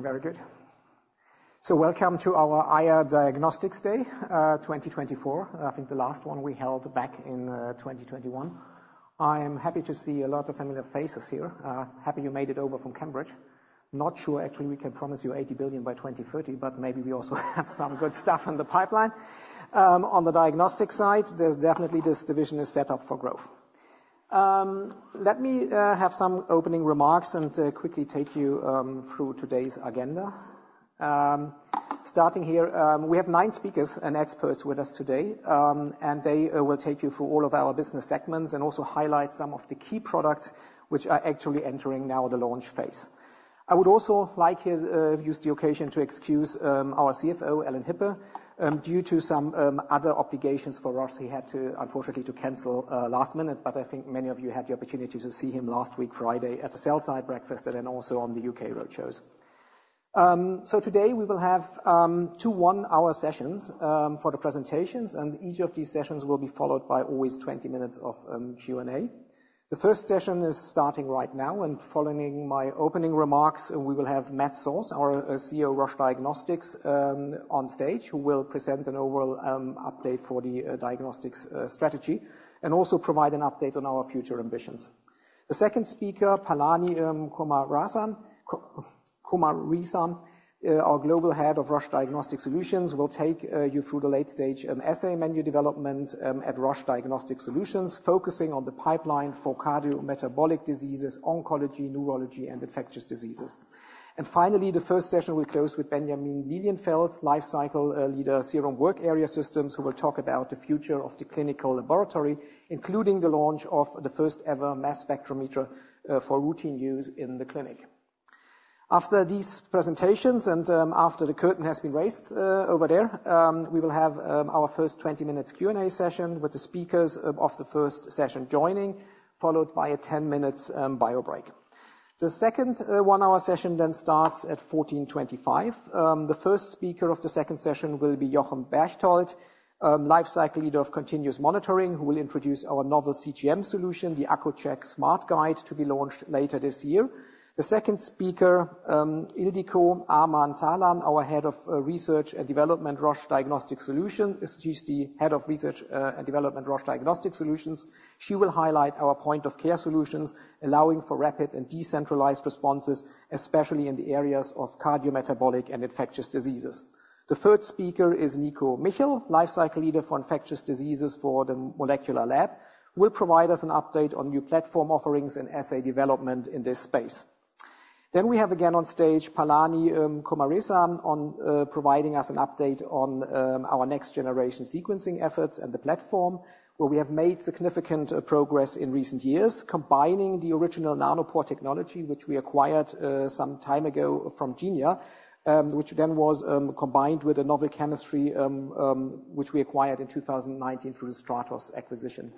Very good. So welcome to our IR Diagnostics Day 2024. I think the last one we held back in 2021. I am happy to see a lot of familiar faces here. Happy you made it over from Cambridge. Not sure, actually, we can promise you 80 billion by 2030, but maybe we also have some good stuff in the pipeline. On the diagnostic side, there's definitely this division is set up for growth. Let me have some opening remarks, and quickly take you through today's agenda. Starting here, we have nine speakers and experts with us today, and they will take you through all of our business segments and also highlight some of the key products which are actually entering now the launch phase. I would also like to use the occasion to excuse our CFO, Alan Hippe. Due to some other obligations for Roche, he had to, unfortunately, to cancel last minute. But I think many of you had the opportunity to see him last week, Friday, at the Sell-Side Breakfast and then also on the UK roadshows. So today we will have two one-hour sessions for the presentations, and each of these sessions will be followed by always 20 minutes of Q&A. The first session is starting right now, and following my opening remarks, we will have Matt Sause, our CEO, Roche Diagnostics, on stage, who will present an overall update for the diagnostics strategy, and also provide an update on our future ambitions. The second speaker, Palani Kumaresan, our Global Head of Roche Diagnostic Solutions, will take you through the late-stage assay menu development at Roche Diagnostic Solutions, focusing on the pipeline for cardiometabolic diseases, oncology, neurology, and infectious diseases. And finally, the first session will close with Benjamin Lilienfeld, Lifecycle Lead, Serum Work Area Systems, who will talk about the future of the clinical laboratory, including the launch of the first-ever mass spectrometer for routine use in the clinic. After these presentations and after the curtain has been raised over there, we will have our first 20-minute Q&A session with the speakers of the first session joining, followed by a 10-minute bio break. The second 1-hour session then starts at 2:25 P.M. The first speaker of the second session will be Jochen Berchtold, Lifecycle Leader of Continuous Monitoring, who will introduce our novel CGM solution, the Accu-Chek SmartGuide, to be launched later this year. The second speaker, Ildikó Aradi, our Head of Research and Development, Roche Diagnostic Solutions. She's the Head of Research and Development, Roche Diagnostic Solutions. She will highlight our point-of-care solutions, allowing for rapid and decentralized responses, especially in the areas of cardiometabolic and infectious diseases. The third speaker is Nico Michel, Lifecycle Leader for Infectious Diseases for the molecular lab, will provide us an update on new platform offerings and assay development in this space. Then we have again on stage, Palani Kumaresan, providing us an update on our next-generation sequencing efforts and the platform, where we have made significant progress in recent years, combining the original nanopore technology, which we acquired some time ago from Genia Technologies, which then was combined with a novel chemistry, which we acquired in 2019 through the Stratos Genomics acquisition.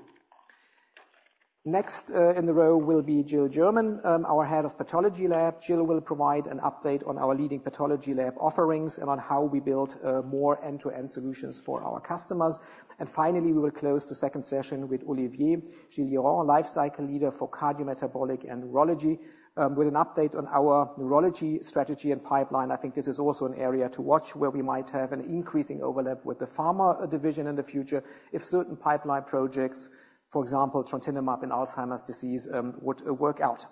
Next, in the row will be Jill German, our Head of Pathology Lab. Jill will provide an update on our leading pathology lab offerings and on how we build more end-to-end solutions for our customers. And finally, we will close the second session with Olivier Gilliaron, Lifecycle Leader for Cardiometabolic and Neurology, with an update on our neurology strategy and pipeline. I think this is also an area to watch, where we might have an increasing overlap with the pharma division in the future if certain pipeline projects, for example, trontinemab in Alzheimer's disease, would work out.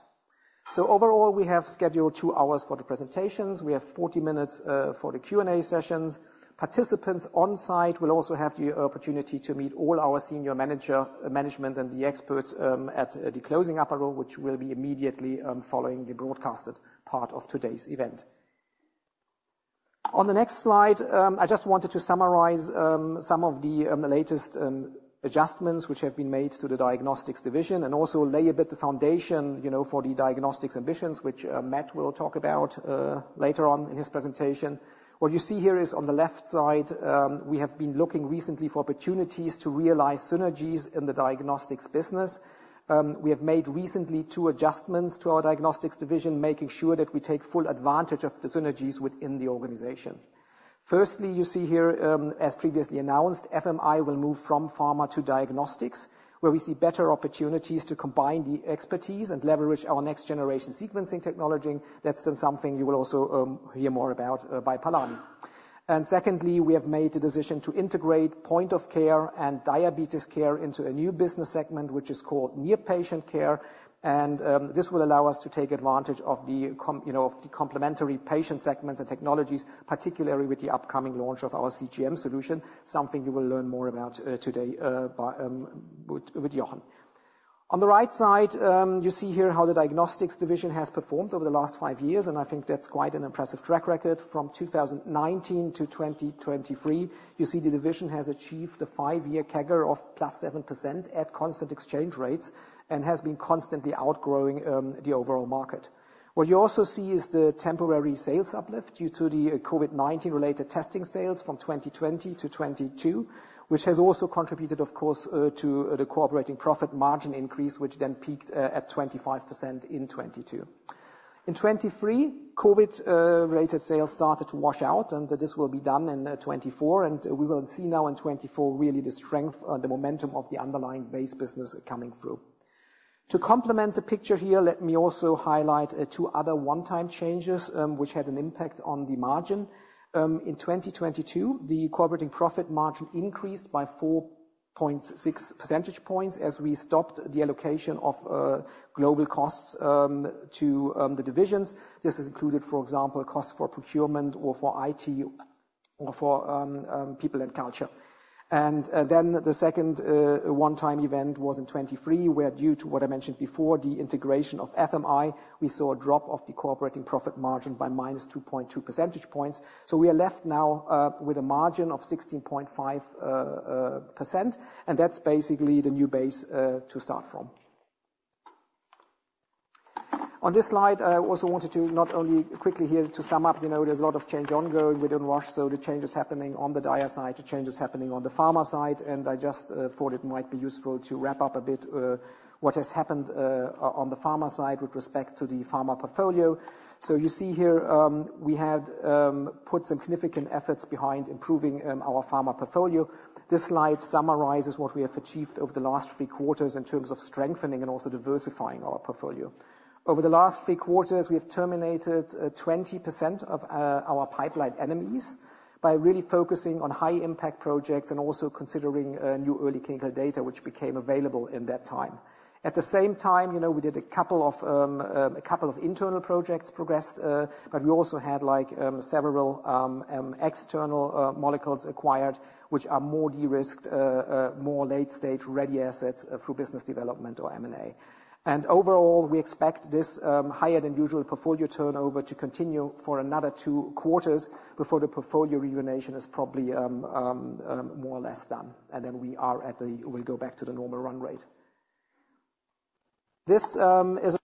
So overall, we have scheduled 2 hours for the presentations. We have 40 minutes for the Q&A sessions. Participants on-site will also have the opportunity to meet all our senior management and the experts at the closing apéro, which will be immediately following the broadcasted part of today's event. On the next slide, I just wanted to summarize some of the latest adjustments which have been made to the diagnostics division and also lay a bit the foundation, you know, for the diagnostics ambitions, which Matt will talk about later on in his presentation. What you see here is on the left side, we have been looking recently for opportunities to realize synergies in the diagnostics business. We have made recently two adjustments to our diagnostics division, making sure that we take full advantage of the synergies within the organization. Firstly, you see here, as previously announced, FMI will move from pharma to diagnostics, where we see better opportunities to combine the expertise and leverage our next-generation sequencing technology. That's something you will also hear more about by Palani. And secondly, we have made the decision to integrate point of care and diabetes care into a new business segment, which is called Near Patient Care, and this will allow us to take advantage of the com... You know, of the complementary patient segments and technologies, particularly with the upcoming launch of our CGM solution, something you will learn more about today, with Jochen. On the right side, you see here how the diagnostics division has performed over the last five years, and I think that's quite an impressive track record. From 2019 to 2023, you see the division has achieved a five-year CAGR of +7% at constant exchange rates and has been constantly outgrowing the overall market. What you also see is the temporary sales uplift due to the COVID-19-related testing sales from 2020 to 2022, which has also contributed, of course, to the core operating profit margin increase, which then peaked at 25% in 2022. In 2023, COVID-related sales started to wash out, and this will be done in 2024, and we will see now in 2024, really the strength, the momentum of the underlying base business coming through. To complement the picture here, let me also highlight two other one-time changes, which had an impact on the margin. In 2022, the core operating profit margin increased by 4.6 percentage points, as we stopped the allocation of global costs to the divisions. This has included, for example, costs for procurement or for IT or for people and culture. And then the second one-time event was in 2023, where due to what I mentioned before, the integration of FMI, we saw a drop of the core operating profit margin by minus 2.2 percentage points. So we are left now with a margin of 16.5%, and that's basically the new base to start from. On this slide, I also wanted to not only quickly here to sum up, you know, there's a lot of change ongoing within Roche, so the change is happening on the DIA side, the change is happening on the pharma side, and I just thought it might be useful to wrap up a bit what has happened on the pharma side with respect to the pharma portfolio. So you see here, we had put some significant efforts behind improving our pharma portfolio. This slide summarizes what we have achieved over the last 3 quarters in terms of strengthening and also diversifying our portfolio. Over the last three quarters, we have terminated 20% of our pipeline NMEs by really focusing on high impact projects and also considering new early clinical data, which became available in that time. At the same time, you know, we did a couple of internal projects progressed, but we also had, like, several external molecules acquired, which are more de-risked, more late-stage, ready assets through business development or M&A. Overall, we expect this higher than usual portfolio turnover to continue for another two quarters before the portfolio rejuvenation is probably more or less done. Then we'll go back to the normal run rate. This is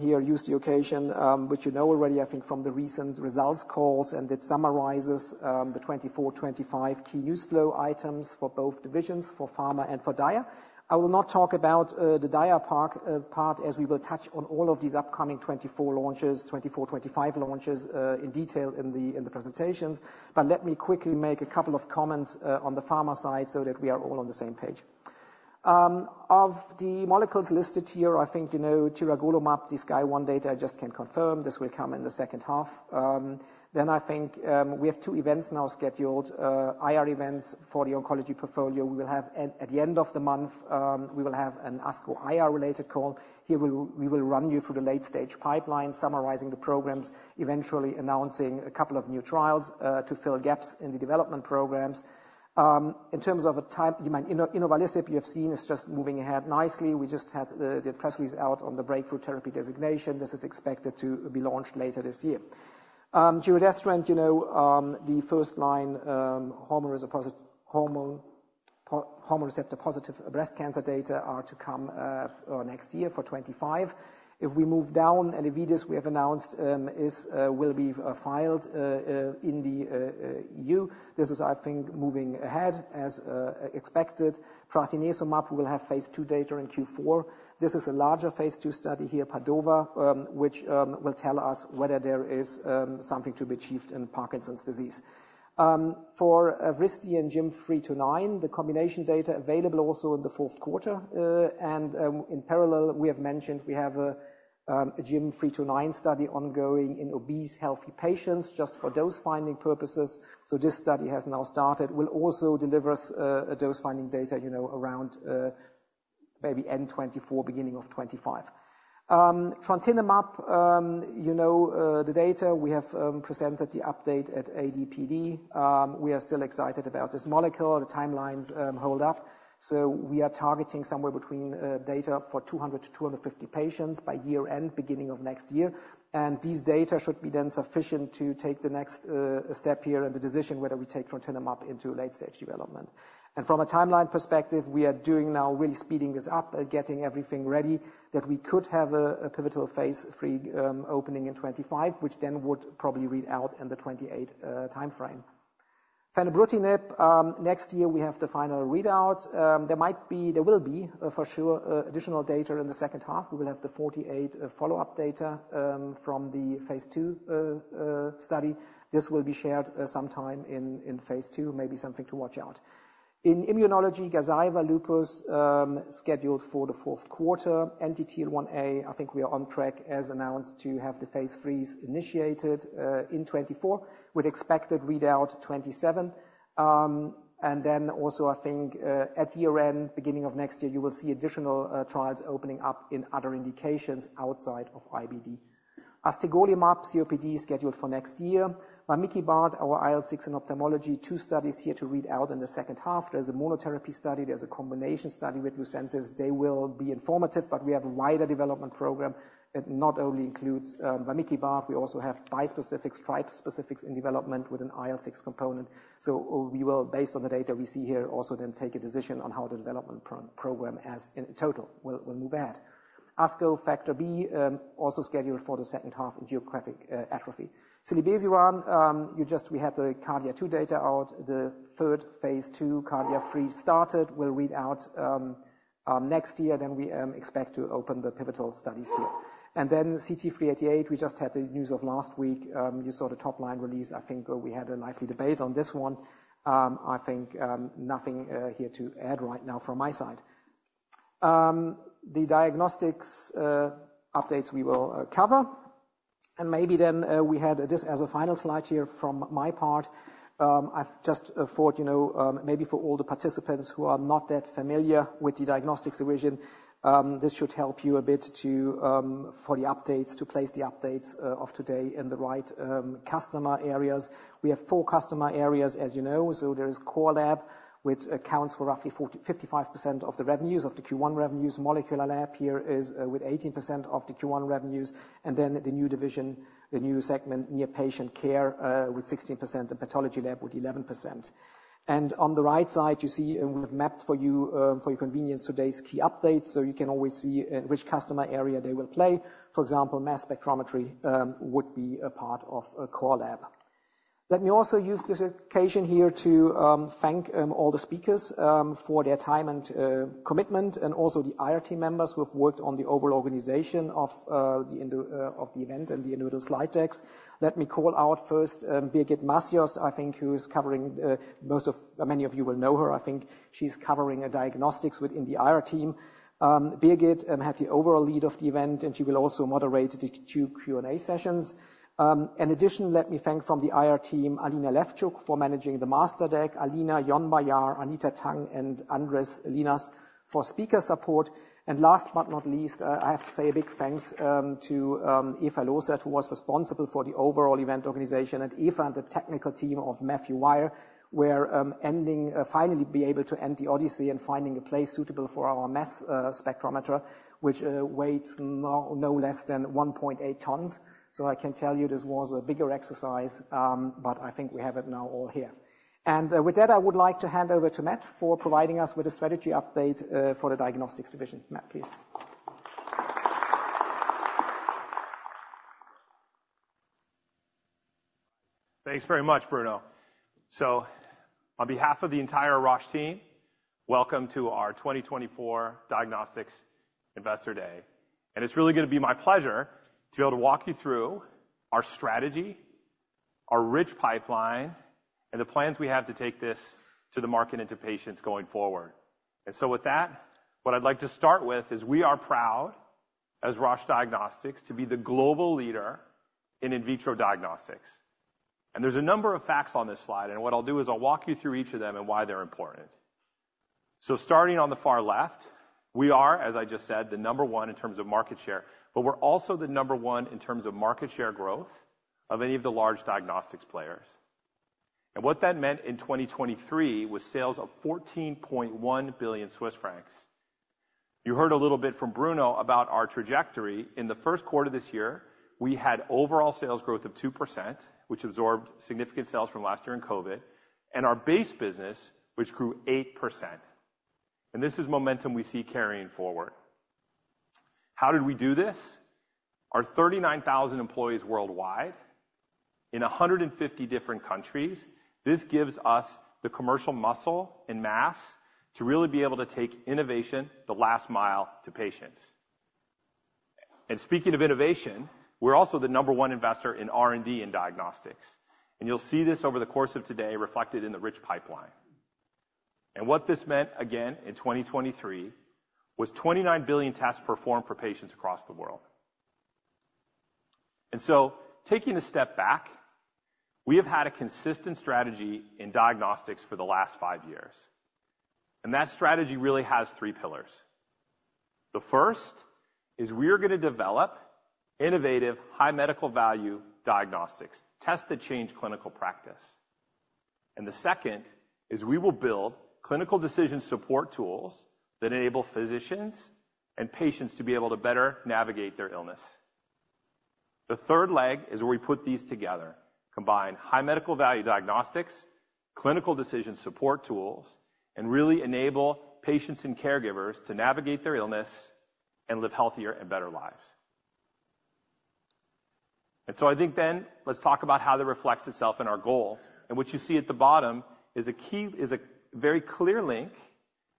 here to use the occasion, which you know already, I think from the recent results calls, and it summarizes the 2024, 2025 key pipeline items for both divisions, for pharma and for DIA. I will not talk about the DIA part, as we will touch on all of these upcoming 2024 launches, 2024, 2025 launches in detail in the presentations. But let me quickly make a couple of comments on the pharma side so that we are all on the same page. Of the molecules listed here, I think you know tiragolumab, the SKYSCRAPER-01 data. I just can confirm this will come in the second half. Then I think we have two events now scheduled, IR events for the oncology portfolio. We will have at the end of the month, we will have an ASCO IR-related call. Here, we will run you through the late-stage pipeline, summarizing the programs, eventually announcing a couple of new trials to fill gaps in the development programs. In terms of time, you know, Vabysmo you have seen is just moving ahead nicely. We just had the press release out on the breakthrough therapy designation. This is expected to be launched later this year. Giredestrant, you know, the first line, hormone receptor, hormone, hormone receptor-positive breast cancer data are to come next year for 2025. If we move down, Elevidys, we have announced, is will be filed in the EU. This is, I think, moving ahead as expected. prasinezumab, we will have phase II data in Q4. This is a larger phase II study here, PADOVA, which will tell us whether there is something to be achieved in Parkinson's disease. For Evrysdi and GYM329, the combination data available also in the fourth quarter. And in parallel, we have mentioned we have a GYM329 study ongoing in obese, healthy patients just for dose finding purposes. So this study has now started, will also deliver us a dose finding data, you know, around maybe end 2024, beginning of 2025. Trontinemab, you know, the data we have presented the update at ADPD. We are still excited about this molecule. The timelines hold up, so we are targeting somewhere between data for 200-250 patients by year-end, beginning of next year. These data should be then sufficient to take the next step here, and the decision whether we take trontinemab into late stage development. From a timeline perspective, we are doing now, really speeding this up, getting everything ready, that we could have a pivotal phase III opening in 2025, which then would probably read out in the 2028 timeframe. Fenebrutinib, next year, we have the final readouts. There might be... There will be, for sure, additional data in the second half. We will have the 48 follow-up data from the phase II study. This will be shared sometime in phase II, maybe something to watch out. In immunology, Gazyva lupus, scheduled for the fourth quarter. Anti-TL1A, I think we are on track, as announced, to have the phase IIIs initiated in 2024, with expected readout 2027. And then also, I think, at year-end, beginning of next year, you will see additional trials opening up in other indications outside of IBD. Astegolumab COPD is scheduled for next year. Vamikibart, our IL-6 in ophthalmology, two studies here to read out in the second half. There's a monotherapy study, there's a combination study with Lucentis. They will be informative, but we have a wider development program that not only includes vamikibart, we also have bispecifics, tri-specifics in development with an IL-6 component. So we will, based on the data we see here, also then take a decision on how the development program as in total will move ahead. ASO Factor B, also scheduled for the second half in geographic atrophy. Zilebesiran, we just have the KARDIA-2 data out. The third Phase II, KARDIA-3, started. We'll read out next year, then we expect to open the pivotal studies here. And then CT-388, we just had the news of last week. You saw the top-line release. I think we had a lively debate on this one. I think nothing here to add right now from my side. The diagnostics updates we will cover. And maybe then we had this as a final slide here from my part. I've just thought, you know, maybe for all the participants who are not that familiar with the diagnostics division, this should help you a bit to, for the updates, to place the updates of today in the right customer areas. We have four customer areas, as you know. So there is Core Lab, which accounts for roughly 40%-55% of the revenues, of the Q1 revenues. Molecular Lab here is with 18% of the Q1 revenues, and then the new division, the new segment, Near Patient Care, with 16%, and Pathology Lab with 11%. And on the right side, you see, and we've mapped for you, for your convenience, today's key updates, so you can always see which customer area they will play. For example, mass spectrometry would be a part of Core Lab. Let me also use this occasion here to thank all the speakers for their time and commitment, and also the IRT members who have worked on the overall organization of the event and the end of the slide decks. Let me call out first Birgit Masjost, I think, many of you will know her. I think she's covering Diagnostics within the IR team. Birgit had the overall lead of the event, and she will also moderate the two Q&A sessions. In addition, let me thank, from the IR team, Alina Levchuk, for managing the master deck, Alina Yonbayar, Anita Tang, and Andres Linas for speaker support. And last but not least, I have to say a big thanks to Eva Losert, who was responsible for the overall event organization. And Eva and the technical team of Matthew Wyer were finally able to end the odyssey of finding a place suitable for our mass spectrometer, which weighs no less than 1.8 tons. So I can tell you this was a bigger exercise, but I think we have it now all here. And with that, I would like to hand over to Matt for providing us with a strategy update for the diagnostics division. Matt, please. Thanks very much, Bruno. So on behalf of the entire Roche team, welcome to our 2024 Diagnostics Investor Day, and it's really gonna be my pleasure to be able to walk you through our strategy, our rich pipeline, and the plans we have to take this to the market and to patients going forward. And so with that, what I'd like to start with is we are proud, as Roche Diagnostics, to be the global leader in in vitro diagnostics. And there's a number of facts on this slide, and what I'll do is I'll walk you through each of them and why they're important. So starting on the far left, we are, as I just said, the number one in terms of market share, but we're also the number one in terms of market share growth of any of the large diagnostics players. And what that meant in 2023 was sales of 14.1 billion Swiss francs. You heard a little bit from Bruno about our trajectory. In the first quarter this year, we had overall sales growth of 2%, which absorbed significant sales from last year in COVID, and our base business, which grew 8%. And this is momentum we see carrying forward. How did we do this? Our 39,000 employees worldwide in 150 different countries, this gives us the commercial muscle and mass to really be able to take innovation the last mile to patients. And speaking of innovation, we're also the number one investor in R&D in diagnostics, and you'll see this over the course of today, reflected in the rich pipeline. And what this meant, again, in 2023, was 29 billion tests performed for patients across the world. And so taking a step back, we have had a consistent strategy in diagnostics for the last five years, and that strategy really has three pillars. The first is we are gonna develop innovative, high medical value diagnostics, test the change clinical practice. And the second is we will build clinical decision support tools that enable physicians and patients to be able to better navigate their illness. The third leg is where we put these together, combine high medical value diagnostics, clinical decision support tools, and really enable patients and caregivers to navigate their illness and live healthier and better lives. And so I think then, let's talk about how that reflects itself in our goals. And what you see at the bottom is a key, a very clear link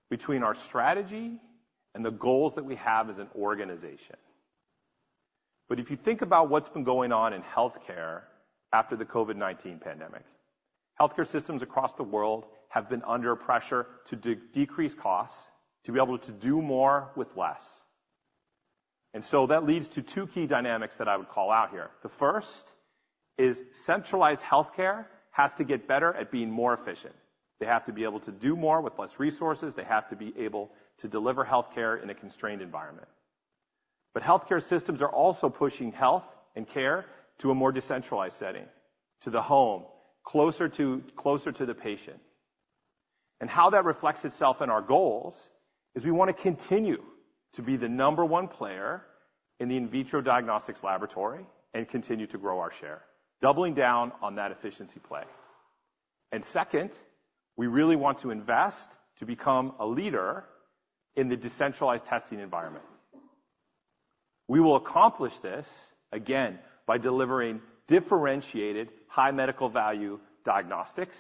between our strategy and the goals that we have as an organization. But if you think about what's been going on in healthcare after the COVID-19 pandemic, healthcare systems across the world have been under pressure to decrease costs, to be able to do more with less. And so that leads to two key dynamics that I would call out here. The first is centralized healthcare has to get better at being more efficient. They have to be able to do more with less resources. They have to be able to deliver healthcare in a constrained environment. But healthcare systems are also pushing health and care to a more decentralized setting, to the home, closer to, closer to the patient. And how that reflects itself in our goals is we wanna continue to be the number one player in the in vitro diagnostics laboratory and continue to grow our share, doubling down on that efficiency play. Second, we really want to invest to become a leader in the decentralized testing environment. We will accomplish this, again, by delivering differentiated, high medical value diagnostics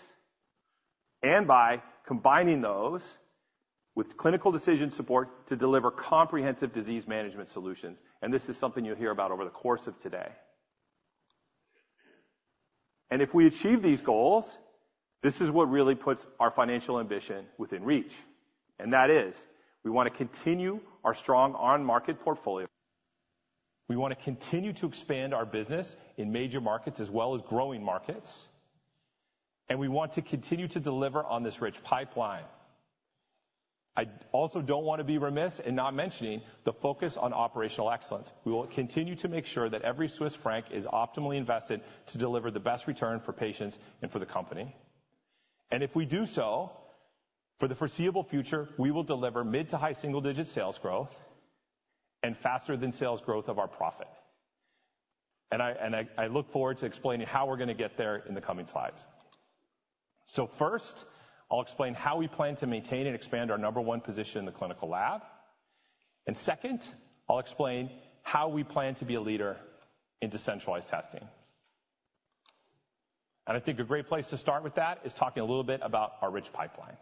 and by combining those with clinical decision support to deliver comprehensive disease management solutions. This is something you'll hear about over the course of today. If we achieve these goals, this is what really puts our financial ambition within reach. That is, we want to continue our strong on-market portfolio. We want to continue to expand our business in major markets as well as growing markets, and we want to continue to deliver on this rich pipeline. I also don't want to be remiss in not mentioning the focus on operational excellence. We will continue to make sure that every Swiss franc is optimally invested to deliver the best return for patients and for the company. If we do so, for the foreseeable future, we will deliver mid- to high single-digit sales growth and faster-than-sales growth of our profit. I look forward to explaining how we're going to get there in the coming slides. First, I'll explain how we plan to maintain and expand our number one position in the clinical lab. Second, I'll explain how we plan to be a leader in decentralized testing. I think a great place to start with that is talking a little bit about our rich pipeline.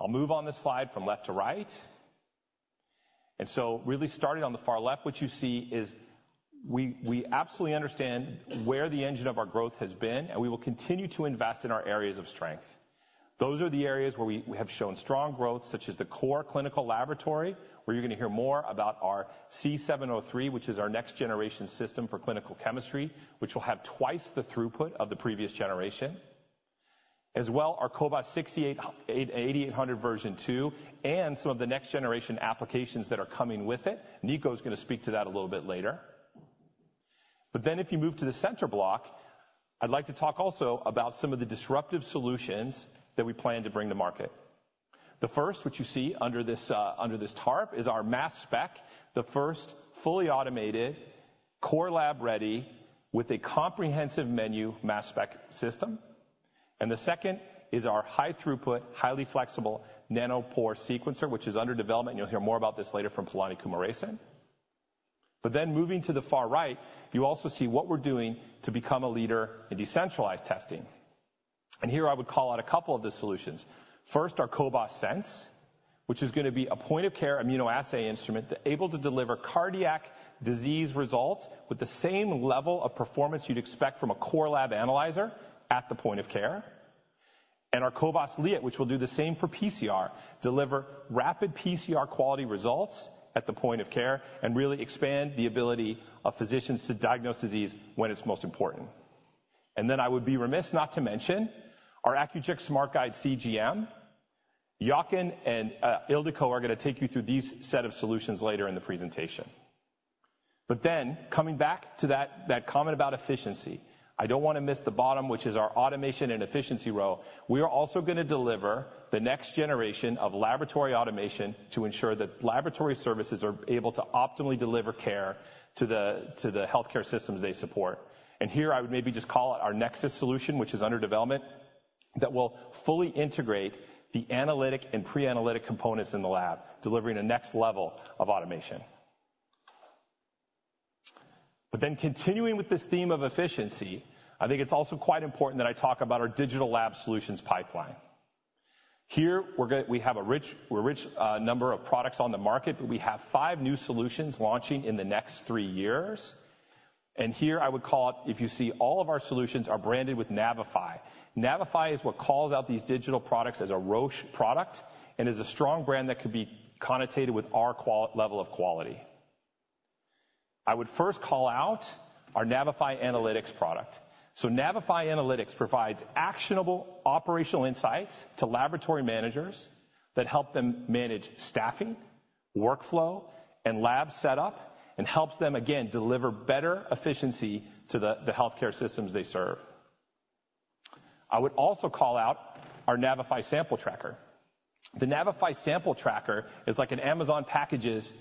I'll move on this slide from left to right. So really starting on the far left, what you see is we absolutely understand where the engine of our growth has been, and we will continue to invest in our areas of strength. Those are the areas where we have shown strong growth, such as the core clinical laboratory, where you're going to hear more about our cobas c 703, which is our next-generation system for clinical chemistry, which will have twice the throughput of the previous generation. As well, our cobas 6800, 8800 version 2, and some of the next-generation applications that are coming with it. Nico is going to speak to that a little bit later. But then if you move to the center block, I'd like to talk also about some of the disruptive solutions that we plan to bring to market. The first, which you see under this under this tarp, is our mass spec, the first fully automated core lab ready with a comprehensive menu mass spec system. And the second is our high throughput, highly flexible nanopore sequencer, which is under development. You'll hear more about this later from Palani Kumaresan. But then moving to the far right, you also see what we're doing to become a leader in decentralized testing. And here I would call out a couple of the solutions. First, our cobas Sense, which is going to be a point-of-care immunoassay instrument that able to deliver cardiac disease results with the same level of performance you'd expect from a core lab analyzer at the point of care. And our cobas Liat, which will do the same for PCR, deliver rapid PCR quality results at the point of care and really expand the ability of physicians to diagnose disease when it's most important. And then I would be remiss not to mention our Accu-Chek SmartGuide CGM. Jochen and, Ildikó are going to take you through these set of solutions later in the presentation. But then, coming back to that, that comment about efficiency, I don't want to miss the bottom, which is our automation and efficiency row. We are also going to deliver the next generation of laboratory automation to ensure that laboratory services are able to optimally deliver care to the healthcare systems they support. And here, I would maybe just call it our Nexus solution, which is under development, that will fully integrate the analytic and pre-analytic components in the lab, delivering the next level of automation. But then continuing with this theme of efficiency, I think it's also quite important that I talk about our digital lab solutions pipeline. Here, we have a rich number of products on the market. We have five new solutions launching in the next three years. Here I would call out, if you see all of our solutions are branded with Navify. Navify is what calls out these digital products as a Roche product and is a strong brand that could be connotated with our qual- level of quality. I would first call out our Navify Analytics product. So Navify Analytics provides actionable operational insights to laboratory managers that help them manage staffing, workflow, and lab setup, and helps them, again, deliver better efficiency to the healthcare systems they serve. I would also call out our Navify Sample Tracker. The Navify Sample Tracker is like an Amazon packages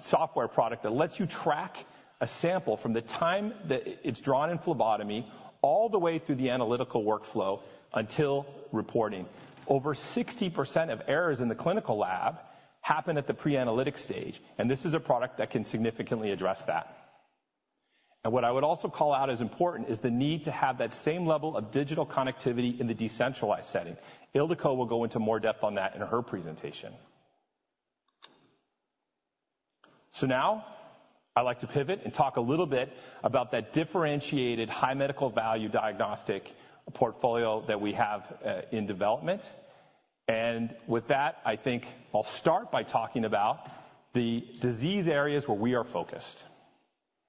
software product that lets you track a sample from the time that it's drawn in phlebotomy all the way through the analytical workflow until reporting. Over 60% of errors in the clinical lab happen at the pre-analytic stage, and this is a product that can significantly address that. What I would also call out as important is the need to have that same level of digital connectivity in the decentralized setting. Ildikó will go into more depth on that in her presentation. Now I'd like to pivot and talk a little bit about that differentiated high medical value diagnostic portfolio that we have in development. With that, I think I'll start by talking about the disease areas where we are focused.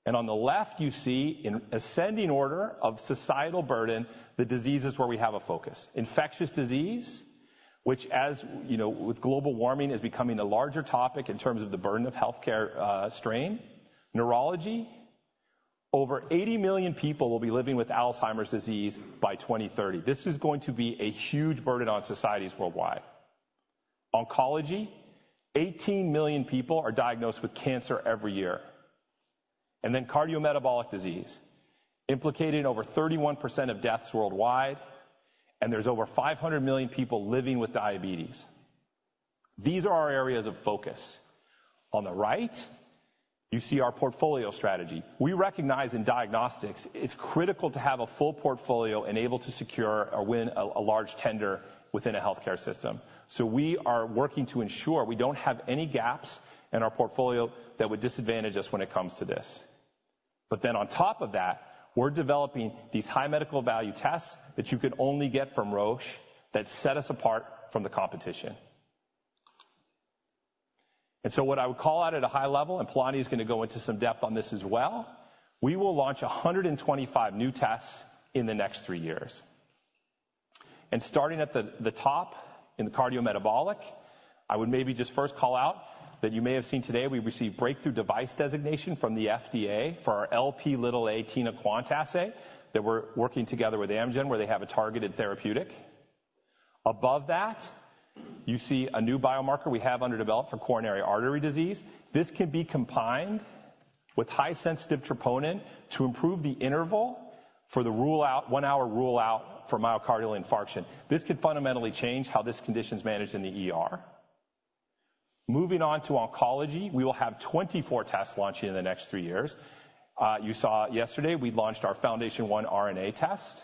On the left, you see, in ascending order of societal burden, the diseases where we have a focus. Infectious disease, which, as you know, with global warming, is becoming a larger topic in terms of the burden of healthcare strain. Neurology, over 80 million people will be living with Alzheimer's disease by 2030. This is going to be a huge burden on societies worldwide. Oncology, 18 million people are diagnosed with cancer every year. And then cardiometabolic disease, implicating over 31% of deaths worldwide, and there's over 500 million people living with diabetes. These are our areas of focus. On the right, you see our portfolio strategy. We recognize in diagnostics, it's critical to have a full portfolio and able to secure or win a large tender within a healthcare system. So we are working to ensure we don't have any gaps in our portfolio that would disadvantage us when it comes to this. But then on top of that, we're developing these high medical value tests that you can only get from Roche that set us apart from the competition. And so what I would call out at a high level, and Palani is going to go into some depth on this as well, we will launch 125 new tests in the next three years. And starting at the top in the cardiometabolic, I would maybe just first call out that you may have seen today we received breakthrough device designation from the FDA for our Lp(a) Tina-quant assay, that we're working together with Amgen, where they have a targeted therapeutic. Above that, you see a new biomarker we have under development for coronary artery disease. This can be combined with high-sensitivity troponin to improve the interval for the rule-out 1-hour rule-out for myocardial infarction. This could fundamentally change how this condition is managed in the ER. Moving on to oncology, we will have 24 tests launching in the next three years. You saw yesterday we launched our FoundationOne RNA test.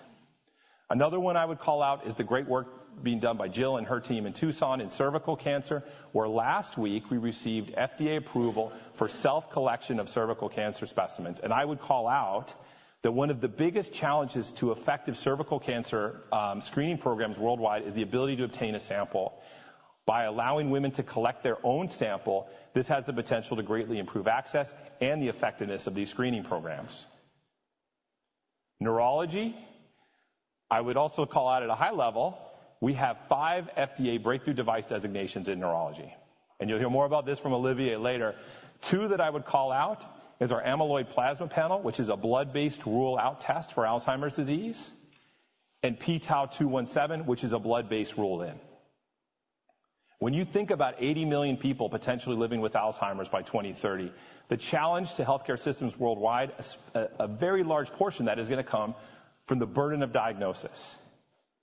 Another one I would call out is the great work being done by Jill and her team in Tucson in cervical cancer, where last week we received FDA approval for self-collection of cervical cancer specimens. And I would call out that one of the biggest challenges to effective cervical cancer screening programs worldwide is the ability to obtain a sample. By allowing women to collect their own sample, this has the potential to greatly improve access and the effectiveness of these screening programs. Neurology, I would also call out at a high level, we have five FDA Breakthrough Device Designations in neurology, and you'll hear more about this from Olivier later. Two that I would call out is our amyloid plasma panel, which is a blood-based rule out test for Alzheimer's disease, and p-tau 217, which is a blood-based rule in. When you think about 80 million people potentially living with Alzheimer's by 2030, the challenge to healthcare systems worldwide is a very large portion that is going to come from the burden of diagnosis.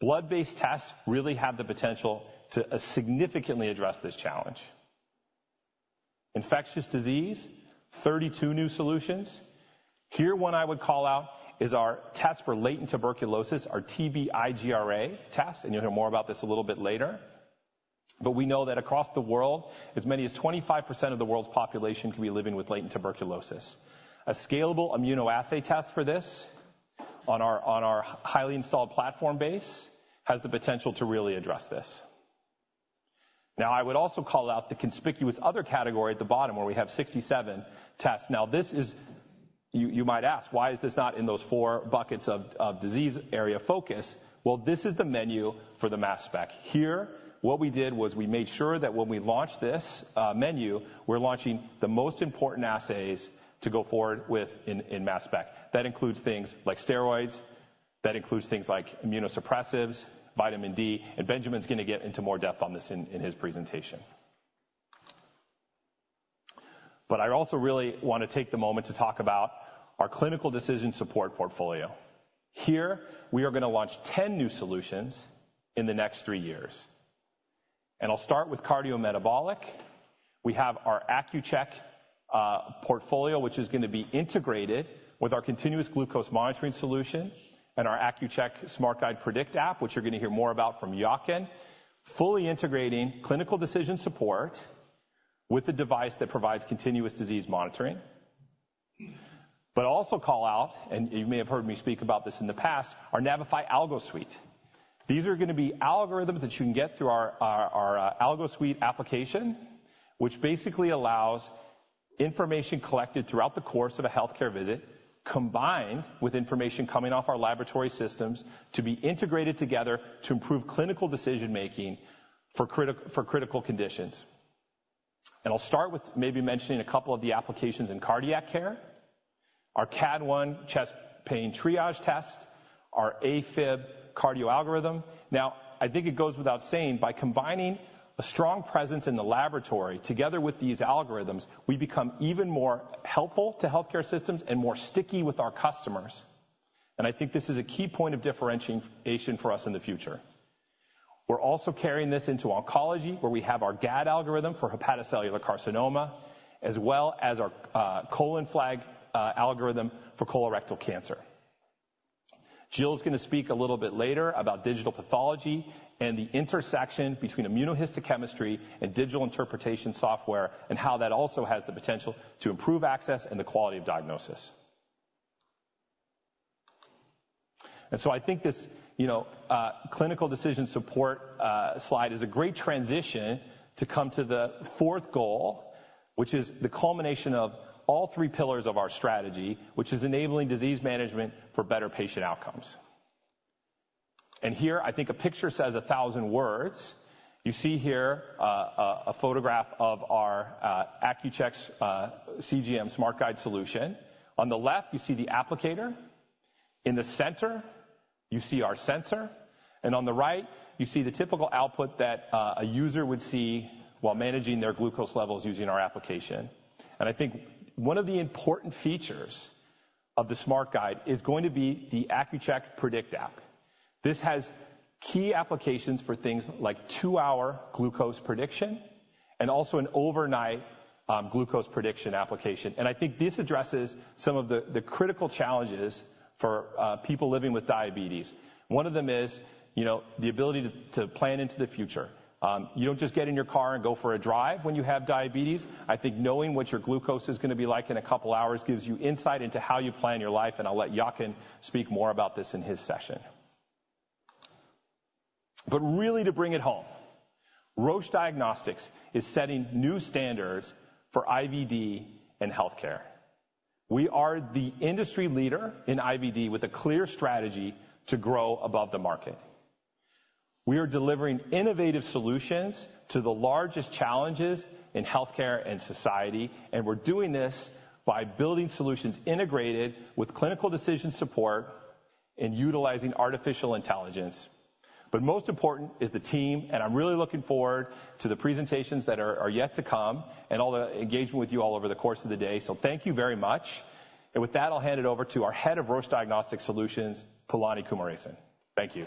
Blood-based tests really have the potential to significantly address this challenge. Infectious disease, 32 new solutions. Here, one I would call out is our test for latent tuberculosis, our TB IGRA test, and you'll hear more about this a little bit later. But we know that across the world, as many as 25% of the world's population could be living with latent tuberculosis. A scalable immunoassay test for this on our, on our highly installed platform base, has the potential to really address this. Now, I would also call out the conspicuous other category at the bottom, where we have 67 tests. Now this is... You, you might ask, why is this not in those four buckets of, of disease area focus? Well, this is the menu for the mass spec. Here, what we did was we made sure that when we launched this menu, we're launching the most important assays to go forward with in, in mass spec. That includes things like steroids, that includes things like immunosuppressives, vitamin D, and Benjamin's going to get into more depth on this in, in his presentation. But I also really want to take the moment to talk about our clinical decision support portfolio. Here, we are going to launch 10 new solutions in the next 3 years, and I'll start with cardiometabolic. We have our Accu-Chek portfolio, which is going to be integrated with our continuous glucose monitoring solution and our Accu-Chek SmartGuide Predict app, which you're going to hear more about from Jochen. Fully integrating clinical decision support with a device that provides continuous disease monitoring. But also call out, and you may have heard me speak about this in the past, our Navify AlgoSuite. These are going to be algorithms that you can get through our AlgoSuite application, which basically allows information collected throughout the course of a healthcare visit, combined with information coming off our laboratory systems, to be integrated together to improve clinical decision-making for critical conditions. And I'll start with maybe mentioning a couple of the applications in cardiac care. Our CADone chest pain triage test, our AFib cardio algorithm. Now, I think it goes without saying, by combining a strong presence in the laboratory together with these algorithms, we become even more helpful to healthcare systems and more sticky with our customers. I think this is a key point of differentiation for us in the future. We're also carrying this into oncology, where we have our GAD algorithm for hepatocellular carcinoma, as well as our Colon flag algorithm for colorectal cancer. Jill's going to speak a little bit later about digital pathology and the intersection between immunohistochemistry and digital interpretation software, and how that also has the potential to improve access and the quality of diagnosis. So I think this, you know, clinical decision support slide is a great transition to come to the fourth goal, which is the culmination of all three pillars of our strategy, which is enabling disease management for better patient outcomes. Here, I think a picture says a thousand words. You see here, a photograph of our Accu-Chek's CGM SmartGuide solution. On the left, you see the applicator, in the center, you see our sensor, and on the right, you see the typical output that a user would see while managing their glucose levels using our application. I think one of the important features of the SmartGuide is going to be the Accu-Chek Predict app. This has key applications for things like two-hour glucose prediction and also an overnight glucose prediction application. I think this addresses some of the critical challenges for people living with diabetes. One of them is, you know, the ability to plan into the future. You don't just get in your car and go for a drive when you have diabetes. I think knowing what your glucose is going to be like in a couple of hours gives you insight into how you plan your life, and I'll let Jochen speak more about this in his session. But really to bring it home, Roche Diagnostics is setting new standards for IVD and healthcare. We are the industry leader in IVD, with a clear strategy to grow above the market. We are delivering innovative solutions to the largest challenges in healthcare and society, and we're doing this by building solutions integrated with clinical decision support and utilizing artificial intelligence. But most important is the team, and I'm really looking forward to the presentations that are yet to come and all the engagement with you all over the course of the day. So thank you very much. And with that, I'll hand it over to our Head of Roche Diagnostic Solutions, Palani Kumaresan. Thank you.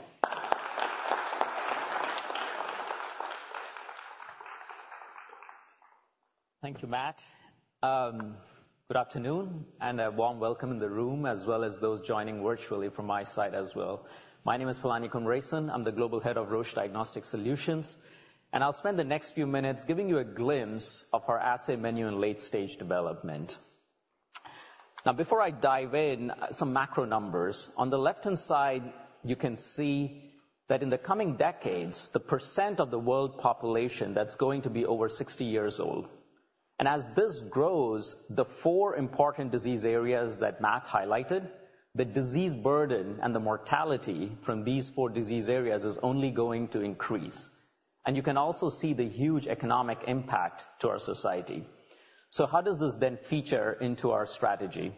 Thank you, Matt. Good afternoon, and a warm welcome in the room, as well as those joining virtually from my side as well. My name is Palani Kumaresan. I'm the Global Head of Roche Diagnostic Solutions, and I'll spend the next few minutes giving you a glimpse of our assay menu and late-stage development. Now, before I dive in, some macro numbers. On the left-hand side, you can see that in the coming decades, the percent of the world population that's going to be over sixty years old, and as this grows, the four important disease areas that Matt highlighted, the disease burden and the mortality from these four disease areas is only going to increase. And you can also see the huge economic impact to our society. So how does this then feature into our strategy?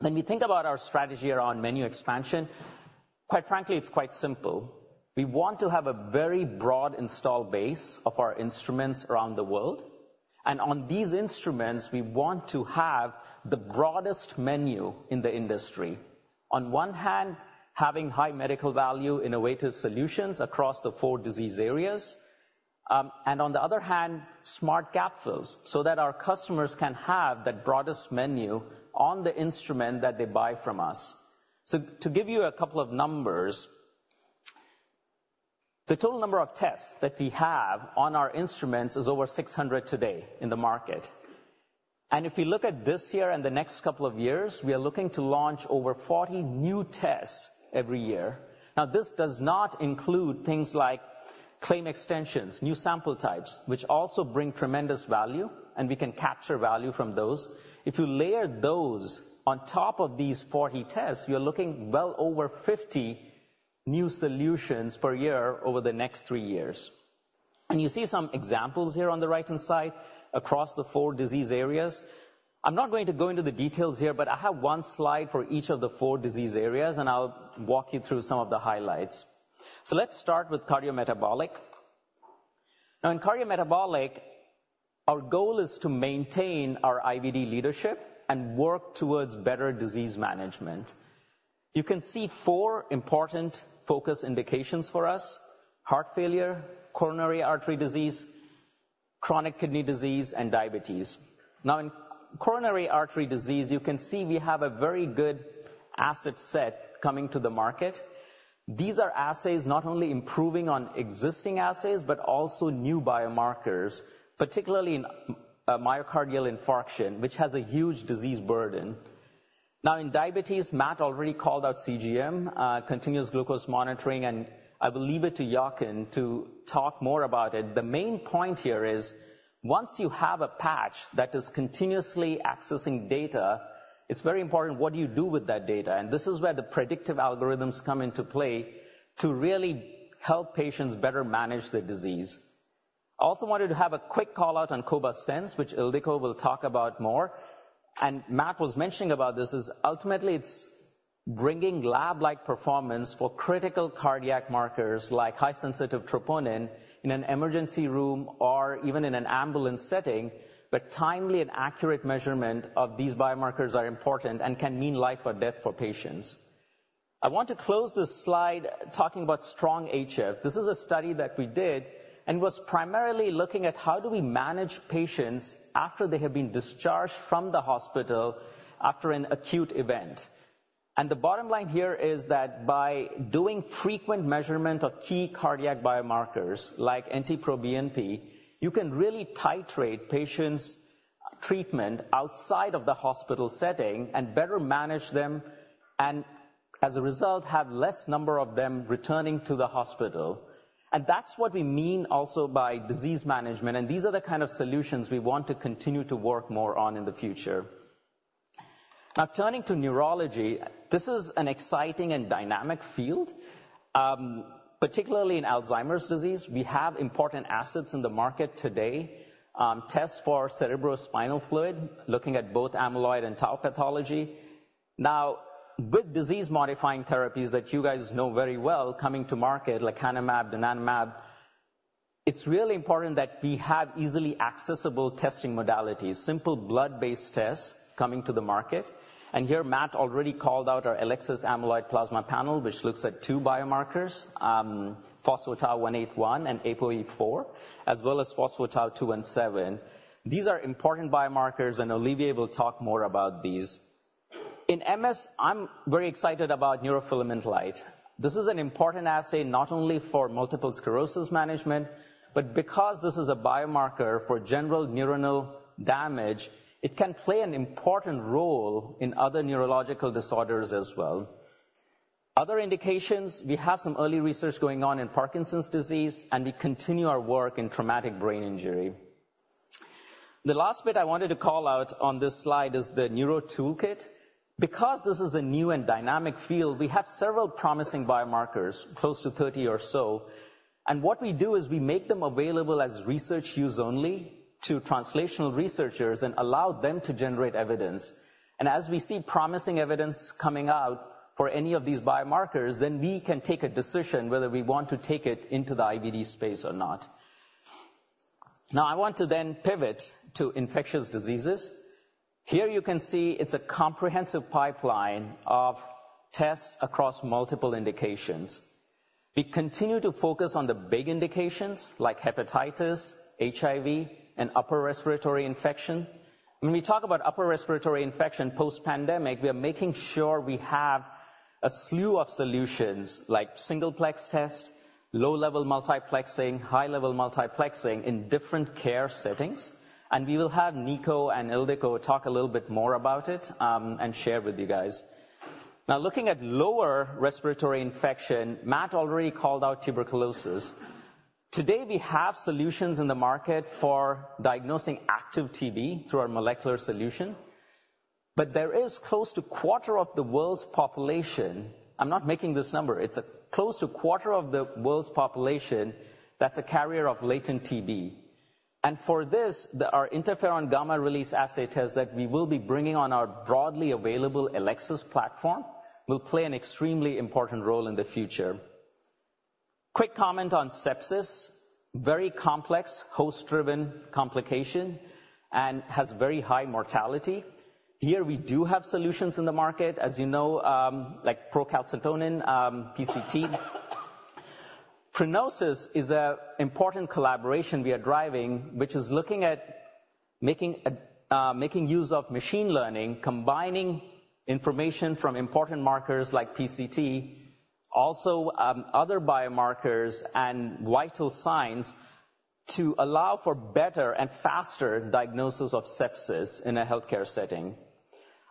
When we think about our strategy around menu expansion, quite frankly, it's quite simple. We want to have a very broad installed base of our instruments around the world, and on these instruments, we want to have the broadest menu in the industry. On one hand, having high medical value, innovative solutions across the four disease areas, and on the other hand, smart gap fills, so that our customers can have the broadest menu on the instrument that they buy from us. So to give you a couple of numbers, the total number of tests that we have on our instruments is over 600 today in the market. And if you look at this year and the next couple of years, we are looking to launch over 40 new tests every year. Now, this does not include things like claim extensions, new sample types, which also bring tremendous value, and we can capture value from those. If you layer those on top of these 40 tests, you're looking well over 50 new solutions per year over the next three years. You see some examples here on the right-hand side across the four disease areas. I'm not going to go into the details here, but I have one slide for each of the four disease areas, and I'll walk you through some of the highlights. Let's start with cardiometabolic. Now, in cardiometabolic, our goal is to maintain our IVD leadership and work towards better disease management. You can see four important focus indications for us: heart failure, coronary artery disease, chronic kidney disease, and diabetes. Now, in coronary artery disease, you can see we have a very good asset set coming to the market. These are assays not only improving on existing assays, but also new biomarkers, particularly in myocardial infarction, which has a huge disease burden. Now, in diabetes, Matt already called out CGM, continuous glucose monitoring, and I will leave it to Jochen to talk more about it. The main point here is, once you have a patch that is continuously accessing data, it's very important what you do with that data, and this is where the predictive algorithms come into play, to really help patients better manage their disease. I also wanted to have a quick call-out on cobas Sense, which Ildikó will talk about more. And Matt was mentioning about this, is ultimately it's bringing lab-like performance for critical cardiac markers, like high-sensitive troponin in an emergency room or even in an ambulance setting. But timely and accurate measurement of these biomarkers are important and can mean life or death for patients. I want to close this slide talking about STRONG-HF. This is a study that we did and was primarily looking at how do we manage patients after they have been discharged from the hospital after an acute event. And the bottom line here is that by doing frequent measurement of key cardiac biomarkers, like NT-proBNP, you can really titrate patients' treatment outside of the hospital setting and better manage them, and as a result, have less number of them returning to the hospital. And that's what we mean also by disease management, and these are the kind of solutions we want to continue to work more on in the future. Now, turning to neurology, this is an exciting and dynamic field, particularly in Alzheimer's disease. We have important assets in the market today, tests for cerebrospinal fluid, looking at both amyloid and tau pathology. Now, with disease-modifying therapies that you guys know very well coming to market, like aducanumab, donanemab, it's really important that we have easily accessible testing modalities, simple blood-based tests coming to the market. And here, Matt already called out our Elecsys Amyloid Plasma Panel, which looks at two biomarkers, phospho-tau 181 and APOE4, as well as phospho-tau 217. These are important biomarkers, and Olivier will talk more about these. In MS, I'm very excited about neurofilament light. This is an important assay not only for multiple sclerosis management, but because this is a biomarker for general neuronal damage, it can play an important role in other neurological disorders as well. Other indications, we have some early research going on in Parkinson's disease, and we continue our work in traumatic brain injury. The last bit I wanted to call out on this slide is the Neuro Toolkit. Because this is a new and dynamic field, we have several promising biomarkers, close to 30 or so, and what we do is we make them available as research-use only to translational researchers and allow them to generate evidence. And as we see promising evidence coming out for any of these biomarkers, then we can take a decision whether we want to take it into the IVD space or not. Now, I want to then pivot to infectious diseases. Here you can see it's a comprehensive pipeline of tests across multiple indications. We continue to focus on the big indications like hepatitis, HIV, and upper respiratory infection. When we talk about upper respiratory infection post-pandemic, we are making sure we have a slew of solutions like singleplex test, low-level multiplexing, high-level multiplexing in different care settings, and we will have Nico and Ildikó talk a little bit more about it, and share with you guys. Now, looking at lower respiratory infection, Matt already called out tuberculosis. Today, we have solutions in the market for diagnosing active TB through our molecular solution, but there is close to a quarter of the world's population... I'm not making this number, it's close to a quarter of the world's population that's a carrier of latent TB. For this, our interferon-gamma release assay test that we will be bringing on our broadly available Elecsys platform will play an extremely important role in the future. Quick comment on sepsis. Very complex, host-driven complication, and has very high mortality. Here, we do have solutions in the market, as you know, like procalcitonin, PCT. Prenosis is an important collaboration we are driving, which is looking at making use of machine learning, combining information from important markers like PCT, also other biomarkers and vital signs, to allow for better and faster diagnosis of sepsis in a healthcare setting.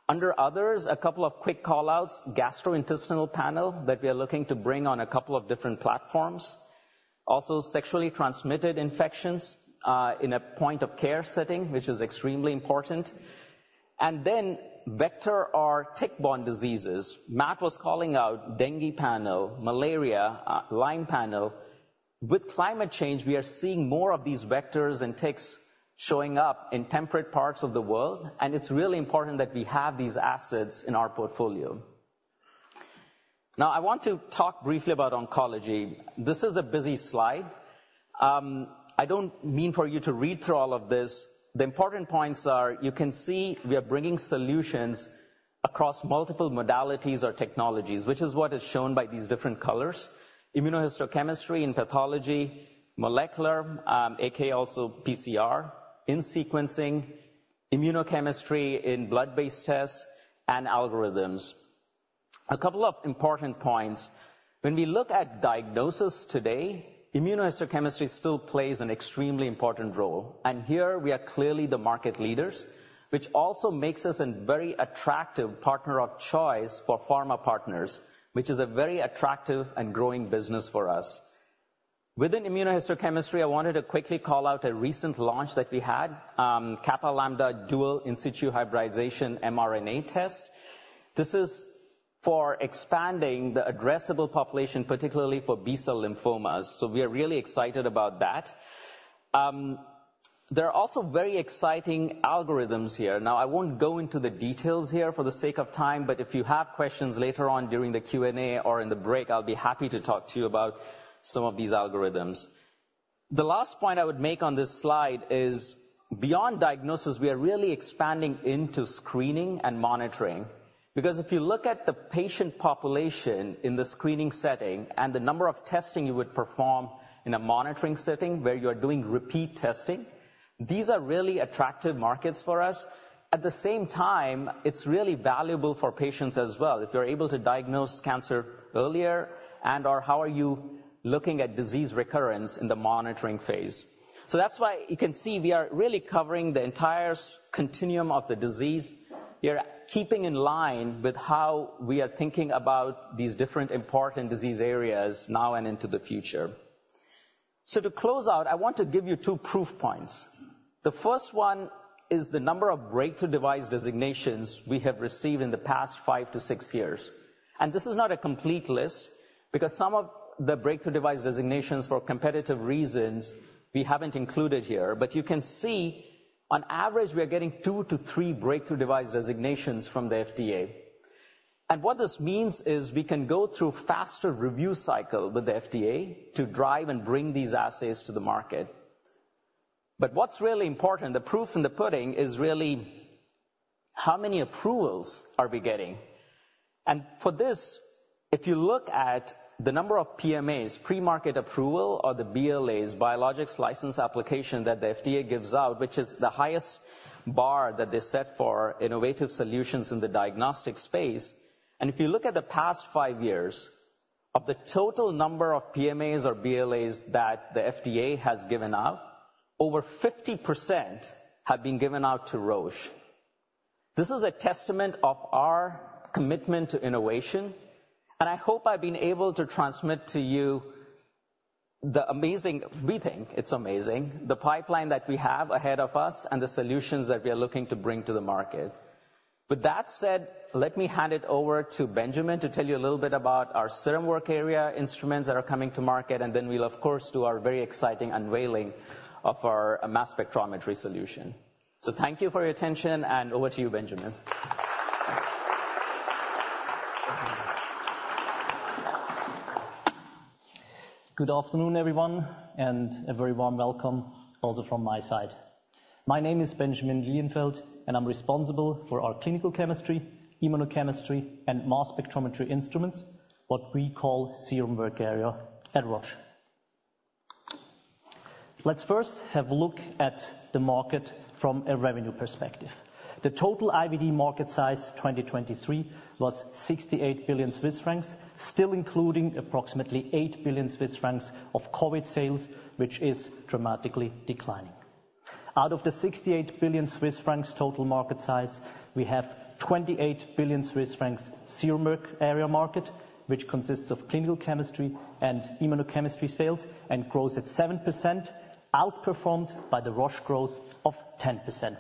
Under others, a couple of quick call-outs, gastrointestinal panel that we are looking to bring on a couple of different platforms. Also, sexually transmitted infections in a point-of-care setting, which is extremely important. And then vector or tick-borne diseases. Matt was calling out dengue panel, malaria, Lyme panel. With climate change, we are seeing more of these vectors and ticks showing up in temperate parts of the world, and it's really important that we have these assets in our portfolio. Now, I want to talk briefly about oncology. This is a busy slide. I don't mean for you to read through all of this. The important points are, you can see we are bringing solutions across multiple modalities or technologies, which is what is shown by these different colors. Immunohistochemistry in pathology, molecular, AKA also PCR in sequencing, immunochemistry in blood-based tests, and algorithms. A couple of important points. When we look at diagnosis today, immunohistochemistry still plays an extremely important role, and here we are clearly the market leaders, which also makes us a very attractive partner of choice for pharma partners, which is a very attractive and growing business for us. Within immunohistochemistry, I wanted to quickly call out a recent launch that we had, Kappa Lambda dual in situ hybridization mRNA test. This is for expanding the addressable population, particularly for B-cell lymphomas, so we are really excited about that. There are also very exciting algorithms here. Now, I won't go into the details here for the sake of time, but if you have questions later on during the Q&A or in the break, I'll be happy to talk to you about some of these algorithms. The last point I would make on this slide is, beyond diagnosis, we are really expanding into screening and monitoring, because if you look at the patient population in the screening setting and the number of testing you would perform in a monitoring setting, where you are doing repeat testing, these are really attractive markets for us. At the same time, it's really valuable for patients as well if you're able to diagnose cancer earlier and/or how are you looking at disease recurrence in the monitoring phase. So that's why you can see we are really covering the entire continuum of the disease. We are keeping in line with how we are thinking about these different important disease areas now and into the future. So to close out, I want to give you two proof points. The first one is the number of breakthrough device designations we have received in the past 5-6 years. This is not a complete list, because some of the breakthrough device designations, for competitive reasons, we haven't included here. You can see, on average, we are getting 2-3 breakthrough device designations from the FDA. What this means is, we can go through faster review cycle with the FDA to drive and bring these assays to the market. What's really important, the proof in the pudding, is really how many approvals are we getting? For this, if you look at the number of PMAs, pre-market approval, or the BLAs, biologics license application, that the FDA gives out, which is the highest bar that they set for innovative solutions in the diagnostic space. If you look at the past 5 years-... Of the total number of PMAs or BLAs that the FDA has given out, over 50% have been given out to Roche. This is a testament of our commitment to innovation, and I hope I've been able to transmit to you the amazing, we think it's amazing, the pipeline that we have ahead of us and the solutions that we are looking to bring to the market. With that said, let me hand it over to Benjamin to tell you a little bit about our Serum Work Area instruments that are coming to market, and then we'll of course, do our very exciting unveiling of our mass spectrometry solution. So thank you for your attention, and over to you, Benjamin. Good afternoon, everyone, and a very warm welcome also from my side. My name is Benjamin Lilienfeld, and I'm responsible for our clinical chemistry, immunochemistry, and mass spectrometry instruments, what we call Serum Work Area at Roche. Let's first have a look at the market from a revenue perspective. The total IVD market size 2023 was 68 billion Swiss francs, still including approximately 8 billion Swiss francs of COVID sales, which is dramatically declining. Out of the 68 billion Swiss francs total market size, we have 28 billion Swiss francs Serum Work Area market, which consists of clinical chemistry and immunochemistry sales, and grows at 7%, outperformed by the Roche growth of 10%.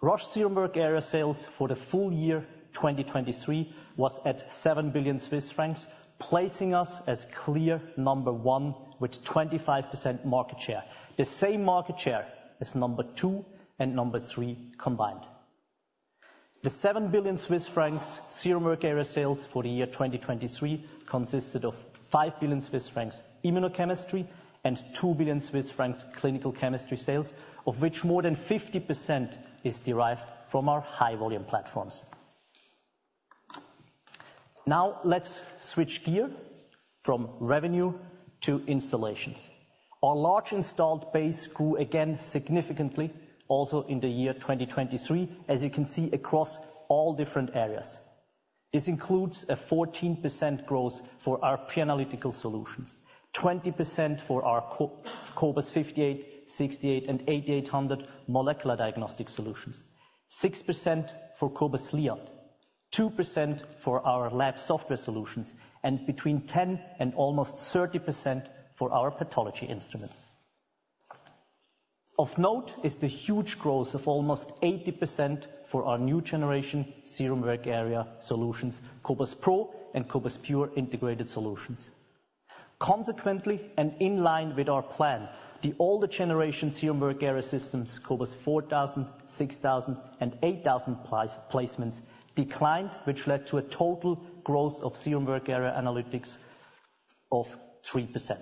Roche Serum Work Area sales for the full year, 2023, was at 7 billion Swiss francs, placing us as clear number one with 25% market share. The same market share as number two and number three combined. The 7 billion Swiss francs Serum Work Area sales for the year 2023 consisted of 5 billion Swiss francs immunochemistry, and 2 billion Swiss francs clinical chemistry sales, of which more than 50% is derived from our high-volume platforms. Now, let's switch gear from revenue to installations. Our large installed base grew again, significantly, also in the year 2023, as you can see, across all different areas. This includes a 14% growth for our pre-analytical solutions, 20% for our cobas 5800, 6800, and 8800 molecular diagnostic solutions, 6% for cobas Liat, 2% for our lab software solutions, and between 10% and almost 30% for our pathology instruments. Of note is the huge growth of almost 80% for our new generation Serum Work Area solutions, cobas pro integrated solutions and cobas pure integrated solutions. Consequently, and in line with our plan, the older generation Serum Work Area systems, cobas 4000, 6000, and 8000 placements declined, which led to a total growth of Serum Work Area analytics of 3%.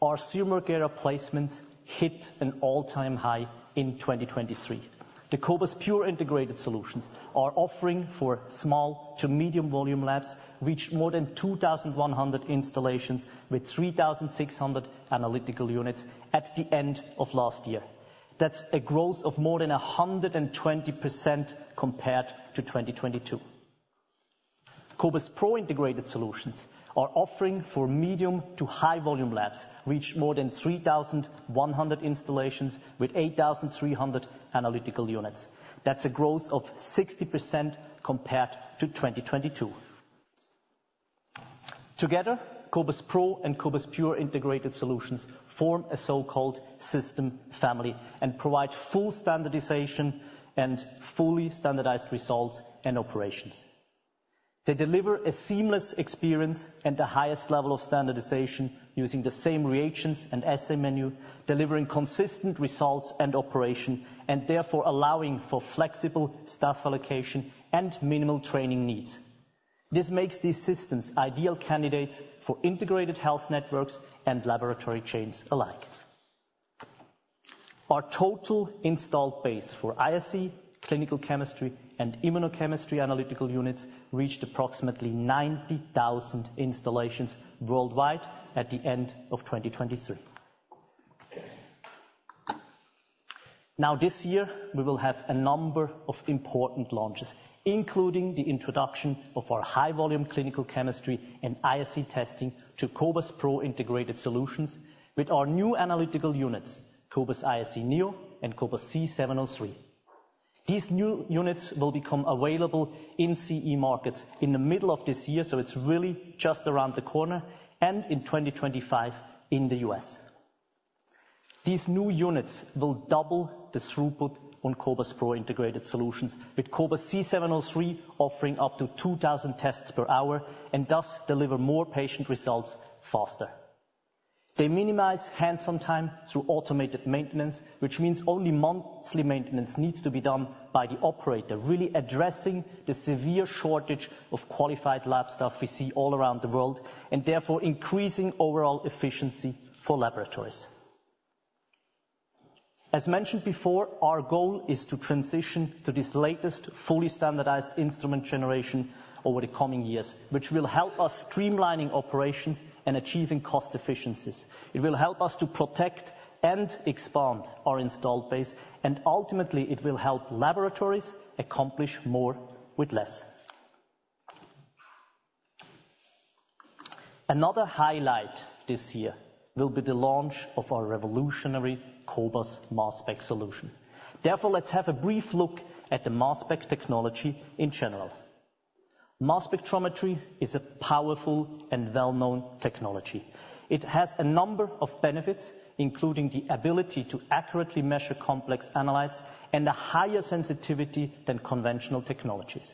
Our Serum Work Area placements hit an all-time high in 2023. The cobas pure integrated solutions are offering for small to medium volume labs, reached more than 2,100 installations, with 3,600 analytical units at the end of last year. That's a growth of more than 120% compared to 2022. cobas pro integrated solutions are offering for medium to high volume labs, reached more than 3,100 installations with 8,300 analytical units. That's a growth of 60% compared to 2022. Together, cobas pro and cobas pure integrated solutions form a so-called system family and provide full standardization and fully standardized results and operations. They deliver a seamless experience and the highest level of standardization using the same reagents and assay menu, delivering consistent results and operation, and therefore allowing for flexible staff allocation and minimal training needs. This makes these systems ideal candidates for integrated health networks and laboratory chains alike. Our total installed base for ISE, clinical chemistry, and immunochemistry analytical units, reached approximately 90,000 installations worldwide at the end of 2023. Now, this year, we will have a number of important launches, including the introduction of our high volume clinical chemistry and ISE testing to cobas pro integrated solutions with our new analytical units, cobas ISE neo and cobas c 703. These new units will become available in CE markets in the middle of this year, so it's really just around the corner, and in 2025 in the U.S. These new units will double the throughput on cobas pro integrated solutions, with cobas c 703, offering up to 2,000 tests per hour and thus deliver more patient results faster. They minimize hands-on time through automated maintenance, which means only monthly maintenance needs to be done by the operator, really addressing the severe shortage of qualified lab staff we see all around the world, and therefore, increasing overall efficiency for laboratories. As mentioned before, our goal is to transition to this latest, fully standardized instrument generation over the coming years, which will help us streamlining operations and achieving cost efficiencies. It will help us to protect and expand our installed base, and ultimately, it will help laboratories accomplish more with less.... Another highlight this year will be the launch of our revolutionary cobas Mass Spec solution. Therefore, let's have a brief look at the Mass Spec technology in general. Mass spectrometry is a powerful and well-known technology. It has a number of benefits, including the ability to accurately measure complex analytes and a higher sensitivity than conventional technologies.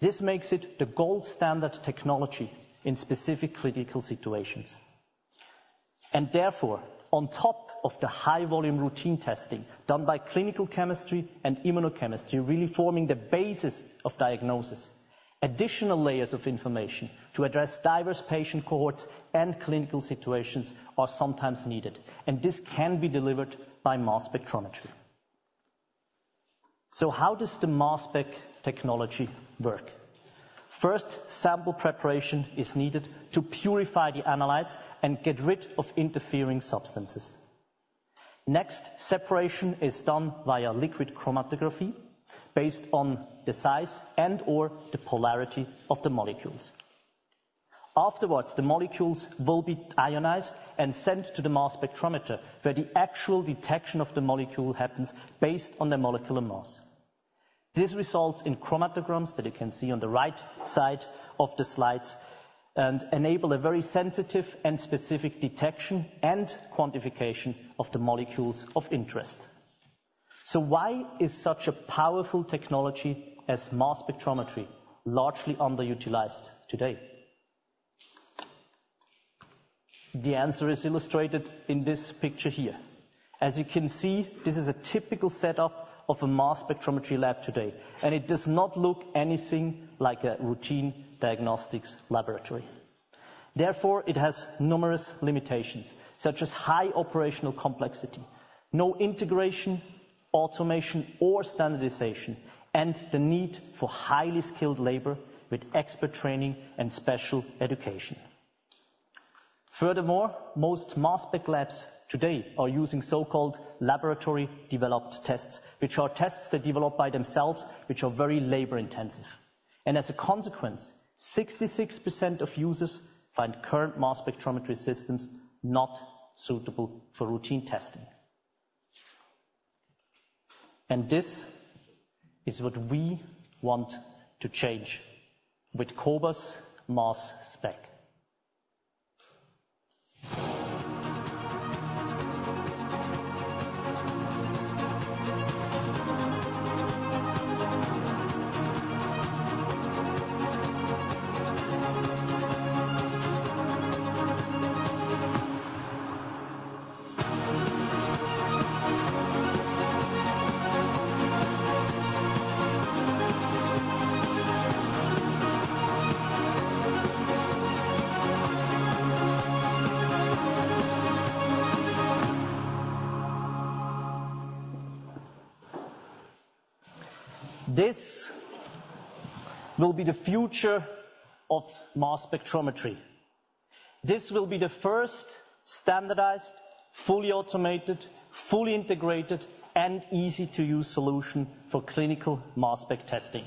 This makes it the gold standard technology in specific critical situations. And therefore, on top of the high volume routine testing done by clinical chemistry and immunochemistry, really forming the basis of diagnosis, additional layers of information to address diverse patient cohorts and clinical situations are sometimes needed, and this can be delivered by mass spectrometry. So how does the Mass Spec technology work? First, sample preparation is needed to purify the analytes and get rid of interfering substances. Next, separation is done via liquid chromatography, based on the size and/or the polarity of the molecules. Afterwards, the molecules will be ionized and sent to the mass spectrometer, where the actual detection of the molecule happens based on the molecular mass. This results in chromatograms that you can see on the right side of the slides, and enable a very sensitive and specific detection and quantification of the molecules of interest. So why is such a powerful technology as mass spectrometry largely underutilized today? The answer is illustrated in this picture here. As you can see, this is a typical setup of a mass spectrometry lab today, and it does not look anything like a routine diagnostics laboratory. Therefore, it has numerous limitations, such as high operational complexity, no integration, automation, or standardization, and the need for highly skilled labor with expert training and special education. Furthermore, most Mass Spec labs today are using so-called laboratory-developed tests, which are tests they developed by themselves, which are very labor-intensive. As a consequence, 66% of users find current mass spectrometry systems not suitable for routine testing. This is what we want to change with cobas Mass Spec. This will be the future of mass spectrometry. This will be the first standardized, fully automated, fully integrated, and easy-to-use solution for clinical Mass Spec testing.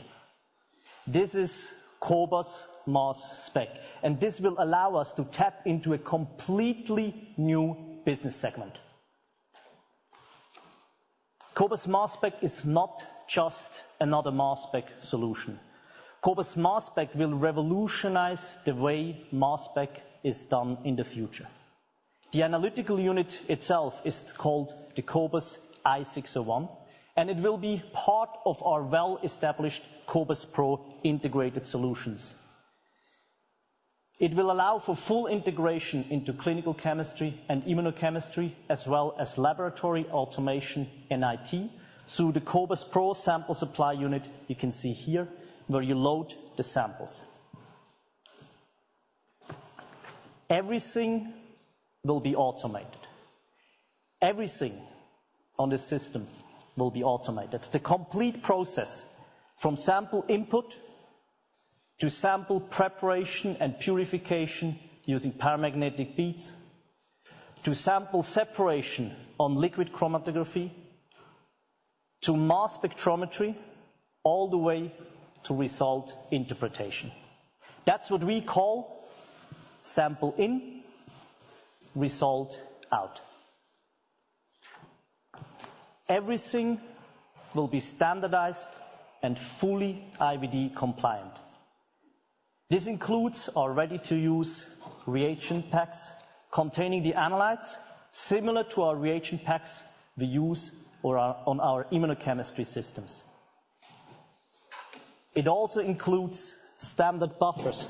This is cobas Mass Spec, and this will allow us to tap into a completely new business segment. cobas Mass Spec is not just another Mass Spec solution. cobas Mass Spec will revolutionize the way Mass Spec is done in the future. The analytical unit itself is called the cobas i 601, and it will be part of our well-established cobas pro integrated solutions. It will allow for full integration into clinical chemistry and immunochemistry, as well as laboratory automation and IT, through the cobas pro sample supply unit you can see here, where you load the samples. Everything will be automated. Everything on the system will be automated. The complete process, from sample input, to sample preparation and purification using paramagnetic beads, to sample separation on liquid chromatography, to mass spectrometry, all the way to result interpretation. That's what we call sample in, result out. Everything will be standardized and fully IVD compliant. This includes our ready-to-use reagent packs containing the analytes, similar to our reagent packs we use or on our immunochemistry systems. It also includes standard buffers.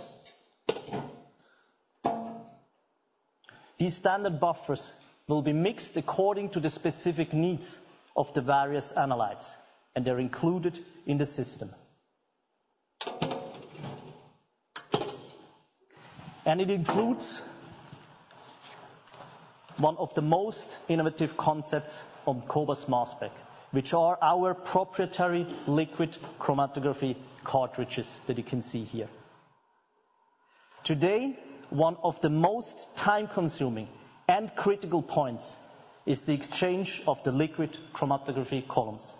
These standard buffers will be mixed according to the specific needs of the various analytes, and they're included in the system. And it includes one of the most innovative concepts on cobas Mass Spec, which are our proprietary liquid chromatography cartridges that you can see here. Today, one of the most time-consuming and critical points is the exchange of the liquid chromatography columns.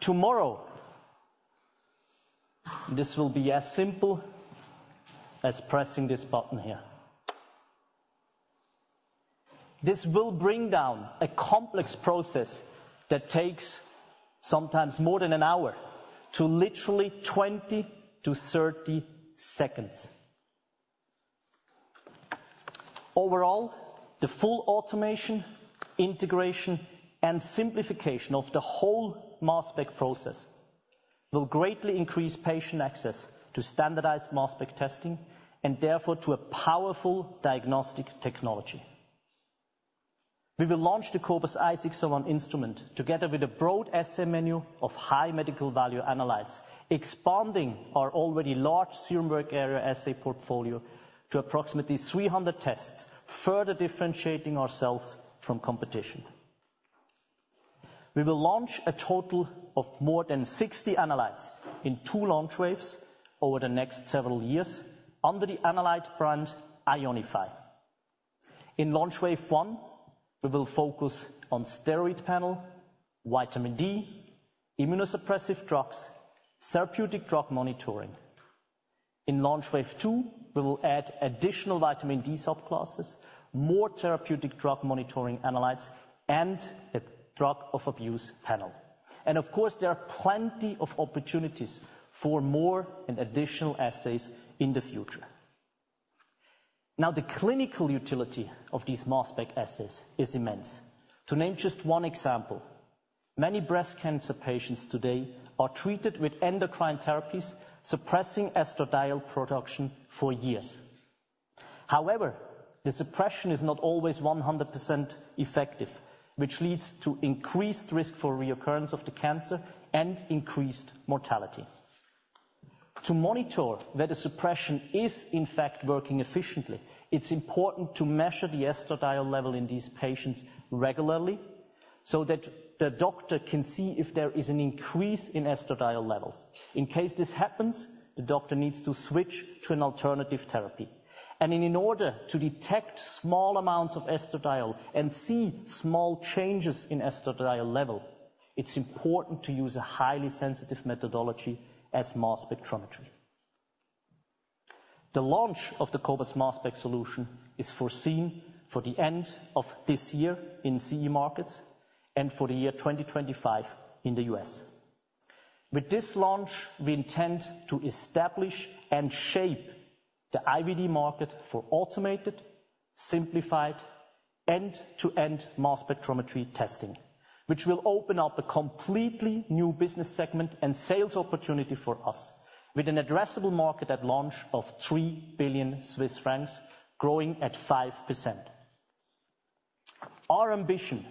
Tomorrow... This will be as simple as pressing this button here. This will bring down a complex process that takes sometimes more than an hour to literally 20-30 seconds. Overall, the full automation, integration, and simplification of the whole mass spec process will greatly increase patient access to standardized mass spec testing, and therefore, to a powerful diagnostic technology. We will launch the cobas i 601 instrument, together with a broad assay menu of high medical value analytes, expanding our already large serum work area assay portfolio to approximately 300 tests, further differentiating ourselves from competition. We will launch a total of more than 60 analytes in two launch waves over the next several years under the analyte brand Ionify. In launch wave 1, we will focus on steroid panel, vitamin D, immunosuppressive drugs, therapeutic drug monitoring. In launch wave 2, we will add additional vitamin D subclasses, more therapeutic drug monitoring analytes, and a drug of abuse panel. Of course, there are plenty of opportunities for more and additional assays in the future. Now, the clinical utility of these mass spec assays is immense. To name just one example, many breast cancer patients today are treated with endocrine therapies, suppressing estradiol production for years. However, the suppression is not always 100% effective, which leads to increased risk for reoccurrence of the cancer and increased mortality. To monitor that the suppression is, in fact, working efficiently, it's important to measure the estradiol level in these patients regularly, so that the doctor can see if there is an increase in estradiol levels. In case this happens, the doctor needs to switch to an alternative therapy. And in order to detect small amounts of estradiol and see small changes in estradiol level, it's important to use a highly sensitive methodology as mass spectrometry. The launch of the cobas Mass Spec solution is foreseen for the end of this year in CE markets and for the year 2025 in the US. With this launch, we intend to establish and shape the IVD market for automated, simplified, end-to-end mass spectrometry testing, which will open up a completely new business segment and sales opportunity for us, with an addressable market at launch of 3 billion Swiss francs, growing at 5%. Our ambition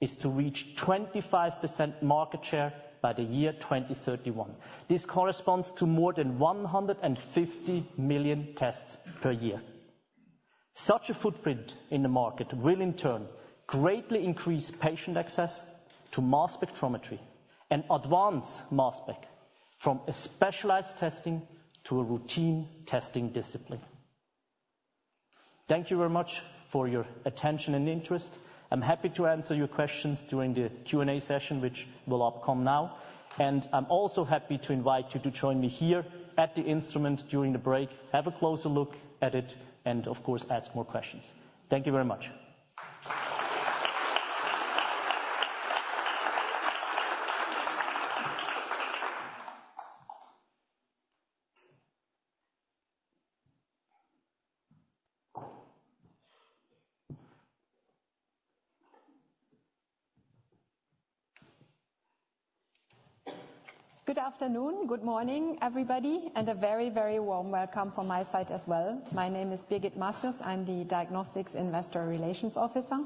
is to reach 25% market share by the year 2031. This corresponds to more than 150 million tests per year. Such a footprint in the market will, in turn, greatly increase patient access to mass spectrometry and advance mass spec from a specialized testing to a routine testing discipline. Thank you very much for your attention and interest. I'm happy to answer your questions during the Q&A session, which will commence now. I'm also happy to invite you to join me here at the instrument during the break, have a closer look at it, and of course, ask more questions. Thank you very much. Good afternoon, good morning, everybody, and a very, very warm welcome from my side as well. My name is Birgit Masjost, I'm the diagnostics investor relations officer,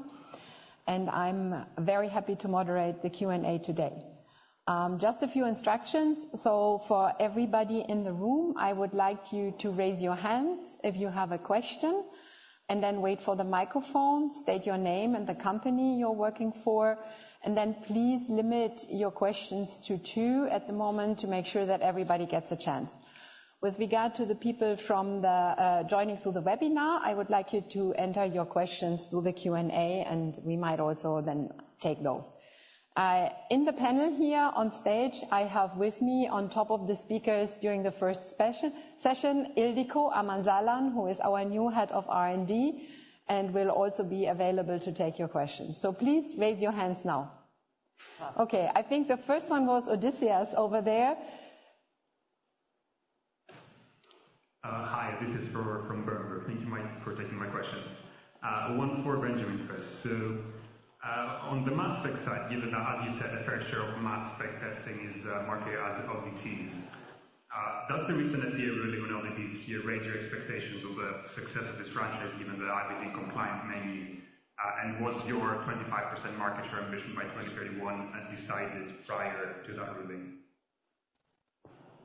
and I'm very happy to moderate the Q&A today. Just a few instructions. So for everybody in the room, I would like you to raise your hands if you have a question, and then wait for the microphone, state your name and the company you're working for, and then please limit your questions to two at the moment to make sure that everybody gets a chance. With regard to the people from the joining through the webinar, I would like you to enter your questions through the Q&A, and we might also then take those. In the panel here on stage, I have with me, on top of the speakers during the first session, Ildikó Aradi, who is our new Head of R&D, and will also be available to take your questions. Please raise your hands now. Okay, I think the first one was Odysseas over there. Hi, this is from Berenberg. Thank you, Mike, for taking my questions. One for Benjamin first. On the mass spec side, given that, as you said, the fair share of mass spec testing is marked as LDTs, does the recent FDA ruling on LDTs raise your expectations of the success of this franchise, given the IVD compliant mainly, and was your 25% market share ambition by 2031 decided prior to that ruling?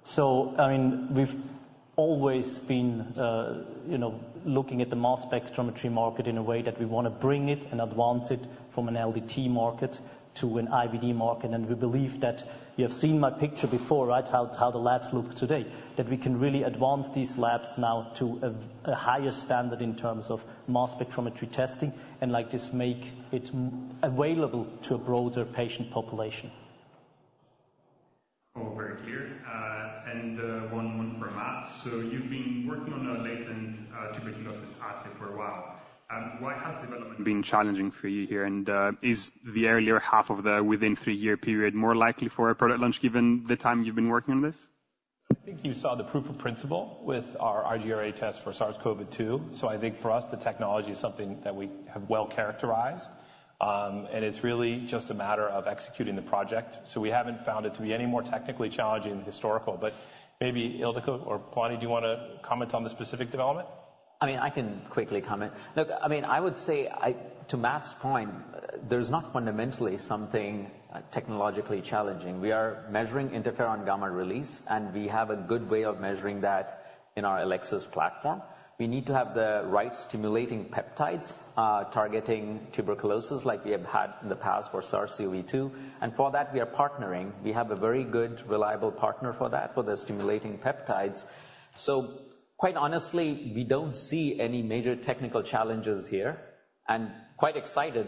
So, I mean, we've always been, you know, looking at the mass spectrometry market in a way that we wanna bring it and advance it from an LDT market to an IVD market. And we believe that you have seen my picture before, right? How the labs look today, that we can really advance these labs now to a higher standard in terms of mass spectrometry testing, and like this, make it available to a broader patient population.... here, and one more for Matt. So you've been working on a latent tuberculosis assay for a while. Why has development been challenging for you here? And is the earlier half of the within three-year period more likely for a product launch, given the time you've been working on this? I think you saw the proof of principle with our IGRA test for SARS-CoV-2. So I think for us, the technology is something that we have well characterized. And it's really just a matter of executing the project. So we haven't found it to be any more technically challenging than historical. But maybe Ildikó or Palani, do you wanna comment on the specific development? I mean, I can quickly comment. Look, I mean, I would say, to Matt's point, there's not fundamentally something technologically challenging. We are measuring interferon gamma release, and we have a good way of measuring that in our Elecsys platform. We need to have the right stimulating peptides, targeting tuberculosis like we have had in the past for SARS-CoV-2, and for that, we are partnering. We have a very good, reliable partner for that, for the stimulating peptides. So quite honestly, we don't see any major technical challenges here, and quite excited,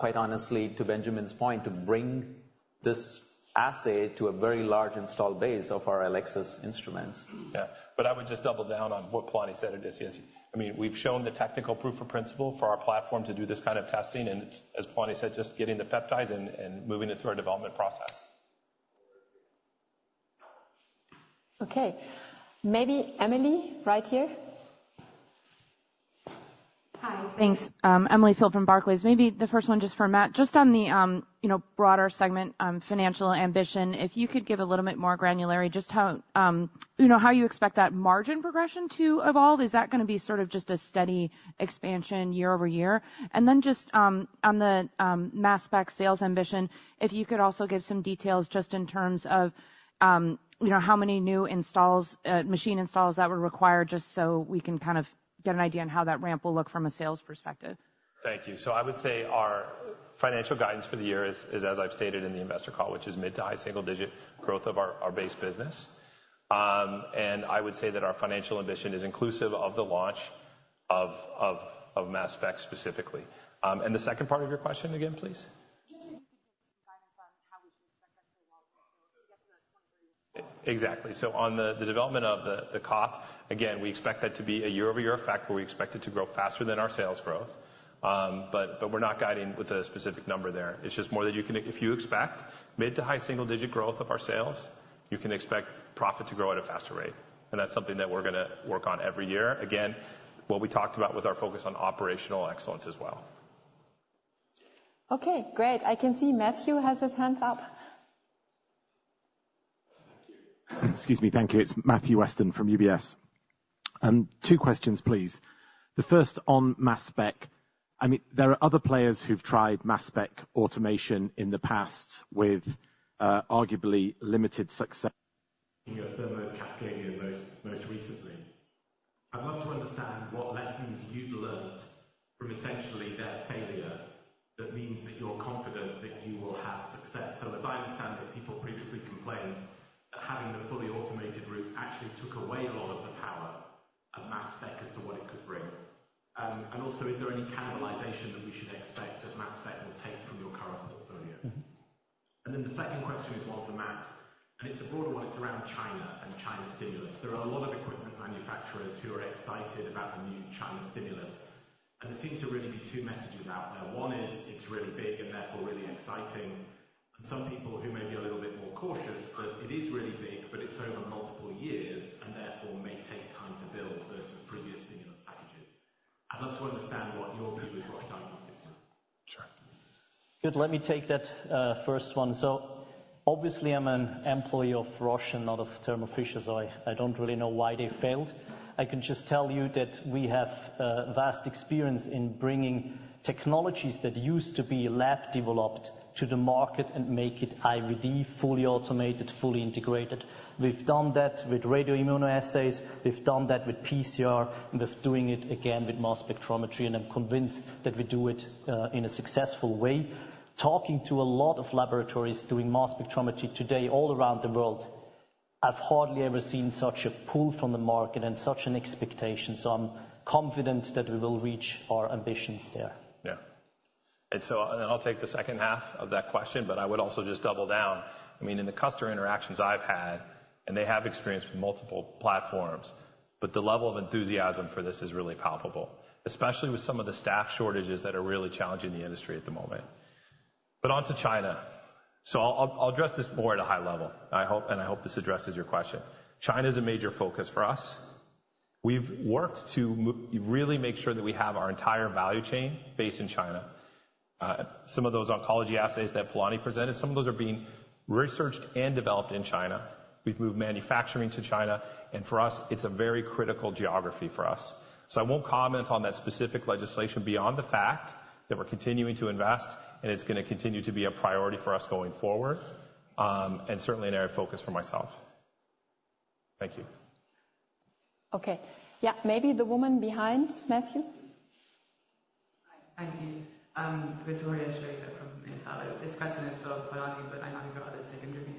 quite honestly, to Benjamin's point, to bring this assay to a very large installed base of our Elecsys instruments. Yeah. But I would just double down on what Palani said, Odysseas. I mean, we've shown the technical proof of principle for our platform to do this kind of testing, and as Palani said, just getting the peptides and, and moving it through our development process. Okay. Maybe Emily, right here. Hi, thanks. Emily Field from Barclays. Maybe the first one, just for Matt, just on the, you know, broader segment, financial ambition, if you could give a little bit more granularity, just how, you know, how you expect that margin progression to evolve. Is that gonna be sort of just a steady expansion year over year? And then just, on the, mass spec sales ambition, if you could also give some details just in terms of, you know, how many new installs, machine installs that would require, just so we can kind of get an idea on how that ramp will look from a sales perspective. Thank you. So I would say our financial guidance for the year is, as I've stated in the investor call, which is mid- to high-single-digit growth of our base business. And I would say that our financial ambition is inclusive of the launch of mass spec, specifically. And the second part of your question again, please? If you could give us some guidance on how we should expect that to evolve? Exactly. So on the development of the COP, again, we expect that to be a year-over-year effect, where we expect it to grow faster than our sales growth. But we're not guiding with a specific number there. It's just more that you can—if you expect mid- to high-single-digit growth of our sales, you can expect profit to grow at a faster rate. And that's something that we're gonna work on every year. Again, what we talked about with our focus on operational excellence as well. Okay, great. I can see Matthew has his hands up. Excuse me. Thank you. It's Matthew Weston from UBS. Two questions, please. The first on mass spec. I mean, there are other players who've tried mass spec automation in the past with, arguably limited success, Thermo Cascadion, most recently. I'd love to understand what lessons you've learned from essentially their failure, that means that you're confident that you will have success. So as I understand it, people previously complained that having the fully automated route actually took away a lot of the power of mass spec as to what it could bring. And also, is there any cannibalization that we should expect that mass spec will take from your current portfolio? Mm-hmm. Then the second question is more for Matt, and it's a broader one. It's around China and China stimulus. There are a lot of equipment manufacturers who are excited about the new China stimulus, and there seems to really be two messages out there. One is, it's really big and therefore really exciting, and some people who may be a little bit more cautious, but it is really big, but it's over multiple years and therefore may take time to build versus previous stimulus packages. I'd love to understand what your view is for China. Sure. Good. Let me take that first one. So obviously, I'm an employee of Roche and not of Thermo Fisher, so I don't really know why they failed. I can just tell you that we have vast experience in bringing technologies that used to be lab developed to the market and make it IVD, fully automated, fully integrated. We've done that with radio immunoassays, we've done that with PCR, and we're doing it again with mass spectrometry, and I'm convinced that we do it in a successful way. Talking to a lot of laboratories, doing mass spectrometry today, all around the world, I've hardly ever seen such a pull from the market and such an expectation, so I'm confident that we will reach our ambitions there. Yeah. And so I'll take the second half of that question, but I would also just double down. I mean, in the customer interactions I've had, and they have experience with multiple platforms, but the level of enthusiasm for this is really palpable, especially with some of the staff shortages that are really challenging the industry at the moment. But on to China. So I'll address this more at a high level. I hope, and I hope this addresses your question. China is a major focus for us. We've worked to really make sure that we have our entire value chain based in China. Some of those oncology assays that Palani presented, some of those are being researched and developed in China. We've moved manufacturing to China, and for us, it's a very critical geography for us. I won't comment on that specific legislation beyond the fact that we're continuing to invest, and it's gonna continue to be a priority for us going forward, and certainly an area of focus for myself. Thank you. Okay. Yeah, maybe the woman behind Matthew. Thank you. Victoria Schroeder from Intello. This question is for Palani, but I know others can join in.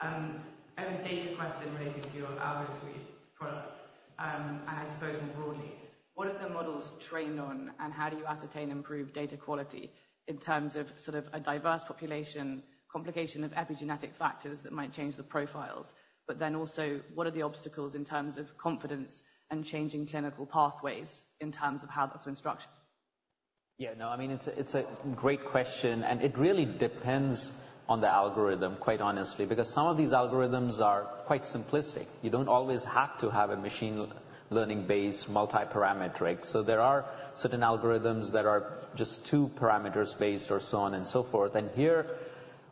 I have a data question related to your algo suite products. And I suppose more broadly, what are the models trained on, and how do you ascertain improved data quality in terms of sort of a diverse population, complication of epigenetic factors that might change the profiles? But then also, what are the obstacles in terms of confidence and changing clinical pathways in terms of how that's instructed? Yeah, no, I mean, it's a, it's a great question, and it really depends on the algorithm, quite honestly, because some of these algorithms are quite simplistic. You don't always have to have a machine learning-based multiparametric. So there are certain algorithms that are just two parameters based or so on and so forth. And here,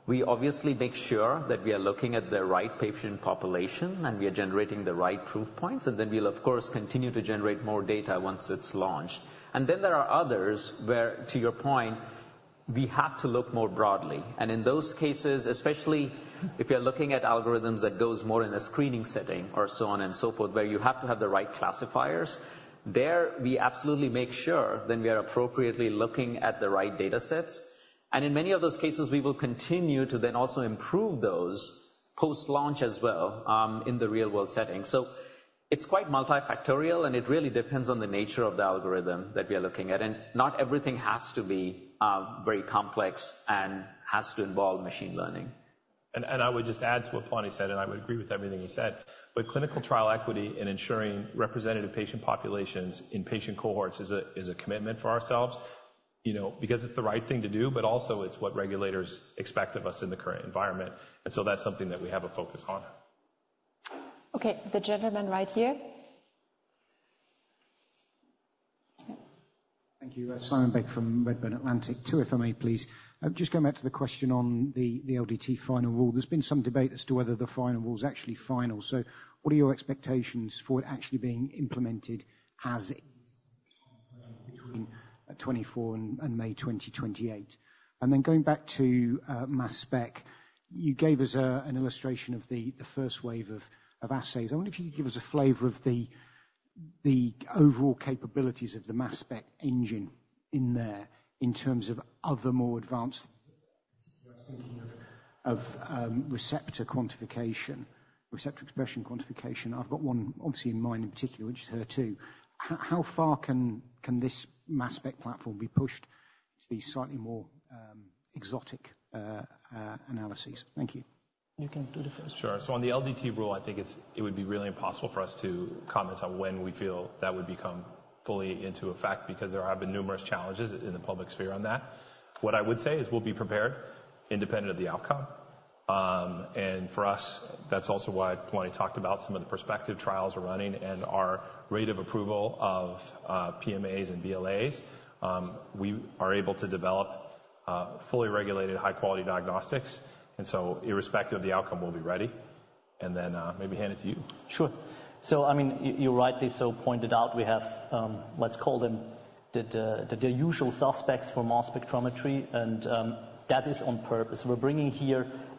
we obviously make sure that we are looking at the right patient population, and we are generating the right proof points, and then we'll of course continue to generate more data once it's launched. And then there are others where, to your point, we have to look more broadly. In those cases, especially if you're looking at algorithms that goes more in a screening setting or so on and so forth, where you have to have the right classifiers, there, we absolutely make sure that we are appropriately looking at the right data sets. In many of those cases, we will continue to then also improve those post-launch as well, in the real-world setting. So it's quite multifactorial, and it really depends on the nature of the algorithm that we are looking at. Not everything has to be very complex and has to involve machine learning. And I would just add to what Palani said, and I would agree with everything he said, but clinical trial equity in ensuring representative patient populations in patient cohorts is a commitment for ourselves, you know, because it's the right thing to do, but also it's what regulators expect of us in the current environment. And so that's something that we have a focus on. Okay, the gentleman right here. Thank you. Simon Baker from Redburn Atlantic. Two, if I may, please. Just going back to the question on the LDT final rule. There's been some debate as to whether the final rule is actually final, so what are your expectations for it actually being implemented between 2024 and May 2028? And then going back to mass spec, you gave us an illustration of the first wave of assays. I wonder if you could give us a flavor of the overall capabilities of the mass spec engine in there in terms of other more advanced analyses. I was thinking of receptor quantification, receptor expression quantification. I've got one obviously in mind in particular, which is HER2. How far can this mass spec platform be pushed to these slightly more exotic analyses? Thank you. You can do the first. Sure. So on the LDT rule, I think it would be really impossible for us to comment on when we feel that would become fully into effect, because there have been numerous challenges in the public sphere on that. What I would say is we'll be prepared independent of the outcome. And for us, that's also why I want to talk about some of the prospective trials we're running and our rate of approval of PMAs and BLAs. We are able to develop fully regulated, high quality diagnostics, and so irrespective of the outcome, we'll be ready. And then, maybe hand it to you. Sure. So, I mean, you rightly so pointed out, we have, let's call them the usual suspects for mass spectrometry, and, that is on purpose. We're bringing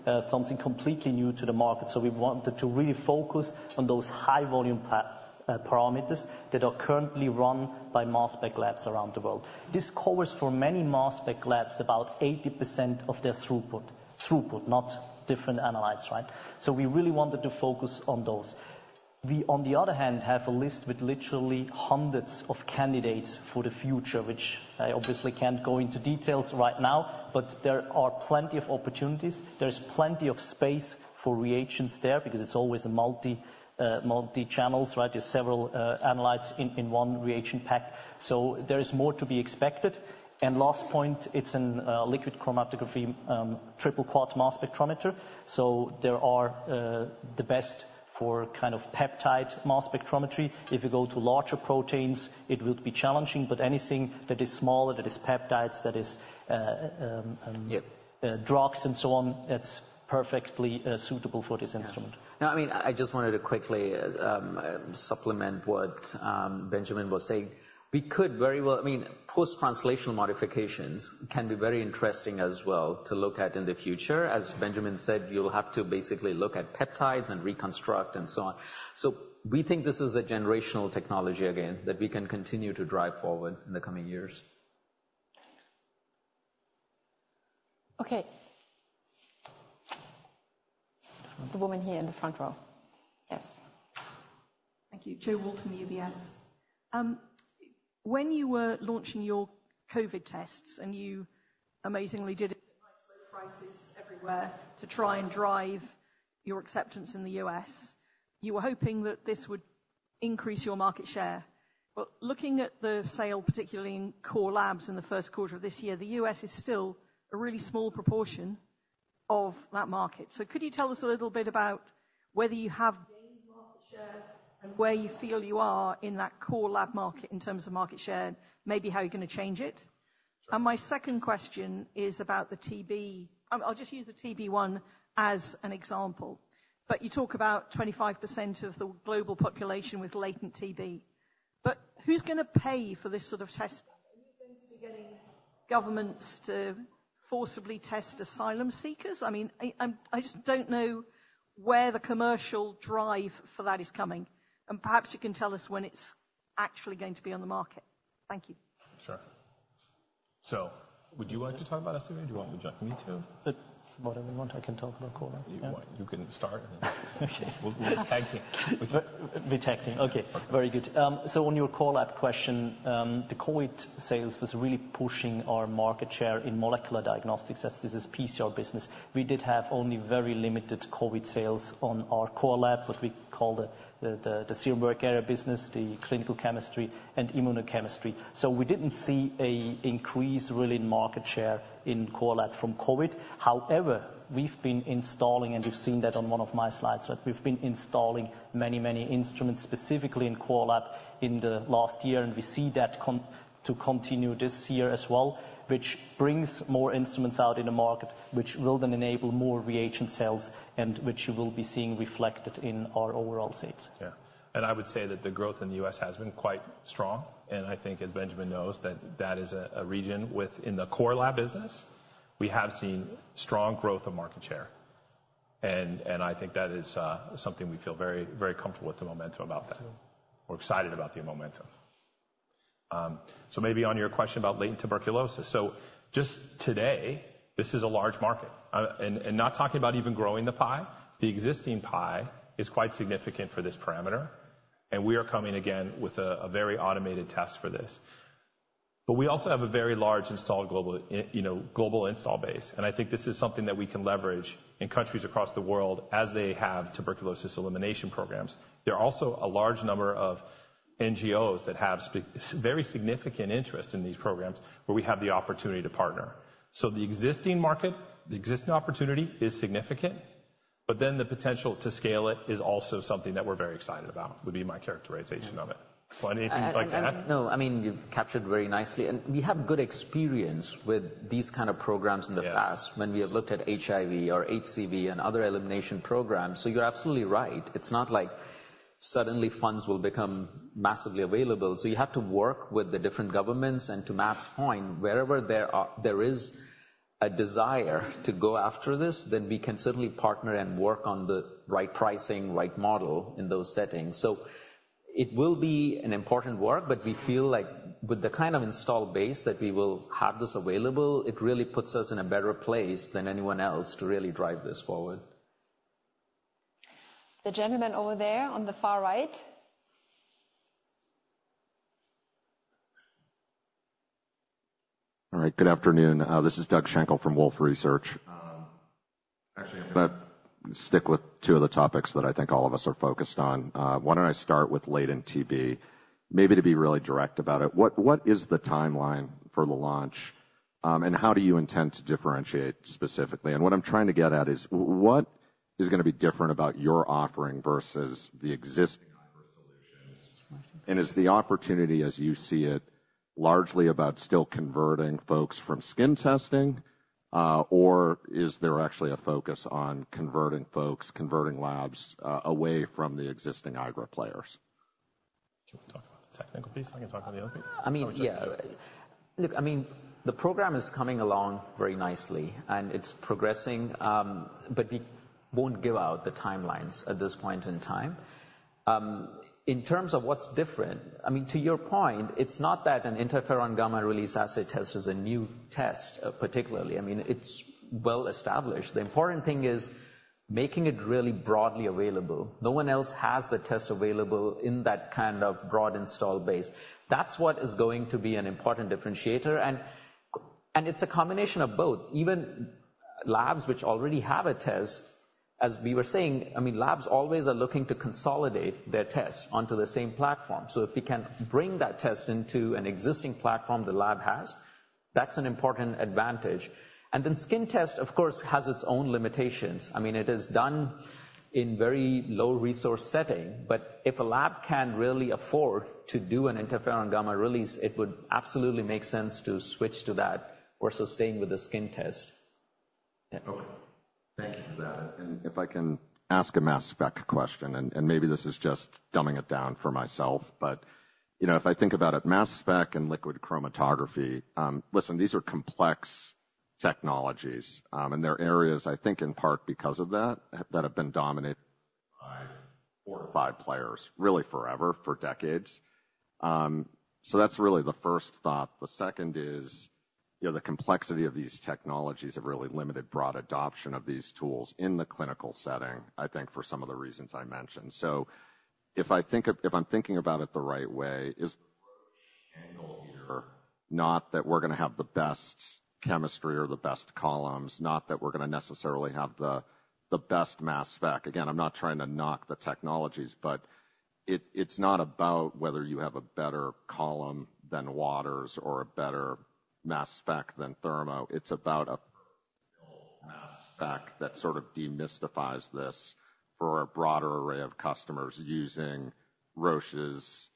here, something completely new to the market, so we wanted to really focus on those high volume parameters that are currently run by mass spec labs around the world. This covers for many mass spec labs, about 80% of their throughput. Throughput, not different analytes, right? So we really wanted to focus on those. We, on the other hand, have a list with literally hundreds of candidates for the future, which I obviously can't go into details right now, but there are plenty of opportunities. There's plenty of space for reactions there, because it's always a multi, multi-channels, right? There's several analytes in one reaction pack, so there is more to be expected. Last point, it's an liquid chromatography triple quad mass spectrometer, so they are the best for kind of peptide mass spectrometry. If you go to larger proteins, it would be challenging, but anything that is smaller, that is peptides. Yeah drugs and so on, it's perfectly suitable for this instrument. Yeah. No, I mean, I just wanted to quickly supplement what Benjamin was saying. We could very well... I mean, post-translational modifications can be very interesting as well to look at in the future. As Benjamin said, you'll have to basically look at peptides and reconstruct and so on. So we think this is a generational technology, again, that we can continue to drive forward in the coming years. Okay. The woman here in the front row. Yes. Thank you. Jo Walton, UBS. When you were launching your COVID tests, and you amazingly priced it everywhere to try and drive your acceptance in the US, you were hoping that this would increase your market share. But looking at the sales, particularly in core labs in the first quarter of this year, the US is still a really small proportion of that market. So could you tell us a little bit about whether you have gained market share and where you feel you are in that core lab market in terms of market share, maybe how you're going to change it? And my second question is about the TB. I'll just use the TB one as an example, but you talk about 25% of the global population with latent TB, but who's gonna pay for this sort of test? Are you going to be getting governments to-... forcibly test asylum seekers? I mean, I just don't know where the commercial drive for that is coming, and perhaps you can tell us when it's actually going to be on the market. Thank you. Sure. So would you like to talk about this, or do you want me to? Whatever you want. I can talk about Core Lab. You can start, and then- Okay. We'll tag team. We tag team. Okay, very good. So on your Core Lab question, the COVID sales was really pushing our market share in molecular diagnostics, as this is PCR business. We did have only very limited COVID sales on our Core Lab, what we call the serum work area business, the clinical chemistry and immunochemistry. So we didn't see an increase, really, in market share in Core Lab from COVID. However, we've been installing, and you've seen that on one of my slides, that we've been installing many, many instruments, specifically in Core Lab, in the last year, and we see that continue this year as well, which brings more instruments out in the market, which will then enable more reagent sales, and which you will be seeing reflected in our overall sales. Yeah. And I would say that the growth in the U.S. has been quite strong, and I think, as Benjamin knows, that that is a region within the Core Lab business. We have seen strong growth of market share, and I think that is something we feel very, very comfortable with the momentum about that. Absolutely. We're excited about the momentum. So maybe on your question about latent tuberculosis. So just today, this is a large market. And not talking about even growing the pie. The existing pie is quite significant for this parameter, and we are coming again with a very automated test for this. But we also have a very large install global, you know, global install base, and I think this is something that we can leverage in countries across the world as they have tuberculosis elimination programs. There are also a large number of NGOs that have sig—very significant interest in these programs, where we have the opportunity to partner. So the existing market, the existing opportunity, is significant, but then the potential to scale it is also something that we're very excited about, would be my characterization of it. Well, anything you'd like to add? I mean, you've captured very nicely, and we have good experience with these kind of programs in the past. Yes... when we have looked at HIV or HCV and other elimination programs, so you're absolutely right. It's not like suddenly funds will become massively available, so you have to work with the different governments, and to Matt's point, wherever there is a desire to go after this, then we can certainly partner and work on the right pricing, right model in those settings. So it will be an important work, but we feel like with the kind of install base that we will have this available, it really puts us in a better place than anyone else to really drive this forward. The gentleman over there on the far right. All right. Good afternoon, this is Doug Schenkel from Wolfe Research. Actually, I'm gonna stick with two of the topics that I think all of us are focused on. Why don't I start with latent TB? Maybe to be really direct about it, what is the timeline for the launch, and how do you intend to differentiate specifically? And what I'm trying to get at is what is gonna be different about your offering versus the existing solutions, and is the opportunity, as you see it, largely about still converting folks from skin testing, or is there actually a focus on converting folks, converting labs, away from the existing IGRA players? Do you want to talk about the technical piece? I can talk about the other piece. I mean, yeah. Look, I mean, the program is coming along very nicely, and it's progressing, but we won't give out the timelines at this point in time. In terms of what's different, I mean, to your point, it's not that an interferon-gamma release assay test is a new test, particularly. I mean, it's well established. The important thing is making it really broadly available. No one else has the test available in that kind of broad install base. That's what is going to be an important differentiator, and it's a combination of both. Even labs which already have a test, as we were saying, I mean, labs always are looking to consolidate their tests onto the same platform. So if we can bring that test into an existing platform the lab has, that's an important advantage. And then skin test, of course, has its own limitations. I mean, it is done in very low-resource setting, but if a lab can't really afford to do an interferon gamma release, it would absolutely make sense to switch to that or sustain with the skin test. Okay. Thank you for that, and if I can ask a mass spec question, and maybe this is just dumbing it down for myself, but you know, if I think about it, mass spec and liquid chromatography, listen, these are complex technologies, and they're areas I think in part because of that, that have been dominated by four or five players, really forever, for decades. So that's really the first thought. The second is, you know, the complexity of these technologies have really limited broad adoption of these tools in the clinical setting, I think for some of the reasons I mentioned. So if I think of—if I'm thinking about it the right way, is the approach annual year, not that we're gonna have the best chemistry or the best columns, not that we're gonna necessarily have the best mass spec. Again, I'm not trying to knock the technologies, but it's not about whether you have a better column than Waters or a better mass spec than Thermo. It's about a mass spec that sort of demystifies this for a broader array of customers using Roche's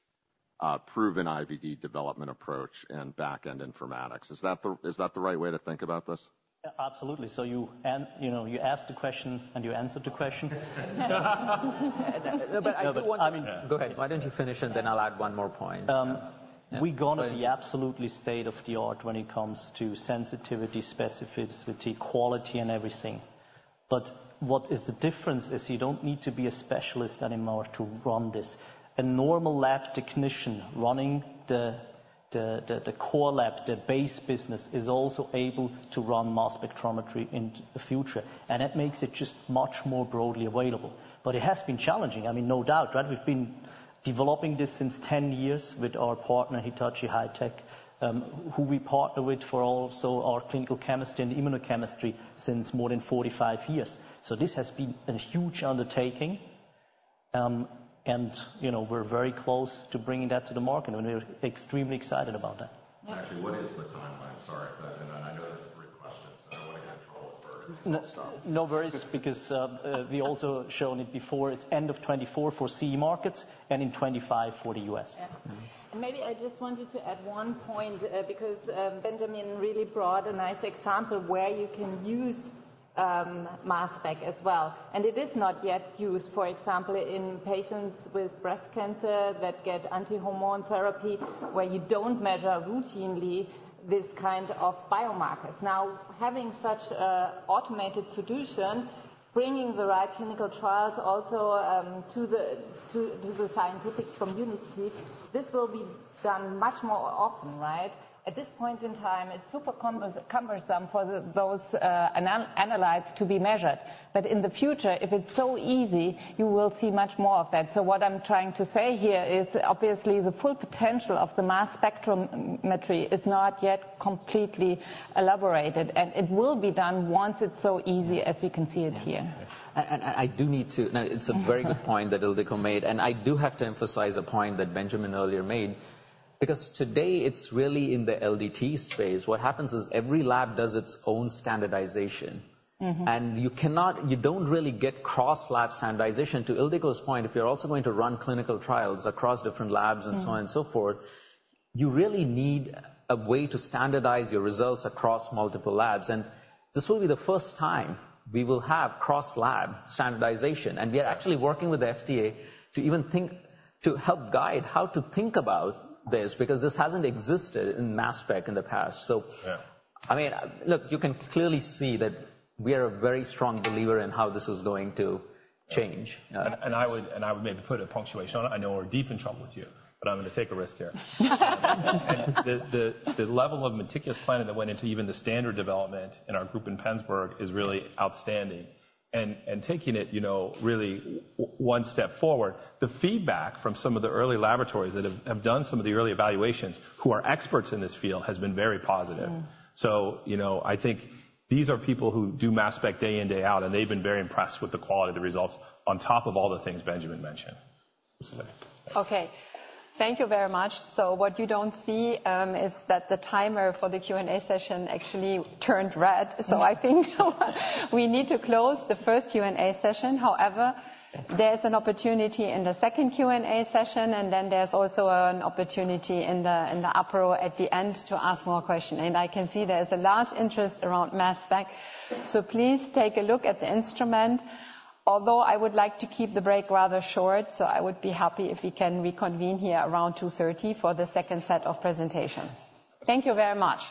proven IVD development approach and back-end informatics. Is that the right way to think about this? Yeah, absolutely. So you you know, you asked the question, and you answered the question. But I still want... I mean, go ahead. Why don't you finish, and then I'll add one more point. We're gonna be absolutely state-of-the-art when it comes to sensitivity, specificity, quality, and everything.... But what is the difference is you don't need to be a specialist anymore to run this. A normal lab technician running the core lab, the base business, is also able to run mass spectrometry in the future, and it makes it just much more broadly available. But it has been challenging. I mean, no doubt, right? We've been developing this since 10 years with our partner, Hitachi High-Tech, who we partner with for also our clinical chemistry and immunochemistry since more than 45 years. So this has been a huge undertaking, and, you know, we're very close to bringing that to the market, and we're extremely excited about that. Actually, what is the timeline? Sorry, and I know that's three questions, and I don't want to get in trouble for it. No, no worries, because we also shown it before. It's end of 2024 for CE markets and in 2025 for the US. Yeah. And maybe I just wanted to add one point, because Benjamin really brought a nice example where you can use mass spec as well, and it is not yet used, for example, in patients with breast cancer that get anti-hormone therapy, where you don't measure routinely this kind of biomarkers. Now, having such a automated solution, bringing the right clinical trials also to the scientific community, this will be done much more often, right? At this point in time, it's super cumbersome for those analytes to be measured. But in the future, if it's so easy, you will see much more of that. So what I'm trying to say here is, obviously, the full potential of the mass spectrometry is not yet completely elaborated, and it will be done once it's so easy as we can see it here. Now, it's a very good point that Ildikó made, and I do have to emphasize a point that Benjamin earlier made, because today it's really in the LDT space. What happens is every lab does its own standardization. Mm-hmm. You cannot—you don't really get cross-lab standardization. To Ildikó's point, if you're also going to run clinical trials across different labs- Mm... and so on and so forth, you really need a way to standardize your results across multiple labs, and this will be the first time we will have cross-lab standardization. And we are actually working with the FDA to even think, to help guide how to think about this, because this hasn't existed in mass spec in the past. So- Yeah. I mean, look, you can clearly see that we are a very strong believer in how this is going to change. And I would maybe put a punctuation on it. I know we're deep in trouble with you, but I'm gonna take a risk here. The level of meticulous planning that went into even the standard development in our group in Pennsburg is really outstanding. And taking it, you know, really one step forward, the feedback from some of the early laboratories that have done some of the early evaluations, who are experts in this field, has been very positive. Mm. So, you know, I think these are people who do mass spec day in, day out, and they've been very impressed with the quality of the results on top of all the things Benjamin mentioned. Okay, thank you very much. So what you don't see is that the timer for the Q&A session actually turned red. So I think we need to close the first Q&A session. However, there's an opportunity in the second Q&A session, and then there's also an opportunity in the, in the upper row at the end to ask more questions. And I can see there's a large interest around mass spec, so please take a look at the instrument. Although, I would like to keep the break rather short, so I would be happy if we can reconvene here around 2:30 P.M. for the second set of presentations. Thank you very much.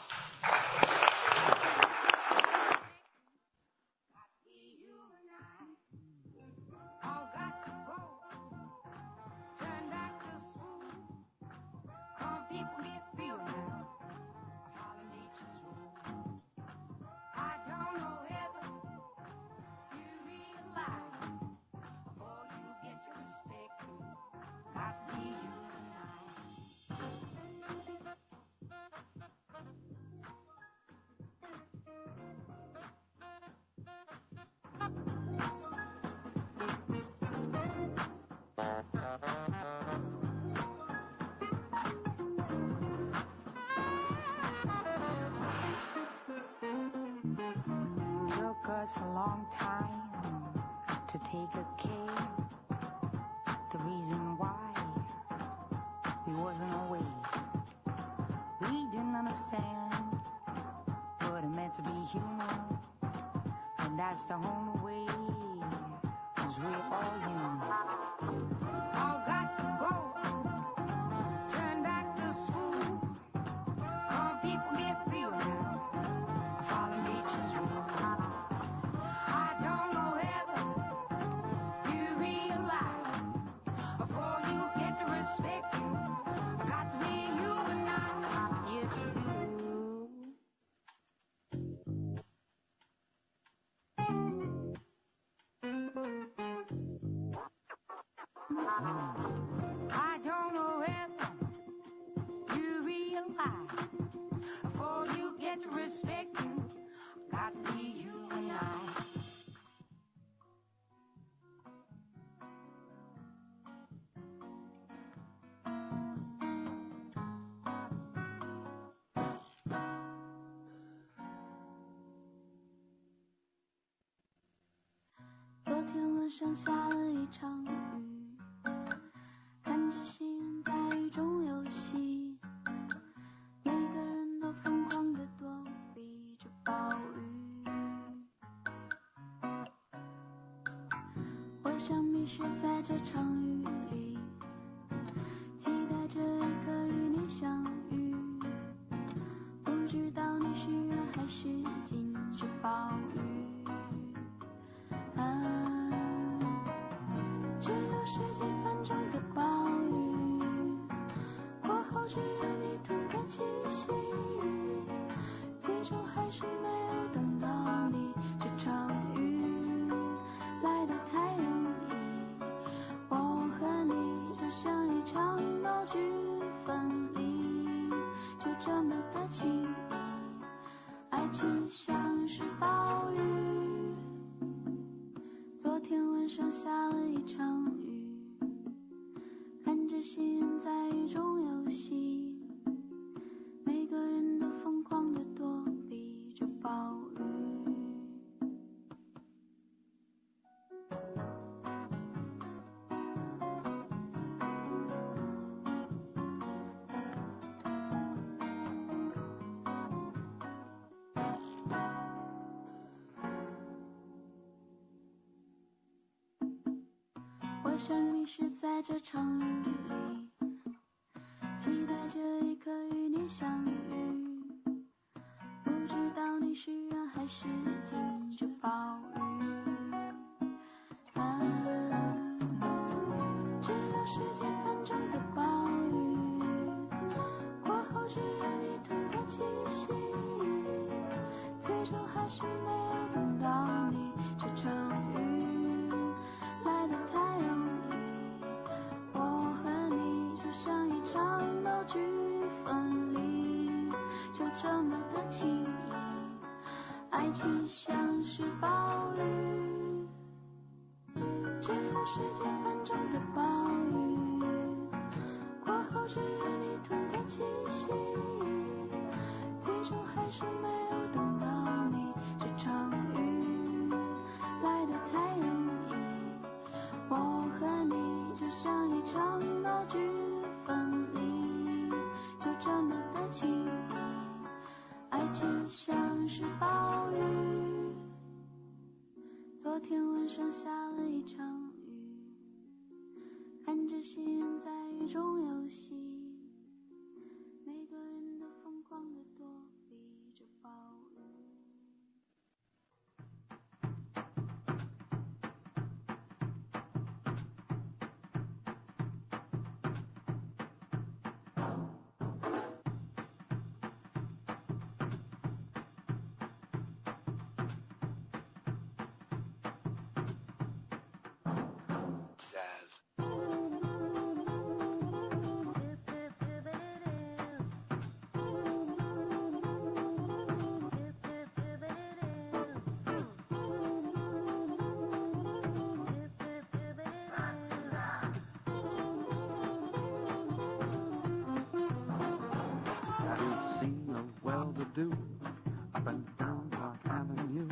Have you seen the well-to-do, up and down Park Avenue?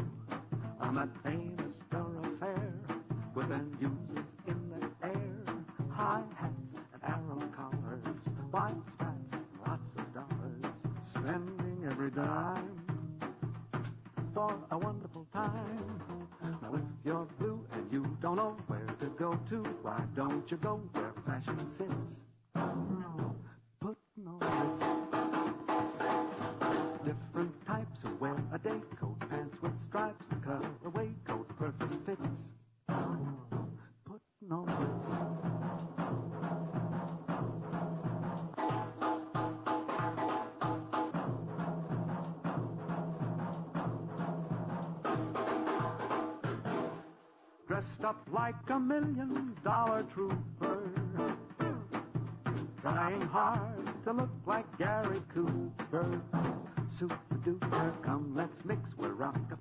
On a famous thoroughfare, with their music in the air. High hats and arrow collars. White spats and lots of dollars. Spending every dime, for a wonderful time. Now if you're blue and you don't know where to go to, why don't you go where fashion sits? Putting on the Ritz. Different types who wear a day coat, pants with stripes, and cut away coat, perfect fits. Putting on the Ritz. Dressed up like a million dollar trooper. Trying hard to look like Gary Cooper. Super-duper! Come, let's mix where Rockefellers walk with sticks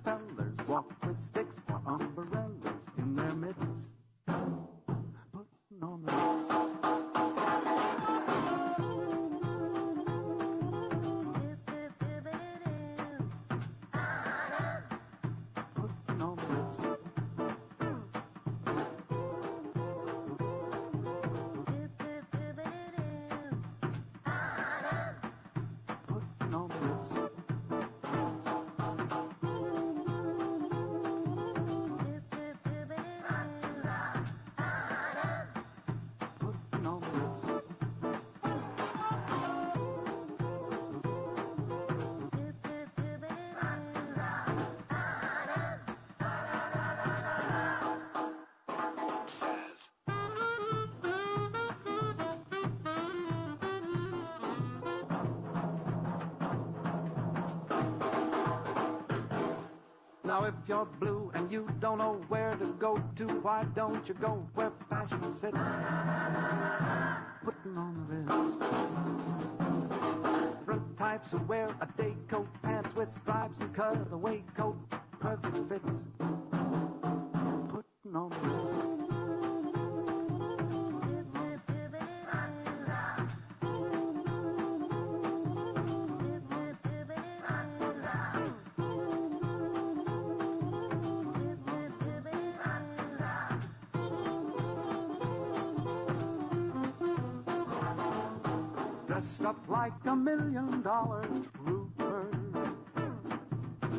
or umbrellas in their mitts. Putting on the Ritz. Now if you're blue and you don't know where to go to, why don't you go where fashion sits? Putting on the Ritz. Different types who wear a day coat, pants with stripes, and cut away coat, perfect fits. Putting on the Ritz. Dressed up like a million dollar trooper...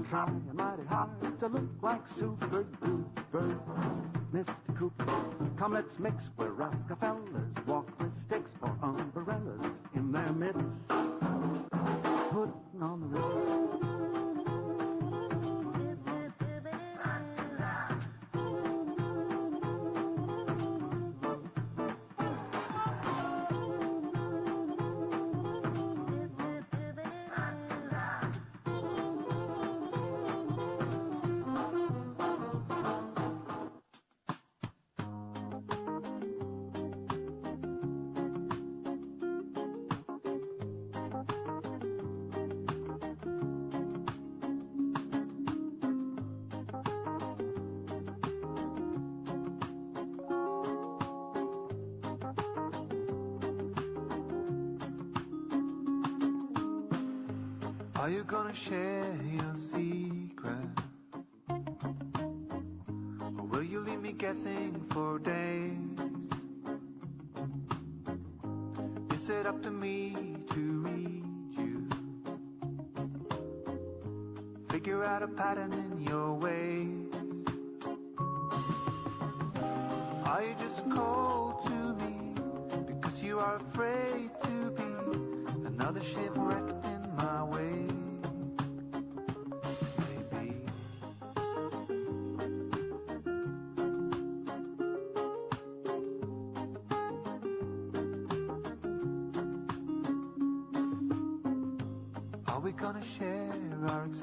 Trying mighty hard to look like super duper, Mr. Cooper. Come, let's mix where Rockefellers walk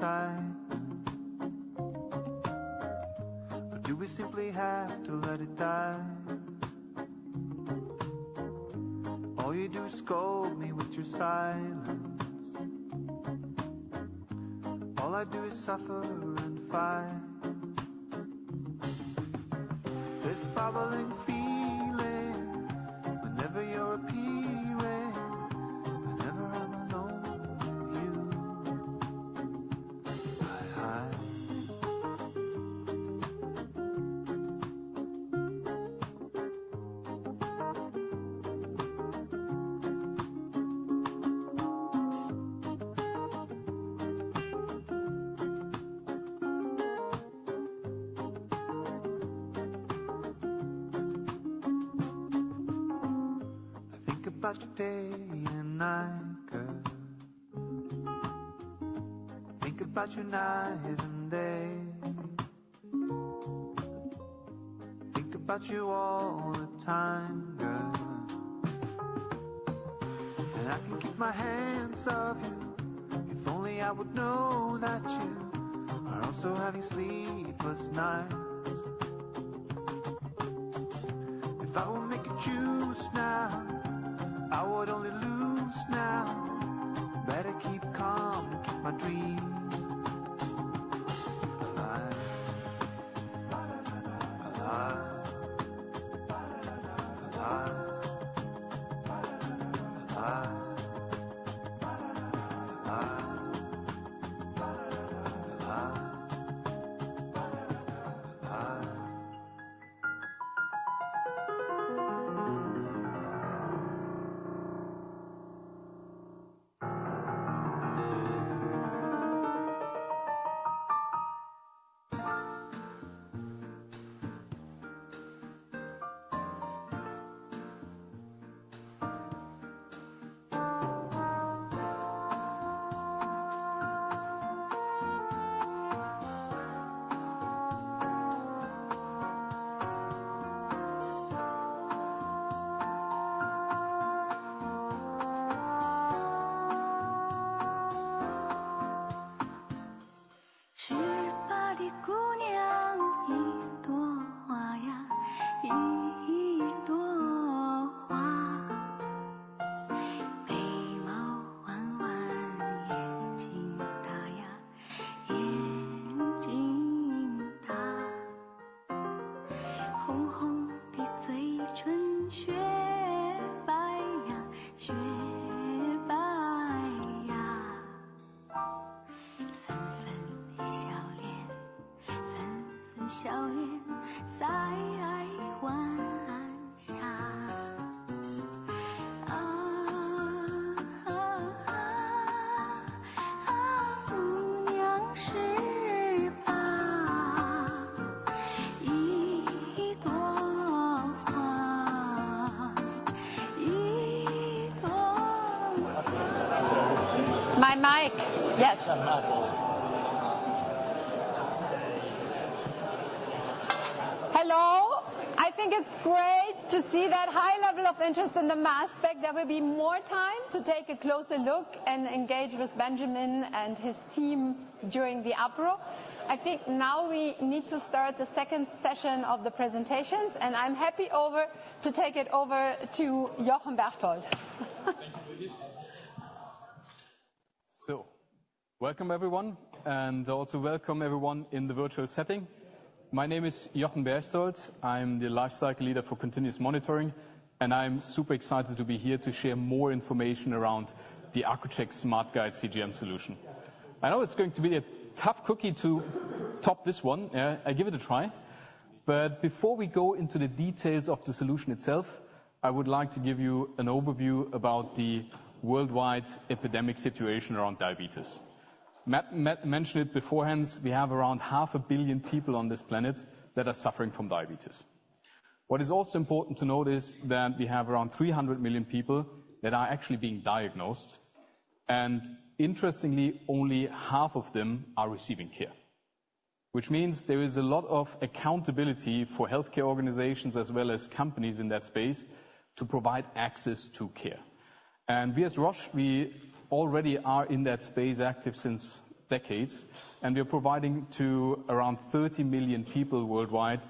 with sticks or umbrellas in their mitts. Putting on the Ritz. Are you gonna share your secret? Or will you leave me guessing for days? Is it up to me to read you? Figure out a pattern in your ways. Are you just cold to me because you are afraid to be another shipwreck in my way? Maybe. Are we gonna share our excitement, or do we simply have to let it die? All you do is scold me with your silence. All I do is suffer and fight. This bubbling feeling My mic. Yes. Hello. I think it's great to see that high level of interest in the mass spec. There will be more time to take a closer look and engage with Benjamin and his team during the apéro. I think now we need to start the second session of the presentations, and I'm happy to take it over to Jochen Berchtold. Thank you, Birgit. Welcome, everyone, and also welcome everyone in the virtual setting. My name is Jochen Berchtold. I'm the lifecycle leader for continuous monitoring, and I'm super excited to be here to share more information around the Accu-Chek SmartGuide CGM solution. I know it's going to be a tough cookie to top this one. I'll give it a try, but before we go into the details of the solution itself, I would like to give you an overview about the worldwide epidemic situation around diabetes. Matt, Matt mentioned it beforehand, we have around 500 million people on this planet that are suffering from diabetes. What is also important to note is that we have around 300 million people that are actually being diagnosed, and interestingly, only half of them are receiving care. Which means there is a lot of accountability for healthcare organizations as well as companies in that space to provide access to care. And we as Roche, we already are in that space, active since decades, and we are providing to around 30 million people worldwide,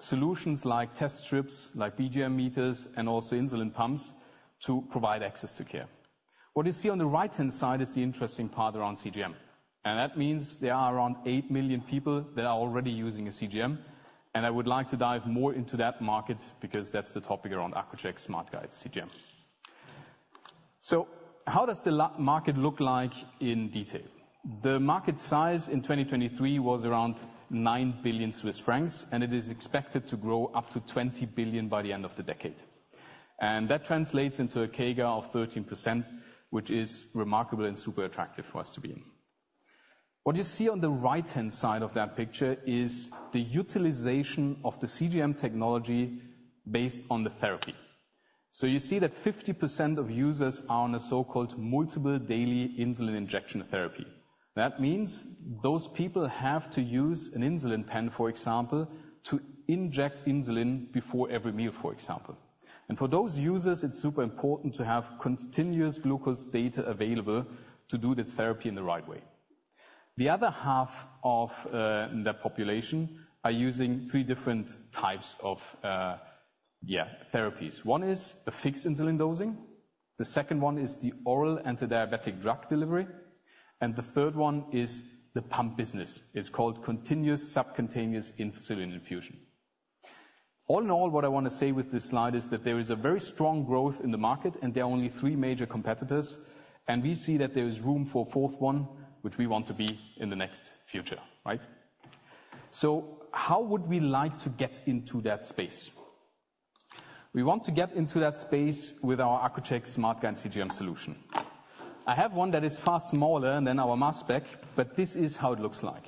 solutions like test strips, like BGM meters and also insulin pumps, to provide access to care. What you see on the right-hand side is the interesting part around CGM. And that means there are around 8 million people that are already using a CGM, and I would like to dive more into that market because that's the topic around Accu-Chek SmartGuide CGM. So how does the market look like in detail? The market size in 2023 was around 9 billion Swiss francs, and it is expected to grow up to 20 billion by the end of the decade. That translates into a CAGR of 13%, which is remarkable and super attractive for us to be in. What you see on the right-hand side of that picture is the utilization of the CGM technology based on the therapy. So you see that 50% of users are on a so-called multiple daily insulin injection therapy. That means those people have to use an insulin pen, for example, to inject insulin before every meal, for example. And for those users, it's super important to have continuous glucose data available to do the therapy in the right way. The other half of that population are using three different types of therapies. One is a fixed insulin dosing. The second one is the oral antidiabetic drug delivery, and the third one is the pump business. It's called continuous subcutaneous insulin infusion. All in all, what I want to say with this slide is that there is a very strong growth in the market, and there are only three major competitors, and we see that there is room for a fourth one, which we want to be in the next future, right? So how would we like to get into that space? We want to get into that space with our Accu-Chek SmartGuide CGM solution. I have one that is far smaller than our mass spec, but this is how it looks like.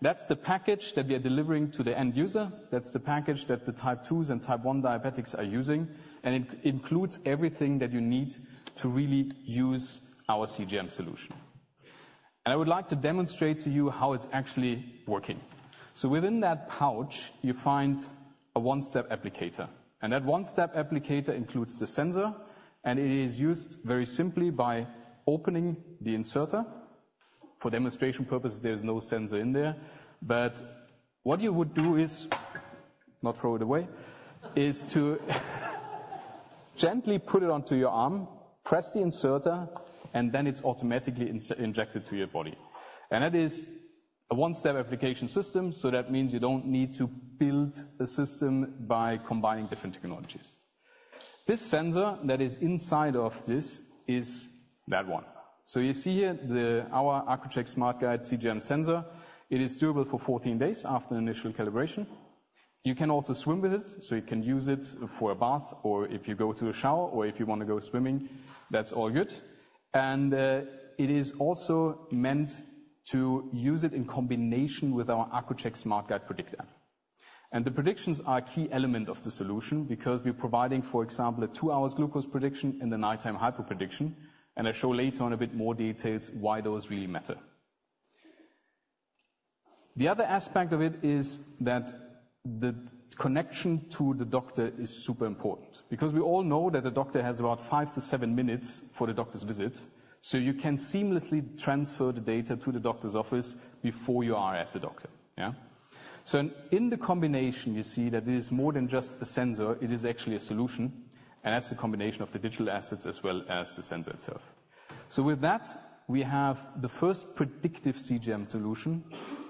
That's the package that we are delivering to the end user. That's the package that the Type 2's and Type 1 diabetics are using, and it includes everything that you need to really use our CGM solution. I would like to demonstrate to you how it's actually working. So within that pouch, you find a one-step applicator, and that one-step applicator includes the sensor, and it is used very simply by opening the inserter. For demonstration purposes, there is no sensor in there, but what you would do is not throw it away, to gently put it onto your arm, press the inserter, and then it's automatically injected to your body. And that is a one-step application system, so that means you don't need to build the system by combining different technologies. This sensor that is inside of this is that one. So you see here, our Accu-Chek SmartGuide CGM sensor. It is durable for 14 days after initial calibration. You can also swim with it, so you can use it for a bath or if you go to a shower or if you want to go swimming, that's all good. It is also meant to use it in combination with our Accu-Chek SmartGuide Predict. The predictions are a key element of the solution because we're providing, for example, a two-hour glucose prediction and the nighttime hyper prediction, and I show later on a bit more details why those really matter. The other aspect of it is that the connection to the doctor is super important because we all know that the doctor has about five to seven minutes for the doctor's visit. So you can seamlessly transfer the data to the doctor's office before you are at the doctor, yeah? So in the combination, you see that it is more than just a sensor, it is actually a solution, and that's a combination of the digital assets as well as the sensor itself. So with that, we have the first predictive CGM solution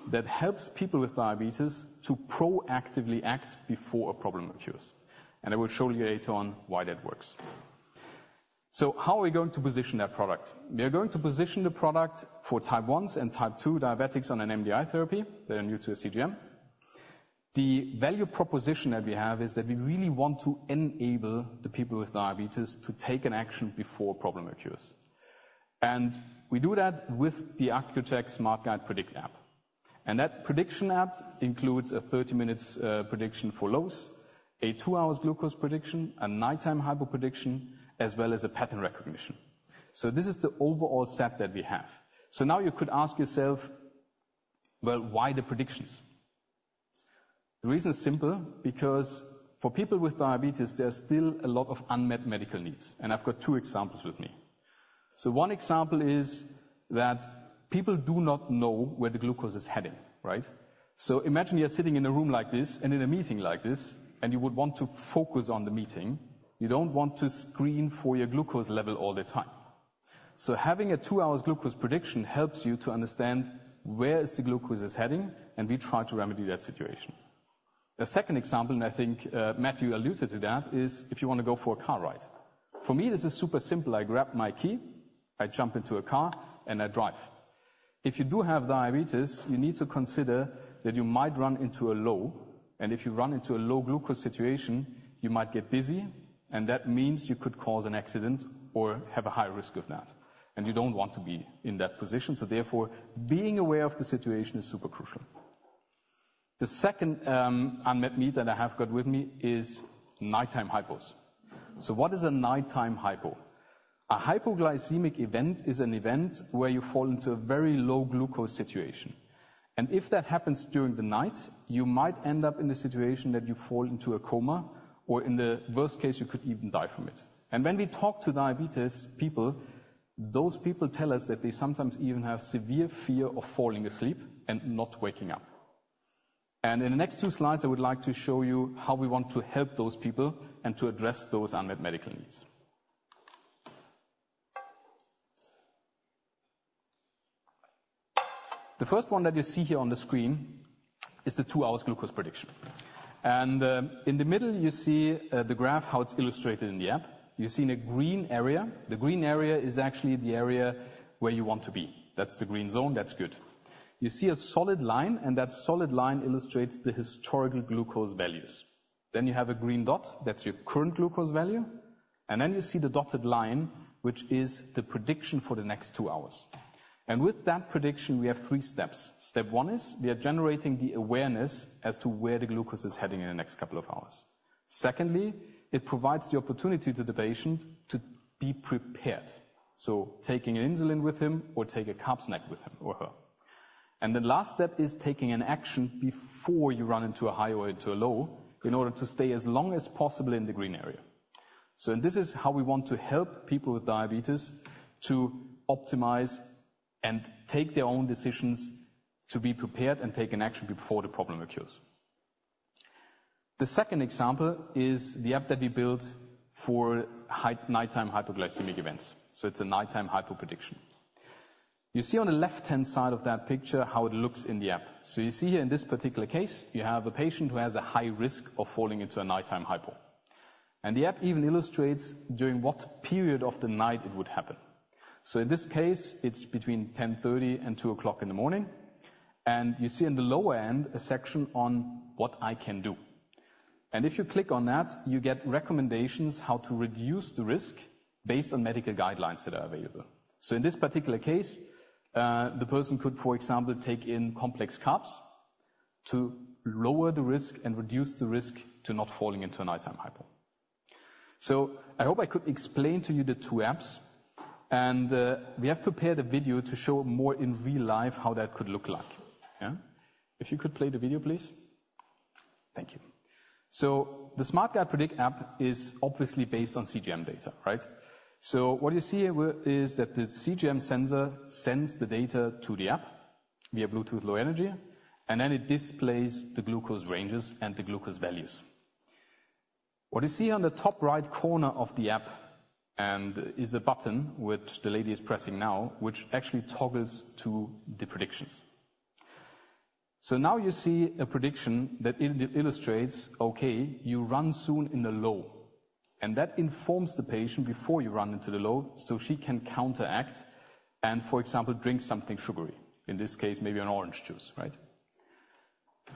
that helps people with diabetes to proactively act before a problem occurs. And I will show you later on why that works. So how are we going to position that product? We are going to position the product for Type 1s and Type 2 diabetics on an MDI therapy that are new to a CGM. The value proposition that we have is that we really want to enable the people with diabetes to take an action before problem occurs. And we do that with the Accu-Chek SmartGuide Predict app. And that prediction app includes a 30-minute prediction for lows, a 2-hour glucose prediction, a nighttime hyper prediction, as well as a pattern recognition. So this is the overall set that we have. So now you could ask yourself, "Well, why the predictions?" The reason is simple, because for people with diabetes, there are still a lot of unmet medical needs, and I've got two examples with me. So one example is that people do not know where the glucose is heading, right? So imagine you are sitting in a room like this and in a meeting like this, and you would want to focus on the meeting. You don't want to screen for your glucose level all the time. So having a two-hour glucose prediction helps you to understand where the glucose is heading, and we try to remedy that situation. The second example, and I think, Matthew alluded to that, is if you want to go for a car ride. For me, this is super simple. I grab my key, I jump into a car, and I drive. If you do have diabetes, you need to consider that you might run into a low, and if you run into a low glucose situation, you might get dizzy, and that means you could cause an accident or have a high risk of that, and you don't want to be in that position. So therefore, being aware of the situation is super crucial. The second, unmet need that I have got with me is nighttime hypos. So what is a nighttime hypo? A hypoglycemic event is an event where you fall into a very low glucose situation, and if that happens during the night, you might end up in a situation that you fall into a coma, or in the worst case, you could even die from it. And when we talk to diabetes people, those people tell us that they sometimes even have severe fear of falling asleep and not waking up. And in the next two slides, I would like to show you how we want to help those people and to address those unmet medical needs. The first one that you see here on the screen is the two hours glucose prediction. And in the middle, you see the graph, how it's illustrated in the app. You see in a green area. The green area is actually the area where you want to be. That's the green zone. That's good. You see a solid line, and that solid line illustrates the historical glucose values. Then you have a green dot, that's your current glucose value. And then you see the dotted line, which is the prediction for the next two hours. And with that prediction, we have three steps. Step one is we are generating the awareness as to where the glucose is heading in the next couple of hours. Secondly, it provides the opportunity to the patient to be prepared, so taking insulin with him or take a carb snack with him or her. And the last step is taking an action before you run into a high or into a low, in order to stay as long as possible in the green area. So and this is how we want to help people with diabetes to optimize and take their own decisions, to be prepared and take an action before the problem occurs. The second example is the app that we built for high nighttime hypoglycemic events, so it's a nighttime hypo prediction. You see on the left-hand side of that picture how it looks in the app. So you see here in this particular case, you have a patient who has a high risk of falling into a nighttime hypo. And the app even illustrates during what period of the night it would happen. So in this case, it's between 10:30 and 2:00 in the morning, and you see in the lower end, a section on what I can do. And if you click on that, you get recommendations how to reduce the risk based on medical guidelines that are available. So in this particular case, the person could, for example, take in complex carbs to lower the risk and reduce the risk to not falling into a nighttime hypo. So I hope I could explain to you the two apps, and, we have prepared a video to show more in real life how that could look like, yeah. If you could play the video, please. Thank you. So the SmartGuide Predict app is obviously based on CGM data, right? So what you see here is that the CGM sensor sends the data to the app via Bluetooth Low Energy, and then it displays the glucose ranges and the glucose values. What you see on the top right corner of the app is a button, which the lady is pressing now, which actually toggles to the predictions. So now you see a prediction that illustrates, okay, you run soon in the low, and that informs the patient before you run into the low, so she can counteract and, for example, drink something sugary, in this case, maybe an orange juice, right?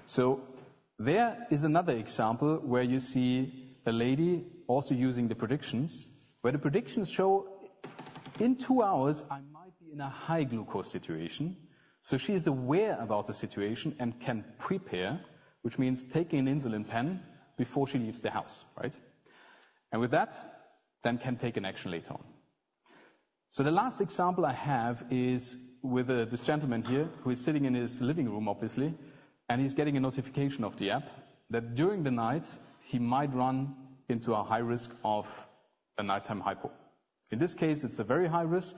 So there is another example where you see a lady also using the predictions, where the predictions show in two hours, I might be in a high glucose situation, so she is aware about the situation and can prepare, which means taking an insulin pen before she leaves the house, right? And with that, then can take an action later on. So the last example I have is with this gentleman here, who is sitting in his living room, obviously, and he's getting a notification of the app, that during the night, he might run into a high risk of a nighttime hypo. In this case, it's a very high risk,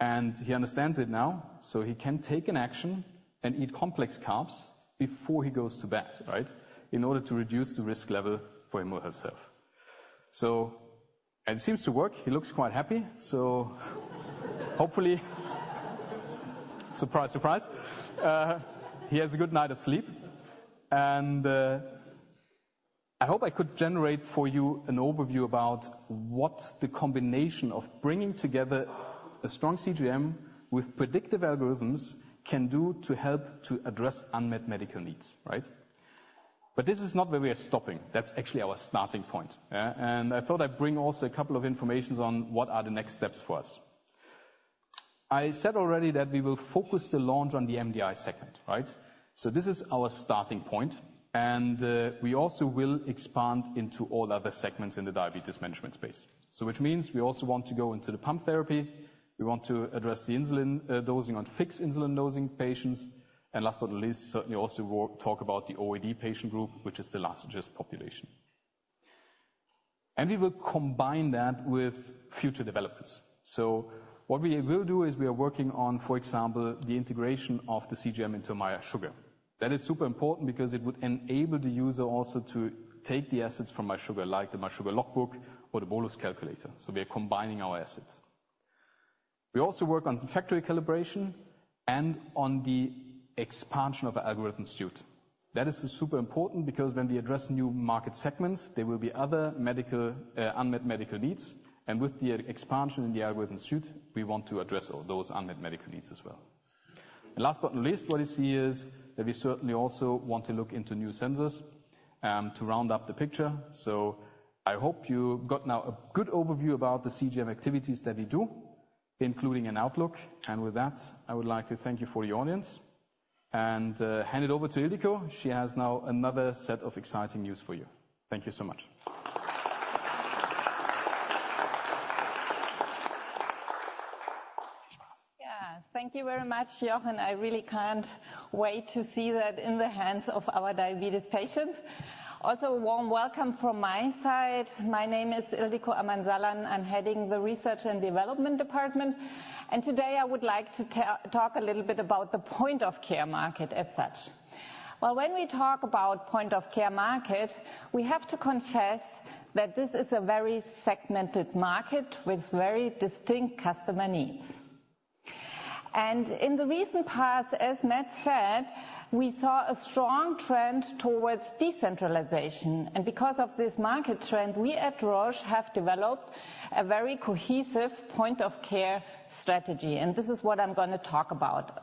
and he understands it now, so he can take an action and eat complex carbs before he goes to bed, right, in order to reduce the risk level for him or herself. So... And it seems to work. He looks quite happy, so hopefully, surprise, surprise, he has a good night of sleep. And I hope I could generate for you an overview about what the combination of bringing together a strong CGM with predictive algorithms can do to help to address unmet medical needs, right? But this is not where we are stopping. That's actually our starting point, yeah, and I thought I'd bring also a couple of informations on what are the next steps for us. I said already that we will focus the launch on the MDI segment, right? So this is our starting point, and we also will expand into all other segments in the diabetes management space. So which means we also want to go into the pump therapy, we want to address the insulin dosing on fixed insulin dosing patients, and last but not least, certainly also talk about the OAD patient group, which is the largest population. And we will combine that with future developments. So what we will do is we are working on, for example, the integration of the CGM into mySugr. That is super important because it would enable the user also to take the assets from mySugr, like the mySugr Logbook or the Bolus Calculator. So we are combining our assets. We also work on factory calibration and on the expansion of the algorithms suite.... That is super important because when we address new market segments, there will be other medical, unmet medical needs, and with the expansion in the algorithm suite, we want to address all those unmet medical needs as well. Last but not least, what you see is that we certainly also want to look into new sensors, to round up the picture. So I hope you got now a good overview about the CGM activities that we do, including an outlook. And with that, I would like to thank you for your audience and, hand it over to Ildikó. She has now another set of exciting news for you. Thank you so much. Yeah, thank you very much, Jochen. I really can't wait to see that in the hands of our diabetes patients. Also, a warm welcome from my side. My name is Ildikó Aradi. I'm heading the research and development department, and today I would like to tell--talk a little bit about the point of care market as such. Well, when we talk about point of care market, we have to confess that this is a very segmented market with very distinct customer needs. And in the recent past, as Matt said, we saw a strong trend towards decentralization. And because of this market trend, we at Roche have developed a very cohesive point of care strategy, and this is what I'm going to talk about.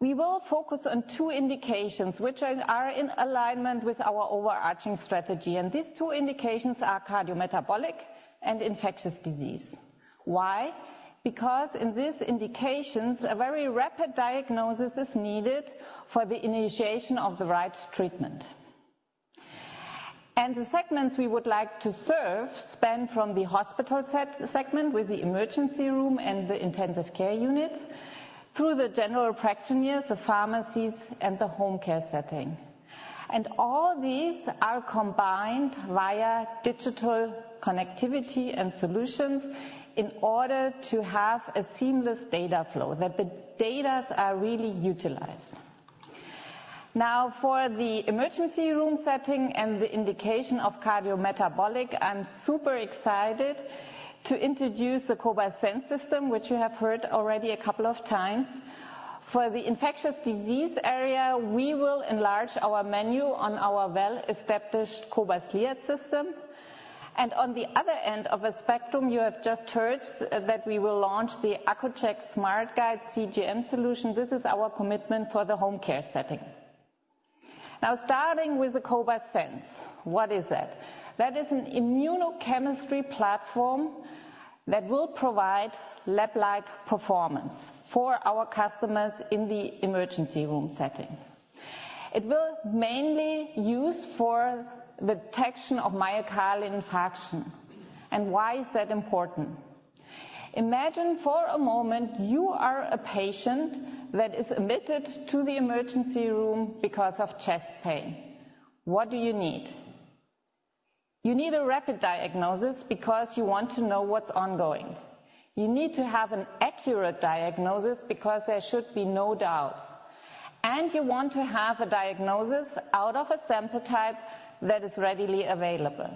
We will focus on two indications, which are, are in alignment with our overarching strategy, and these two indications are cardiometabolic and infectious disease. Why? Because in these indications, a very rapid diagnosis is needed for the initiation of the right treatment. The segments we would like to serve span from the hospital segment, with the emergency room and the intensive care units, through the general practitioners, the pharmacies, and the home care setting. All these are combined via digital connectivity and solutions in order to have a seamless data flow, that the data are really utilized. Now, for the emergency room setting and the indication of cardiometabolic, I'm super excited to introduce the cobas Sense system, which you have heard already a couple of times. For the infectious disease area, we will enlarge our menu on our well-established cobas Liat system. On the other end of a spectrum, you have just heard that we will launch the Accu-Chek SmartGuide CGM solution. This is our commitment for the home care setting. Now, starting with the cobas Sense. What is that? That is an immunochemistry platform that will provide lab-like performance for our customers in the emergency room setting. It will mainly use for the detection of myocardial infarction. And why is that important? Imagine for a moment, you are a patient that is admitted to the emergency room because of chest pain. What do you need? You need a rapid diagnosis because you want to know what's ongoing. You need to have an accurate diagnosis because there should be no doubt. And you want to have a diagnosis out of a sample type that is readily available.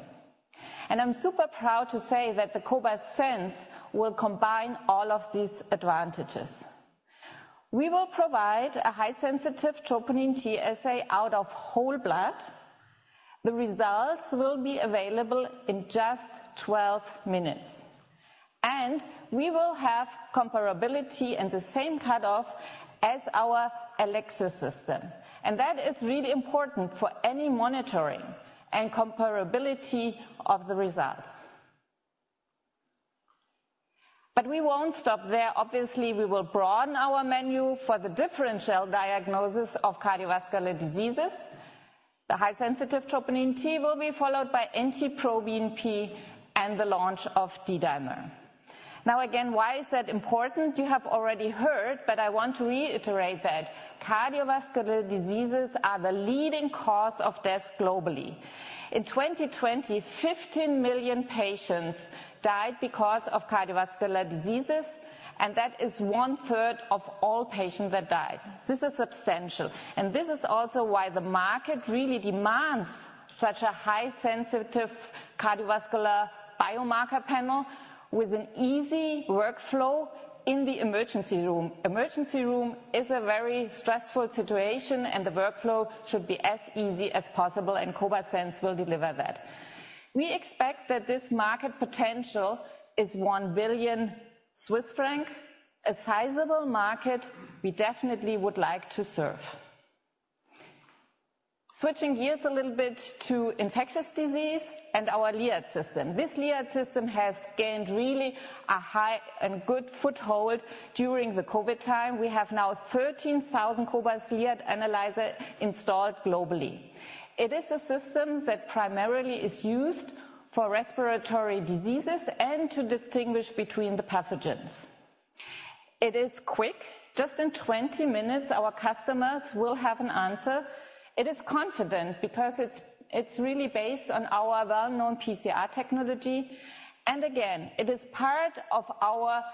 And I'm super proud to say that the cobas Sense will combine all of these advantages. We will provide a high sensitive troponin T assay out of whole blood. The results will be available in just 12 minutes, and we will have comparability and the same cutoff as our Elecsys system. That is really important for any monitoring and comparability of the results. We won't stop there. Obviously, we will broaden our menu for the differential diagnosis of cardiovascular diseases. The high sensitive troponin T will be followed by NT-proBNP and the launch of D-dimer. Now, again, why is that important? You have already heard, but I want to reiterate that cardiovascular diseases are the leading cause of death globally. In 2020, 15 million patients died because of cardiovascular diseases, and that is one third of all patients that died. This is substantial, and this is also why the market really demands such a high sensitive cardiovascular biomarker panel with an easy workflow in the emergency room. Emergency room is a very stressful situation and the workflow should be as easy as possible, and cobas Sense will deliver that. We expect that this market potential is 1 billion Swiss franc, a sizable market we definitely would like to serve. Switching gears a little bit to infectious disease and our cobas Liat system. This cobas Liat system has gained really a high and good foothold during the COVID time. We have now 13,000 cobas Liat analyzers installed globally. It is a system that primarily is used for respiratory diseases and to distinguish between the pathogens. It is quick. Just in 20 minutes, our customers will have an answer. It is confident because it's really based on our well-known PCR technology. And again, it is part of our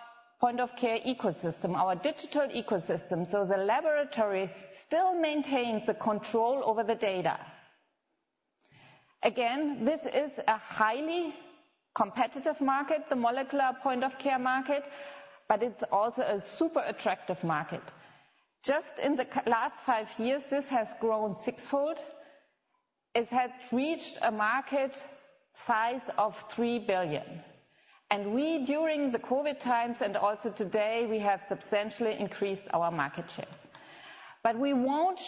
point of care ecosystem, our digital ecosystem, so the laboratory still maintains the control over the data. Again, this is a highly competitive market, the molecular point of care market, but it's also a super attractive market. Just in the last five years, this has grown sixfold. It has reached a market size of $3 billion. And we, during the COVID times and also today, we have substantially increased our market shares. But we won't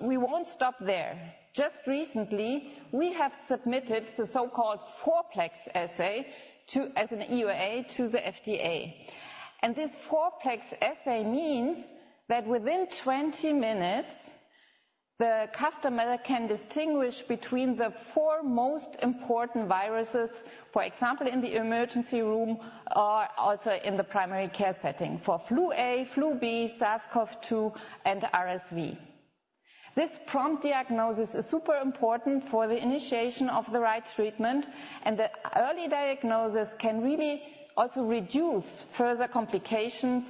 we won't stop there. Just recently, we have submitted the so-called four-plex assay to, as an EUA, to the FDA. And this four-plex assay means that within 20 minutes, the customer can distinguish between the four most important viruses, for example, in the emergency room or also in the primary care setting, for flu-A, flu-B, SARS-CoV-2, and RSV. This prompt diagnosis is super important for the initiation of the right treatment, and the early diagnosis can really also reduce further complications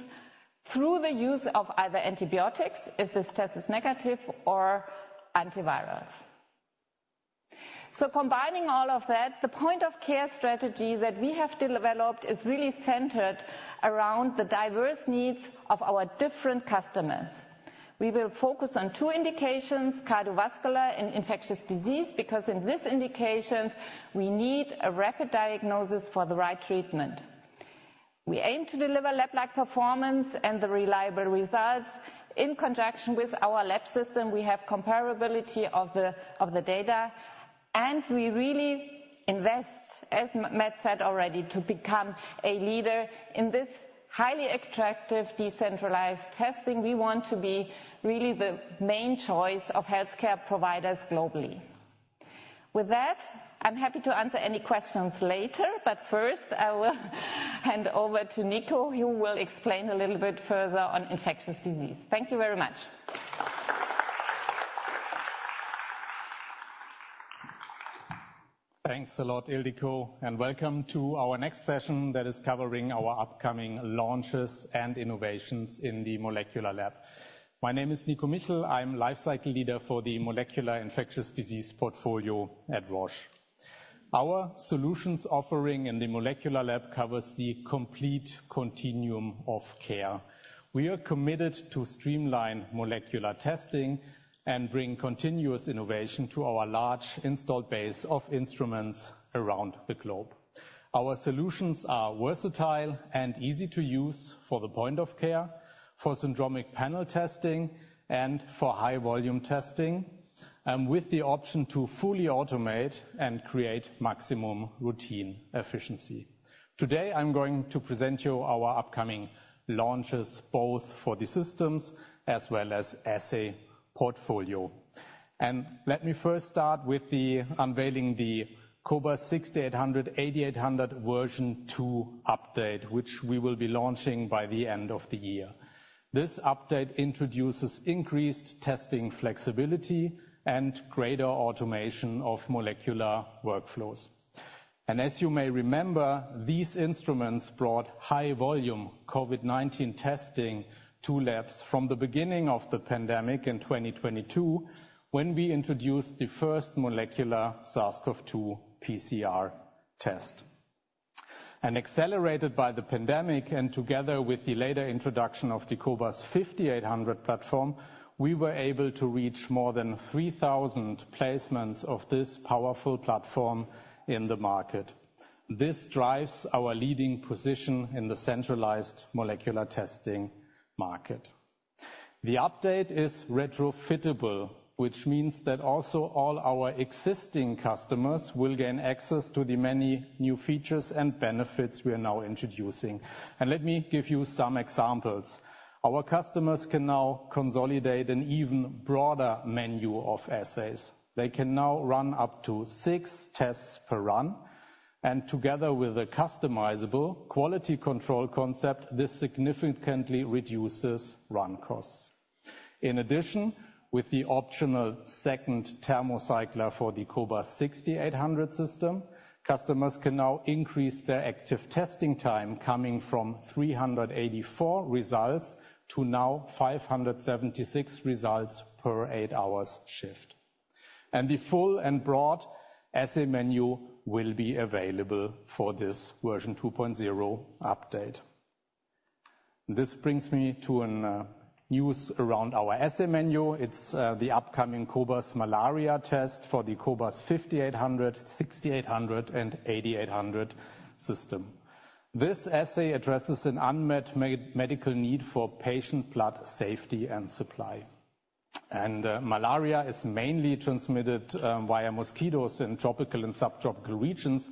through the use of either antibiotics, if the test is negative, or antivirus. So combining all of that, the point of care strategy that we have developed is really centered around the diverse needs of our different customers. We will focus on two indications, cardiovascular and infectious disease, because in this indications, we need a rapid diagnosis for the right treatment. We aim to deliver lab-like performance and the reliable results. In conjunction with our lab system, we have comparability of the, of the data, and we really invest, as Matt said already, to become a leader in this highly attractive, decentralized testing. We want to be really the main choice of healthcare providers globally. With that, I'm happy to answer any questions later, but first, I will hand over to Nico, who will explain a little bit further on infectious disease. Thank you very much. Thanks a lot, Ildikó, and welcome to our next session that is covering our upcoming launches and innovations in the molecular lab. My name is Nico Michel. I'm Lifecycle Leader for the molecular infectious disease portfolio at Roche. Our solutions offering in the molecular lab covers the complete continuum of care. We are committed to streamline molecular testing and bring continuous innovation to our large installed base of instruments around the globe. Our solutions are versatile and easy to use for the point of care, for syndromic panel testing, and for high volume testing, and with the option to fully automate and create maximum routine efficiency. Today, I'm going to present you our upcoming launches, both for the systems as well as assay portfolio. Let me first start with the unveiling of the cobas 6800, 8800 version 2.0 update, which we will be launching by the end of the year. This update introduces increased testing flexibility and greater automation of molecular workflows. As you may remember, these instruments brought high volume COVID-19 testing to labs from the beginning of the pandemic in 2022, when we introduced the first molecular SARS-CoV-2 PCR test. Accelerated by the pandemic, and together with the later introduction of the cobas 5800 platform, we were able to reach more than 3,000 placements of this powerful platform in the market. This drives our leading position in the centralized molecular testing market. The update is retrofittable, which means that also all our existing customers will gain access to the many new features and benefits we are now introducing. Let me give you some examples. Our customers can now consolidate an even broader menu of assays. They can now run up to 6 tests per run, and together with a customizable quality control concept, this significantly reduces run costs. In addition, with the optional second thermocycler for the cobas 6800 system, customers can now increase their active testing time coming from 384 results to now 576 results per 8-hour shift. And the full and broad assay menu will be available for this version 2.0 update. This brings me to news around our assay menu. It's the upcoming cobas Malaria test for the cobas 5800, 6800, and 8800 system. This assay addresses an unmet medical need for patient blood safety and supply. And malaria is mainly transmitted via mosquitoes in tropical and subtropical regions.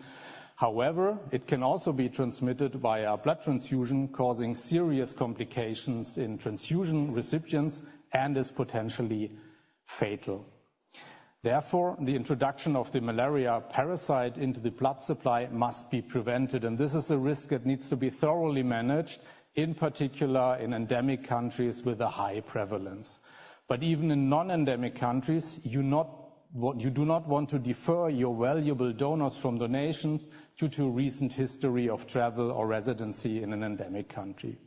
However, it can also be transmitted via blood transfusion, causing serious complications in transfusion recipients and is potentially fatal. Therefore, the introduction of the malaria parasite into the blood supply must be prevented, and this is a risk that needs to be thoroughly managed, in particular in endemic countries with a high prevalence. But even in non-endemic countries, you do not want to defer your valuable donors from donations due to recent history of travel or residency in an endemic country.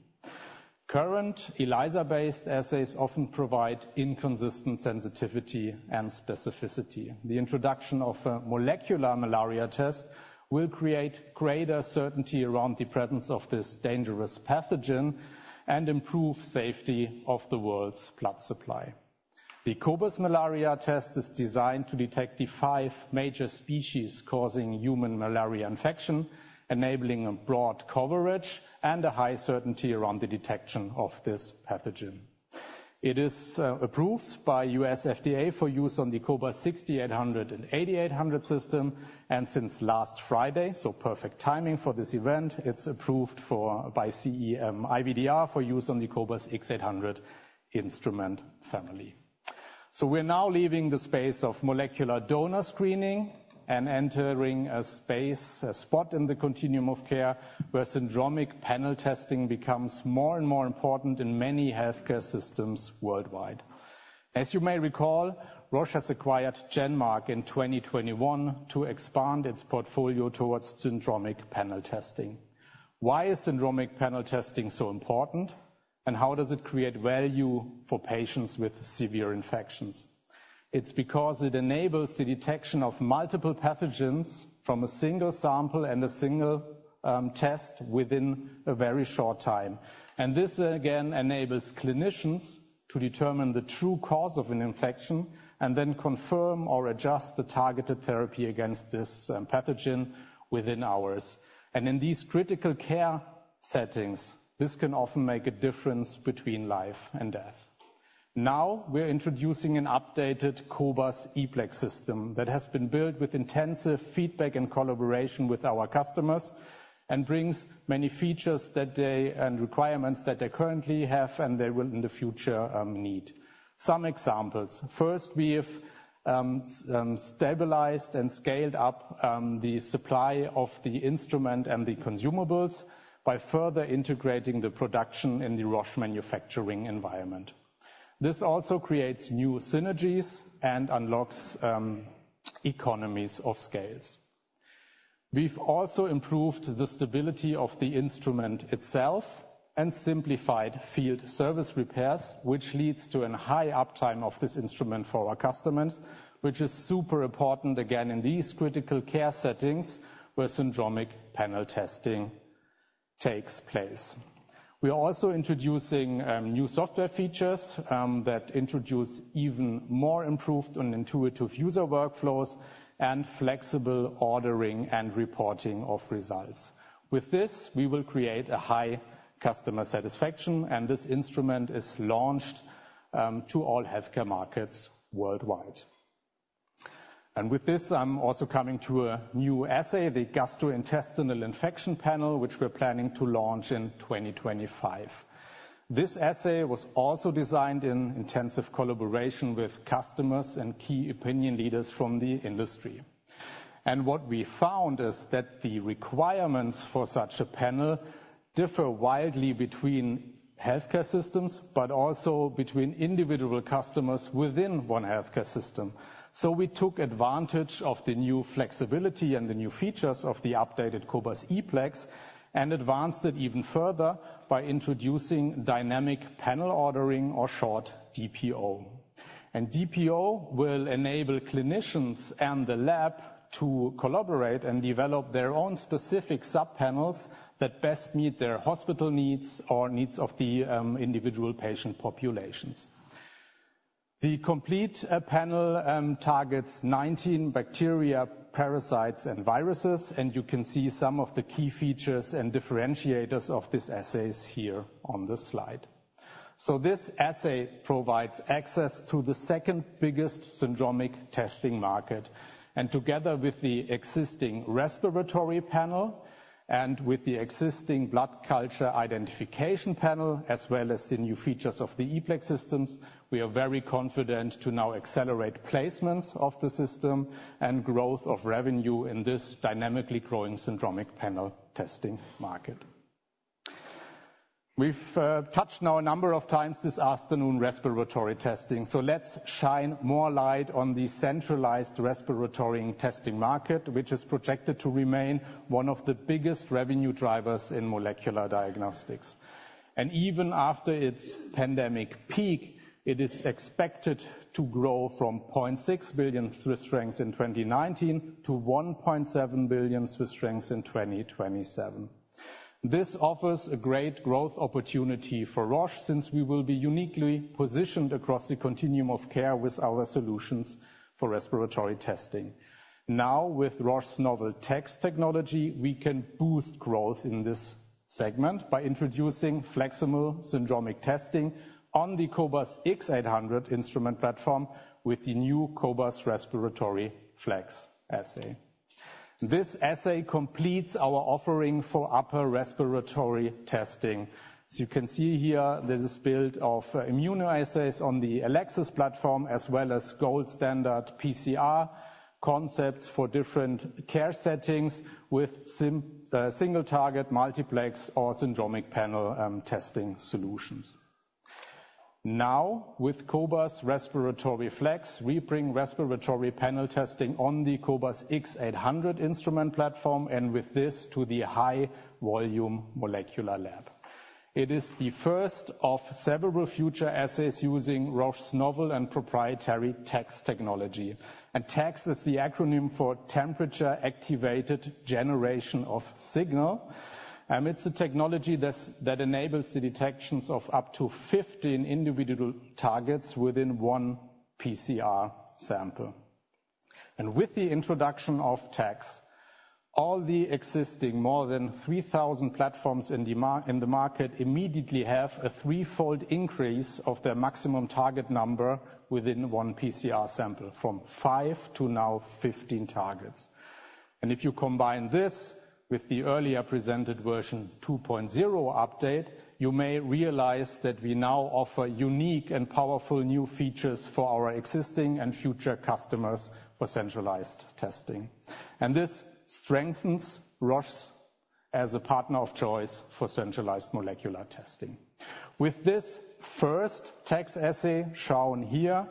Current ELISA-based assays often provide inconsistent sensitivity and specificity. The introduction of a molecular malaria test will create greater certainty around the presence of this dangerous pathogen, and improve safety of the world's blood supply. The cobas Malaria test is designed to detect the five major species causing human malaria infection, enabling a broad coverage and a high certainty around the detection of this pathogen. It is approved by USFDA for use on the cobas 6800 and 8800 system, and since last Friday, so perfect timing for this event, it's approved for by CE-IVDR for use on the cobas 800 instrument family. We're now leaving the space of molecular donor screening and entering a space, a spot in the continuum of care, where syndromic panel testing becomes more and more important in many healthcare systems worldwide. As you may recall, Roche has acquired GenMark in 2021 to expand its portfolio towards syndromic panel testing. Why is syndromic panel testing so important, and how does it create value for patients with severe infections? It's because it enables the detection of multiple pathogens from a single sample and a single test within a very short time. And this, again, enables clinicians to determine the true cause of an infection, and then confirm or adjust the targeted therapy against this pathogen within hours. In these critical care settings, this can often make a difference between life and death. Now, we're introducing an updated cobas ePlex system that has been built with intensive feedback and collaboration with our customers, and brings many features that they-- and requirements that they currently have, and they will in the future need. Some examples. First, we have stabilized and scaled up the supply of the instrument and the consumables by further integrating the production in the Roche manufacturing environment. This also creates new synergies and unlocks economies of scale. We've also improved the stability of the instrument itself, and simplified field service repairs, which leads to a high uptime of this instrument for our customers. Which is super important, again, in these critical care settings, where syndromic panel testing takes place. We are also introducing new software features that introduce even more improved and intuitive user workflows, and flexible ordering and reporting of results. With this, we will create a high customer satisfaction, and this instrument is launched to all healthcare markets worldwide. And with this, I'm also coming to a new assay, the gastrointestinal infection panel, which we're planning to launch in 2025. This assay was also designed in intensive collaboration with customers and key opinion leaders from the industry. What we found is that the requirements for such a panel differ wildly between healthcare systems, but also between individual customers within one healthcare system. We took advantage of the new flexibility and the new features of the updated cobas ePlex, and advanced it even further by introducing dynamic panel ordering, or short, DPO. DPO will enable clinicians and the lab to collaborate and develop their own specific subpanels that best meet their hospital needs or needs of the individual patient populations. The complete panel targets 19 bacteria, parasites, and viruses, and you can see some of the key features and differentiators of this assays here on this slide. This assay provides access to the second biggest syndromic testing market. Together with the existing respiratory panel and with the existing blood culture identification panel, as well as the new features of the ePlex systems, we are very confident to now accelerate placements of the system and growth of revenue in this dynamically growing syndromic panel testing market. We've touched now a number of times this afternoon, respiratory testing, so let's shine more light on the centralized respiratory testing market, which is projected to remain one of the biggest revenue drivers in molecular diagnostics. Even after its pandemic peak, it is expected to grow from 0.6 billion Swiss francs in 2019 to 1.7 billion Swiss francs in 2027. This offers a great growth opportunity for Roche, since we will be uniquely positioned across the continuum of care with our solutions for respiratory testing. Now, with Roche's novel TAGS technology, we can boost growth in this segment by introducing flexible syndromic testing on the cobas x 800 instrument platform with the new cobas Respiratory Flex assay. This assay completes our offering for upper respiratory testing. As you can see here, this is built of immunoassays on the Elecsys platform, as well as gold standard PCR concepts for different care settings, with simple single-target multiplex or syndromic panel testing solutions. Now, with cobas Respiratory Flex, we bring respiratory panel testing on the cobas x 800 instrument platform, and with this, to the high volume molecular lab. It is the first of several future assays using Roche's novel and proprietary TAGS technology. And TAGS is the acronym for temperature-activated generation of signal. It's a technology that enables the detection of up to 15 individual targets within one PCR sample. With the introduction of TAGS, all the existing more than 3,000 platforms in the market immediately have a threefold increase of their maximum target number within one PCR sample, from 5 to now 15 targets. If you combine this with the earlier presented version 2.0 update, you may realize that we now offer unique and powerful new features for our existing and future customers for centralized testing. This strengthens Roche as a partner of choice for centralized molecular testing. With this first TAGS assay shown here,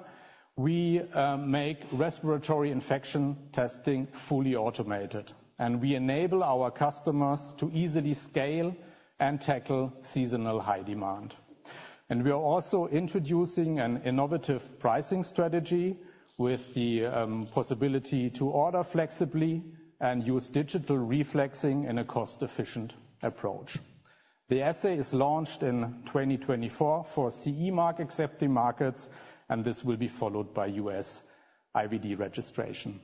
we make respiratory infection testing fully automated, and we enable our customers to easily scale and tackle seasonal high demand. We are also introducing an innovative pricing strategy with the possibility to order flexibly and use digital reflexing in a cost-efficient approach. The assay is launched in 2024 for CE mark-accepting markets, and this will be followed by U.S. IVD registration.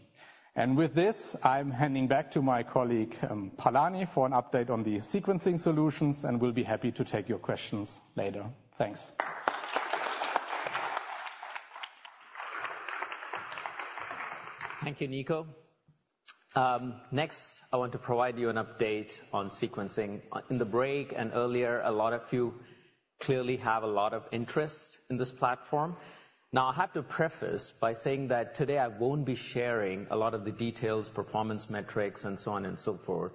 With this, I'm handing back to my colleague, Palani, for an update on the sequencing solutions, and we'll be happy to take your questions later. Thanks. Thank you, Nico. Next, I want to provide you an update on sequencing. In the break and earlier, a lot of you clearly have a lot of interest in this platform. Now, I have to preface by saying that today I won't be sharing a lot of the details, performance metrics, and so on and so forth.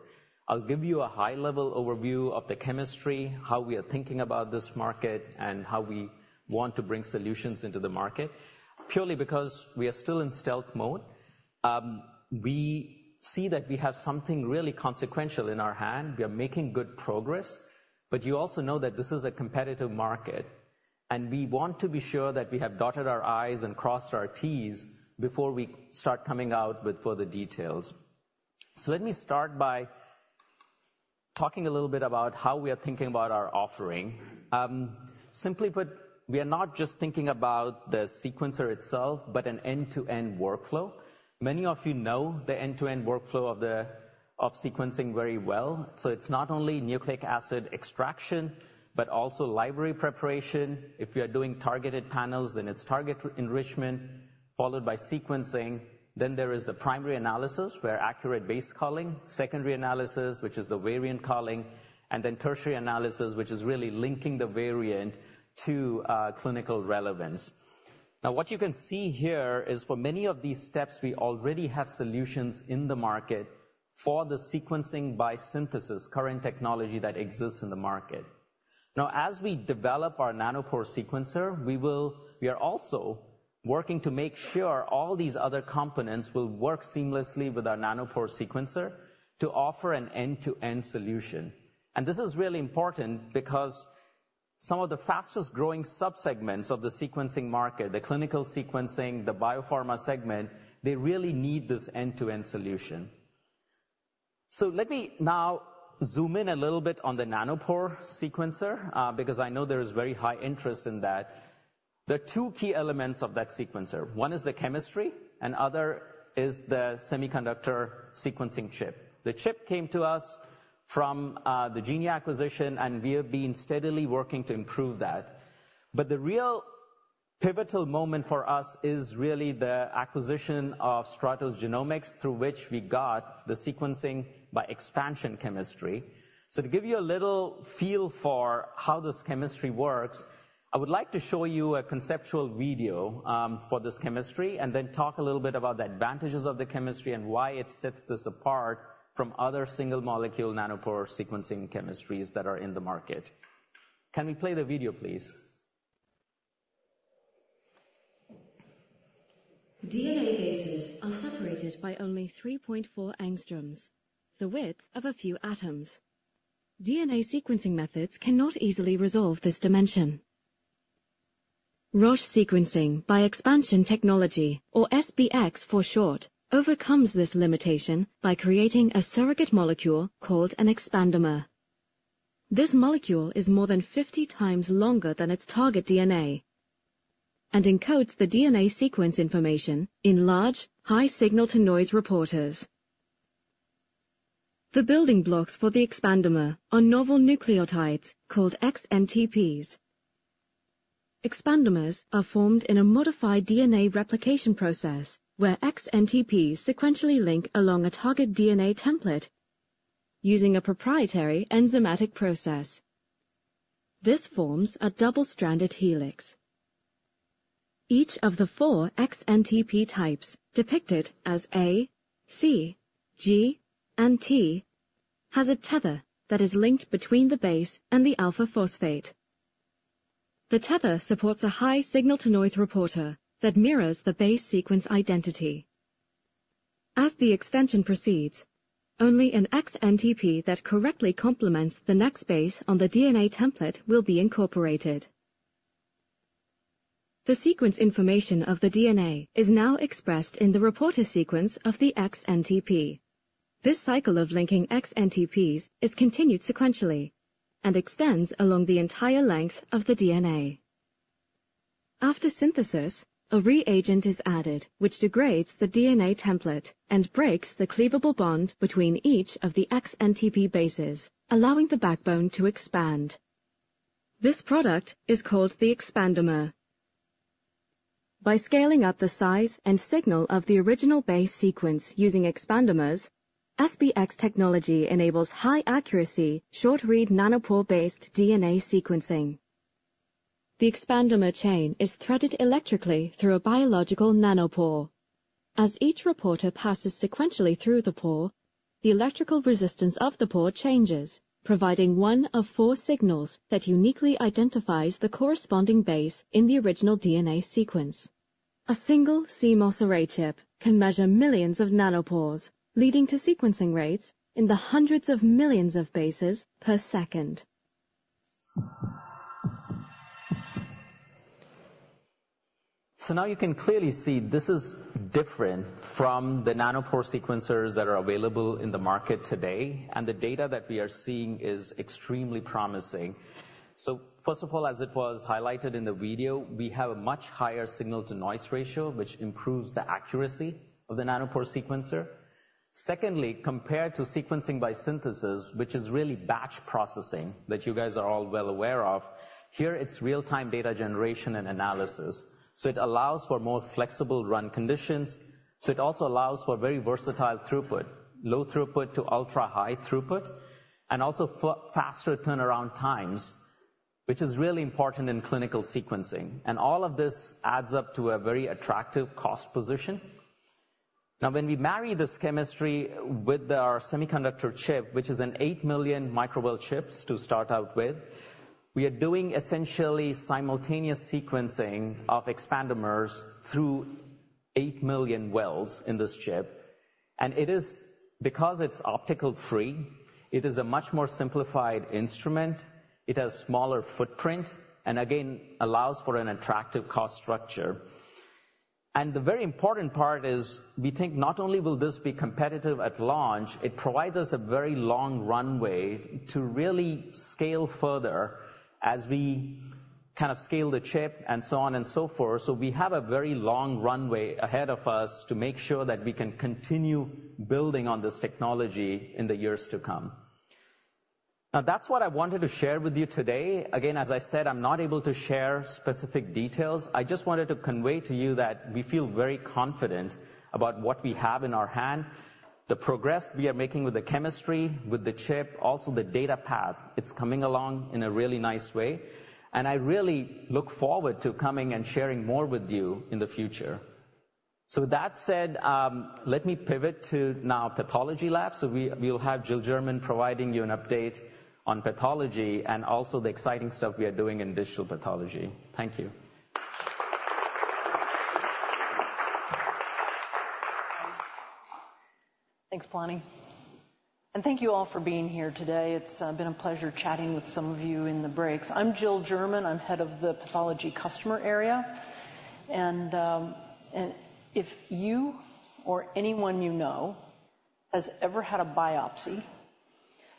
I'll give you a high-level overview of the chemistry, how we are thinking about this market, and how we want to bring solutions into the market, purely because we are still in stealth mode. We see that we have something really consequential in our hand. We are making good progress, but you also know that this is a competitive market, and we want to be sure that we have dotted our I's and crossed our T's before we start coming out with further details. So let me start by talking a little bit about how we are thinking about our offering. Simply put, we are not just thinking about the sequencer itself, but an end-to-end workflow. Many of you know the end-to-end workflow of sequencing very well. So it's not only nucleic acid extraction but also library preparation. If you are doing targeted panels, then it's target enrichment, followed by sequencing. Then there is the primary analysis, where accurate base calling, secondary analysis, which is the variant calling, and then tertiary analysis, which is really linking the variant to clinical relevance. Now, what you can see here is, for many of these steps, we already have solutions in the market for the sequencing by synthesis, current technology that exists in the market. Now, as we develop our Nanopore sequencer, we are also working to make sure all these other components will work seamlessly with our Nanopore sequencer to offer an end-to-end solution. And this is really important because some of the fastest-growing subsegments of the sequencing market, the clinical sequencing, the biopharma segment, they really need this end-to-end solution. So let me now zoom in a little bit on the Nanopore sequencer, because I know there is very high interest in that. There are two key elements of that sequencer. One is the chemistry, and other is the semiconductor sequencing chip. The chip came to us from the Genia acquisition, and we have been steadily working to improve that. But the real pivotal moment for us is really the acquisition of Stratos Genomics, through which we got the sequencing by expansion chemistry. To give you a little feel for how this chemistry works, I would like to show you a conceptual video for this chemistry, and then talk a little bit about the advantages of the chemistry and why it sets this apart from other single-molecule Nanopore sequencing chemistries that are in the market. Can we play the video, please? DNA bases are separated by only 3.4 angstroms, the width of a few atoms. DNA sequencing methods cannot easily resolve this dimension. Roche sequencing by expansion technology, or SBX for short, overcomes this limitation by creating a surrogate molecule called an Expandamer. This molecule is more than 50 times longer than its target DNA and encodes the DNA sequence information in large, high signal-to-noise reporters. The building blocks for the Expandamer are novel nucleotides called XNTPs. Expandamers are formed in a modified DNA replication process, where XNTPs sequentially link along a target DNA template using a proprietary enzymatic process. This forms a double-stranded helix. Each of the four XNTP types, depicted as A, C, G, and T, has a tether that is linked between the base and the alpha phosphate. The tether supports a high signal-to-noise reporter that mirrors the base sequence identity. As the extension proceeds, only an xNTP that correctly complements the next base on the DNA template will be incorporated. The sequence information of the DNA is now expressed in the reporter sequence of the xNTP. This cycle of linking xNTPs is continued sequentially and extends along the entire length of the DNA. After synthesis, a reagent is added, which degrades the DNA template and breaks the cleavable bond between each of the xNTP bases, allowing the backbone to expand. This product is called the Expandamer. By scaling up the size and signal of the original base sequence using Expandamers, SBX technology enables high accuracy, short-read, nanopore-based DNA sequencing. The Expandamer chain is threaded electrically through a biological nanopore. As each reporter passes sequentially through the pore, the electrical resistance of the pore changes, providing one of four signals that uniquely identifies the corresponding base in the original DNA sequence. A single CMOS array chip can measure millions of nanopores, leading to sequencing rates in the hundreds of millions of bases per second. So now you can clearly see this is different from the nanopore sequencers that are available in the market today, and the data that we are seeing is extremely promising. So first of all, as it was highlighted in the video, we have a much higher signal-to-noise ratio, which improves the accuracy of the nanopore sequencer. Secondly, compared to sequencing by synthesis, which is really batch processing, that you guys are all well aware of, here, it's real-time data generation and analysis, so it allows for more flexible run conditions. So it also allows for very versatile throughput, low throughput to ultra-high throughput, and also for faster turnaround times, which is really important in clinical sequencing. And all of this adds up to a very attractive cost position. Now, when we marry this chemistry with our semiconductor chip, which is an 8 million microwell chips to start out with, we are doing essentially simultaneous sequencing of Expandamers through 8 million wells in this chip. And it is because it's optical-free, it is a much more simplified instrument. It has smaller footprint, and again, allows for an attractive cost structure. And the very important part is we think not only will this be competitive at launch, it provides us a very long runway to really scale further as we kind of scale the chip and so on and so forth. So we have a very long runway ahead of us to make sure that we can continue building on this technology in the years to come. Now, that's what I wanted to share with you today. Again, as I said, I'm not able to share specific details. I just wanted to convey to you that we feel very confident about what we have in our hand, the progress we are making with the chemistry, with the chip, also the data path. It's coming along in a really nice way, and I really look forward to coming and sharing more with you in the future. So with that said, let me pivot to our pathology labs. So we'll have Jill German providing you an update on pathology and also the exciting stuff we are doing in digital pathology. Thank you. Thanks, Palani, and thank you all for being here today. It's been a pleasure chatting with some of you in the breaks. I'm Jill German. I'm head of the pathology customer area, and if you or anyone you know has ever had a biopsy,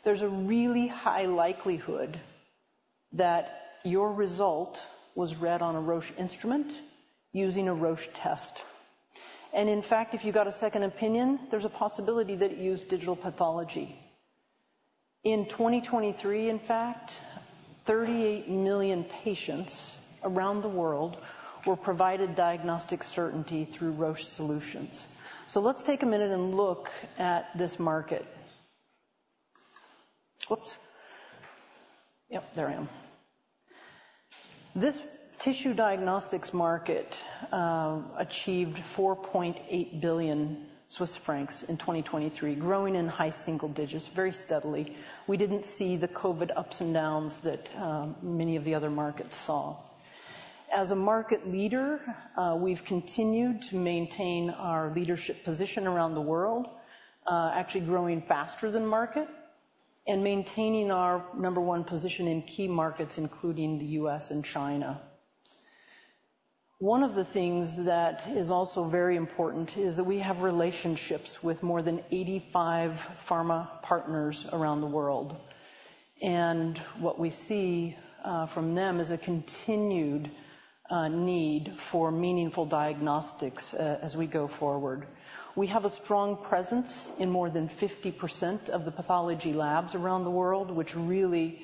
there's a really high likelihood that your result was read on a Roche instrument using a Roche test. And in fact, if you got a second opinion, there's a possibility that it used digital pathology. In 2023, in fact, 38 million patients around the world were provided diagnostic certainty through Roche Solutions. So let's take a minute and look at this market. Whoops! Yep, there I am. This tissue diagnostics market achieved 4.8 billion Swiss francs in 2023, growing in high single digits, very steadily. We didn't see the COVID ups and downs that many of the other markets saw. As a market leader, we've continued to maintain our leadership position around the world, actually growing faster than market and maintaining our number one position in key markets, including the U.S. and China. One of the things that is also very important is that we have relationships with more than 85 pharma partners around the world, and what we see from them is a continued need for meaningful diagnostics as we go forward. We have a strong presence in more than 50% of the pathology labs around the world, which really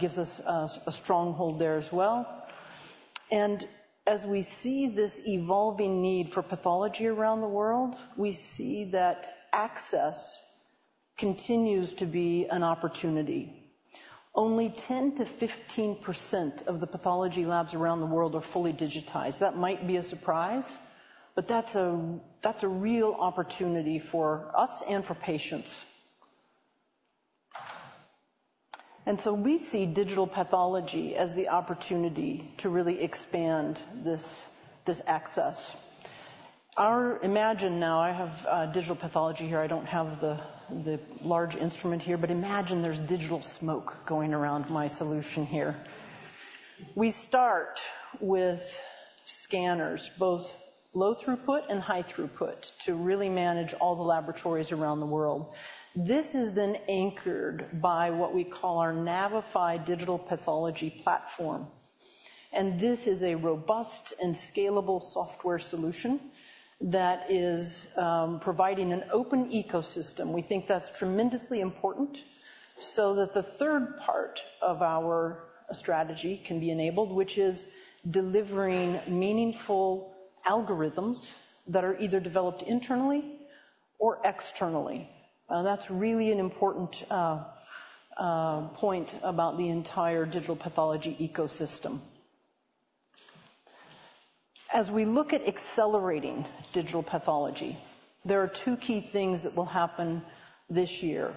gives us a stronghold there as well. As we see this evolving need for pathology around the world, we see that access continues to be an opportunity. Only 10%-15% of the pathology labs around the world are fully digitized. That might be a surprise, but that's a real opportunity for us and for patients. So we see digital pathology as the opportunity to really expand this access. Imagine now, I have digital pathology here. I don't have the large instrument here, but imagine there's digital smoke going around my solution here. We start with scanners, both low throughput and high throughput, to really manage all the laboratories around the world. This is then anchored by what we call our Navify Digital Pathology Platform. This is a robust and scalable software solution that is providing an open ecosystem. We think that's tremendously important, so that the third part of our strategy can be enabled, which is delivering meaningful algorithms that are either developed internally or externally. That's really an important point about the entire digital pathology ecosystem. As we look at accelerating digital pathology, there are two key things that will happen this year.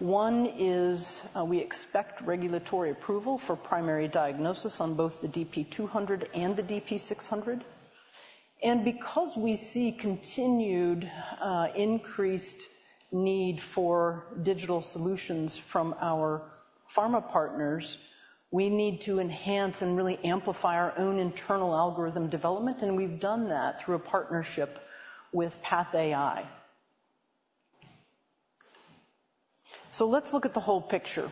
One is, we expect regulatory approval for primary diagnosis on both the DP 200 and the DP 600. And because we see continued, increased need for digital solutions from our pharma partners, we need to enhance and really amplify our own internal algorithm development, and we've done that through a partnership with PathAI. So let's look at the whole picture.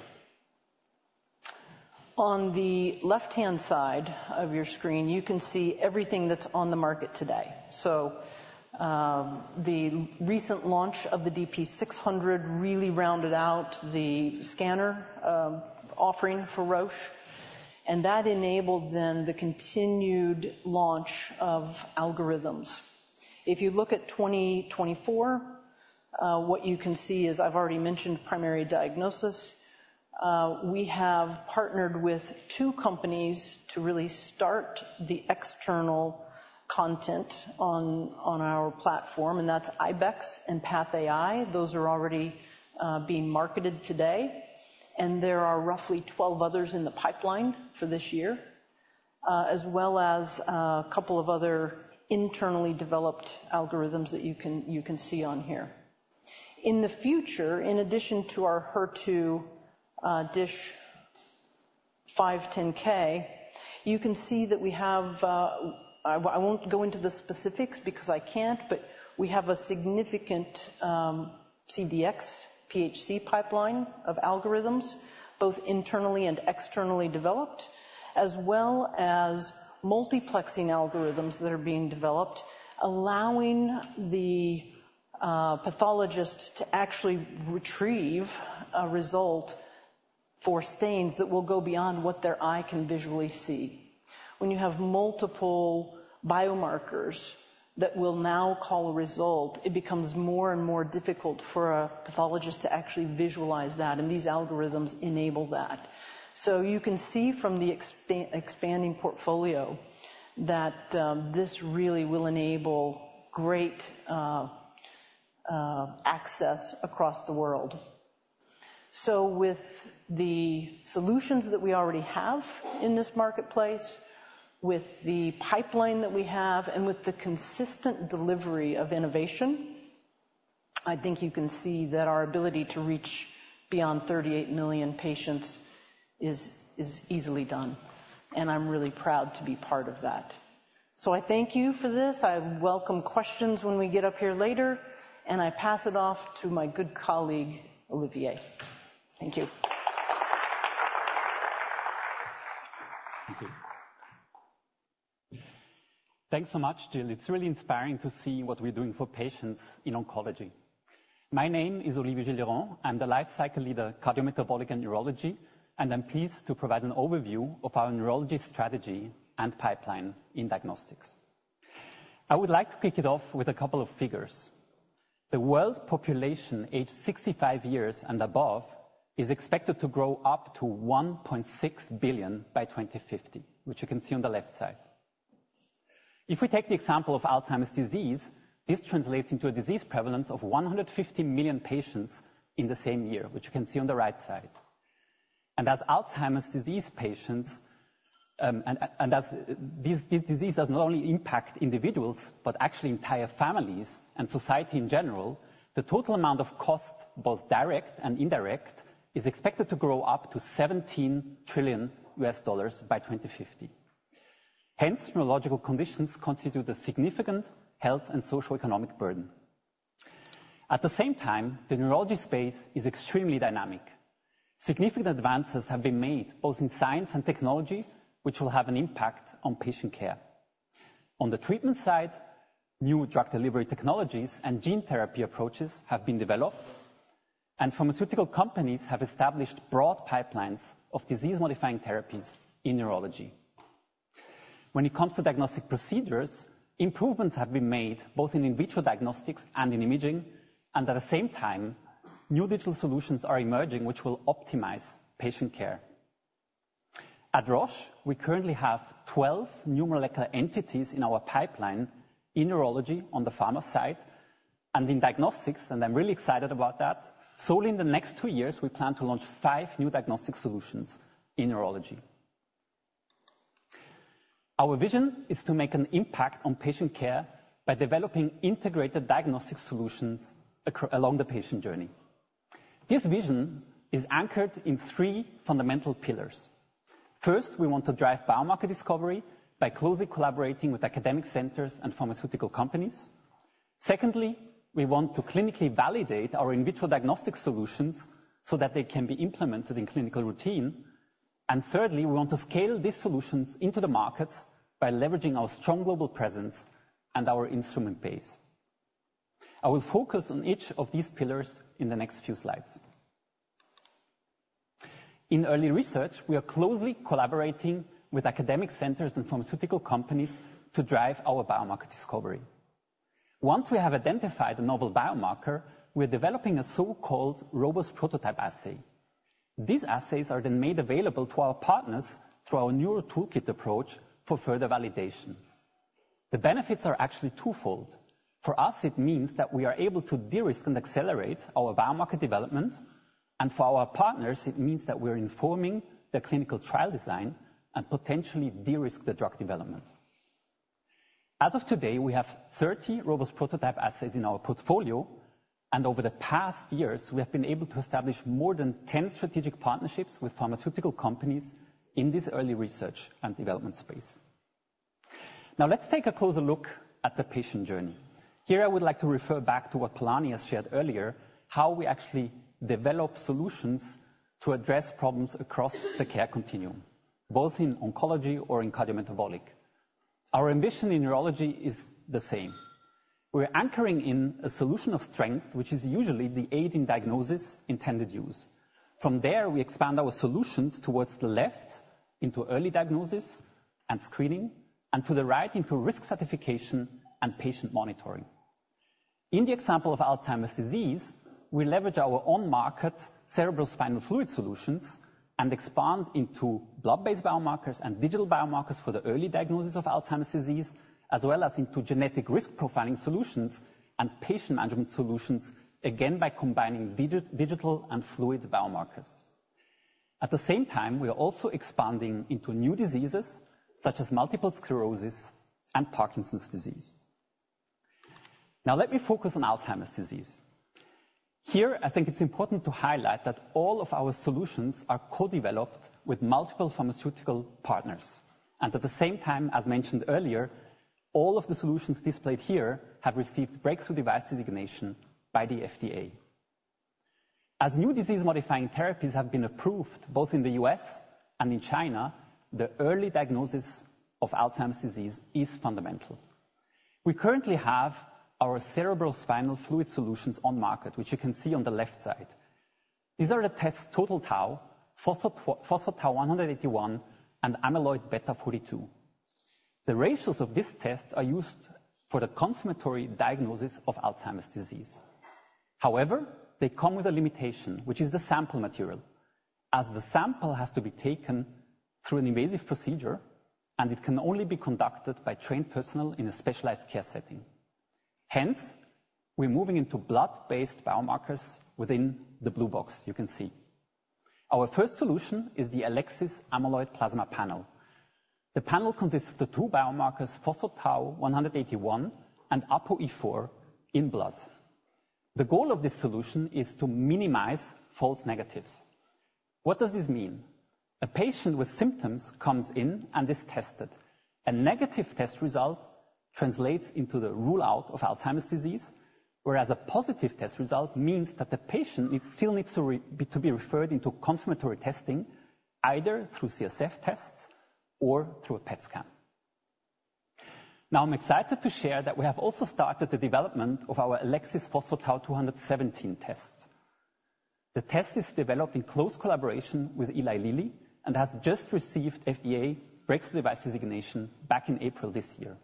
On the left-hand side of your screen, you can see everything that's on the market today. So, the recent launch of the DP 600 really rounded out the scanner offering for Roche, and that enabled then the continued launch of algorithms. If you look at 2024, what you can see is, I've already mentioned primary diagnosis. We have partnered with two companies to really start the external content on our platform, and that's Ibex and PathAI. Those are already being marketed today, and there are roughly 12 others in the pipeline for this year, as well as a couple of other internally developed algorithms that you can see on here. In the future, in addition to our HER2 DISH 510K, you can see that we have... I won't go into the specifics because I can't, but we have a significant CDx PHC pipeline of algorithms, both internally and externally developed, as well as multiplexing algorithms that are being developed, allowing the pathologist to actually retrieve a result for stains that will go beyond what their eye can visually see. When you have multiple biomarkers that we'll now call a result, it becomes more and more difficult for a pathologist to actually visualize that, and these algorithms enable that. So you can see from the expanding portfolio, that this really will enable great access across the world. So with the solutions that we already have in this marketplace, with the pipeline that we have, and with the consistent delivery of innovation, I think you can see that our ability to reach beyond 38 million patients is easily done, and I'm really proud to be part of that. So I thank you for this. I welcome questions when we get up here later, and I pass it off to my good colleague, Olivier. Thank you. Thank you. Thanks so much, Jill. It's really inspiring to see what we're doing for patients in oncology. My name is Olivier Gilliaron. I'm the Lifecycle Leader, Cardiometabolic and Neurology, and I'm pleased to provide an overview of our neurology strategy and pipeline in diagnostics. I would like to kick it off with a couple of figures. The world population, aged 65 years and above, is expected to grow up to 1.6 billion by 2050, which you can see on the left side. If we take the example of Alzheimer's disease, this translates into a disease prevalence of 150 million patients in the same year, which you can see on the right side. And as Alzheimer's disease patients, These diseases do not only impact individuals, but actually entire families and society in general. The total amount of cost, both direct and indirect, is expected to grow up to $17 trillion by 2050. Hence, neurological conditions constitute a significant health and socioeconomic burden. At the same time, the neurology space is extremely dynamic. Significant advances have been made, both in science and technology, which will have an impact on patient care. On the treatment side, new drug delivery technologies and gene therapy approaches have been developed, and pharmaceutical companies have established broad pipelines of disease-modifying therapies in neurology. When it comes to diagnostic procedures, improvements have been made, both in in vitro diagnostics and in imaging, and at the same time, new digital solutions are emerging, which will optimize patient care. At Roche, we currently have 12 new molecular entities in our pipeline in neurology on the pharma side and in diagnostics, and I'm really excited about that. Solely in the next 2 years, we plan to launch 5 new diagnostic solutions in neurology. Our vision is to make an impact on patient care by developing integrated diagnostic solutions across the patient journey. This vision is anchored in 3 fundamental pillars. First, we want to drive biomarker discovery by closely collaborating with academic centers and pharmaceutical companies. Secondly, we want to clinically validate our in vitro diagnostic solutions so that they can be implemented in clinical routine. And thirdly, we want to scale these solutions into the markets by leveraging our strong global presence and our instrument base. I will focus on each of these pillars in the next few slides. In early research, we are closely collaborating with academic centers and pharmaceutical companies to drive our biomarker discovery. Once we have identified a novel biomarker, we are developing a so-called robust prototype assay. These assays are then made available to our partners through our neural toolkit approach for further validation. The benefits are actually twofold. For us, it means that we are able to de-risk and accelerate our biomarker development, and for our partners, it means that we are informing the clinical trial design and potentially de-risk the drug development. As of today, we have 30 robust prototype assays in our portfolio, and over the past years, we have been able to establish more than 10 strategic partnerships with pharmaceutical companies in this early research and development space. Now, let's take a closer look at the patient journey. Here, I would like to refer back to what Palani has shared earlier, how we actually develop solutions to address problems across the care continuum, both in oncology or in cardiometabolic. Our ambition in neurology is the same. We're anchoring in a solution of strength, which is usually the aid in diagnosis, intended use. From there, we expand our solutions towards the left, into early diagnosis and screening, and to the right into risk stratification and patient monitoring. In the example of Alzheimer's disease, we leverage our on-market cerebrospinal fluid solutions and expand into blood-based biomarkers and digital biomarkers for the early diagnosis of Alzheimer's disease, as well as into genetic risk profiling solutions and patient management solutions, again, by combining digital and fluid biomarkers. At the same time, we are also expanding into new diseases such as multiple sclerosis and Parkinson's disease. Now, let me focus on Alzheimer's disease. Here, I think it's important to highlight that all of our solutions are co-developed with multiple pharmaceutical partners, and at the same time, as mentioned earlier, all of the solutions displayed here have received Breakthrough Device Designation by the FDA. As new disease-modifying therapies have been approved, both in the U.S. and in China, the early diagnosis of Alzheimer's disease is fundamental. We currently have our cerebrospinal fluid solutions on market, which you can see on the left side. These are the tests, total tau, phospho-tau 181, and amyloid beta 42. The ratios of this test are used for the confirmatory diagnosis of Alzheimer's disease. However, they come with a limitation, which is the sample material, as the sample has to be taken through an invasive procedure, and it can only be conducted by trained personnel in a specialized care setting. Hence, we're moving into blood-based biomarkers within the blue box you can see. Our first solution is the Elecsys Amyloid Plasma Panel. The panel consists of the two biomarkers, phospho-tau 181 and APOE4 in blood. The goal of this solution is to minimize false negatives. What does this mean? A patient with symptoms comes in and is tested. A negative test result translates into the rule-out of Alzheimer's disease, whereas a positive test result means that the patient needs, still needs to be referred into confirmatory testing, either through CSF tests or through a PET scan. Now, I'm excited to share that we have also started the development of our Elecsys pTau217 test. The test is developed in close collaboration with Eli Lilly and has just received FDA Breakthrough Device Designation back in April this year.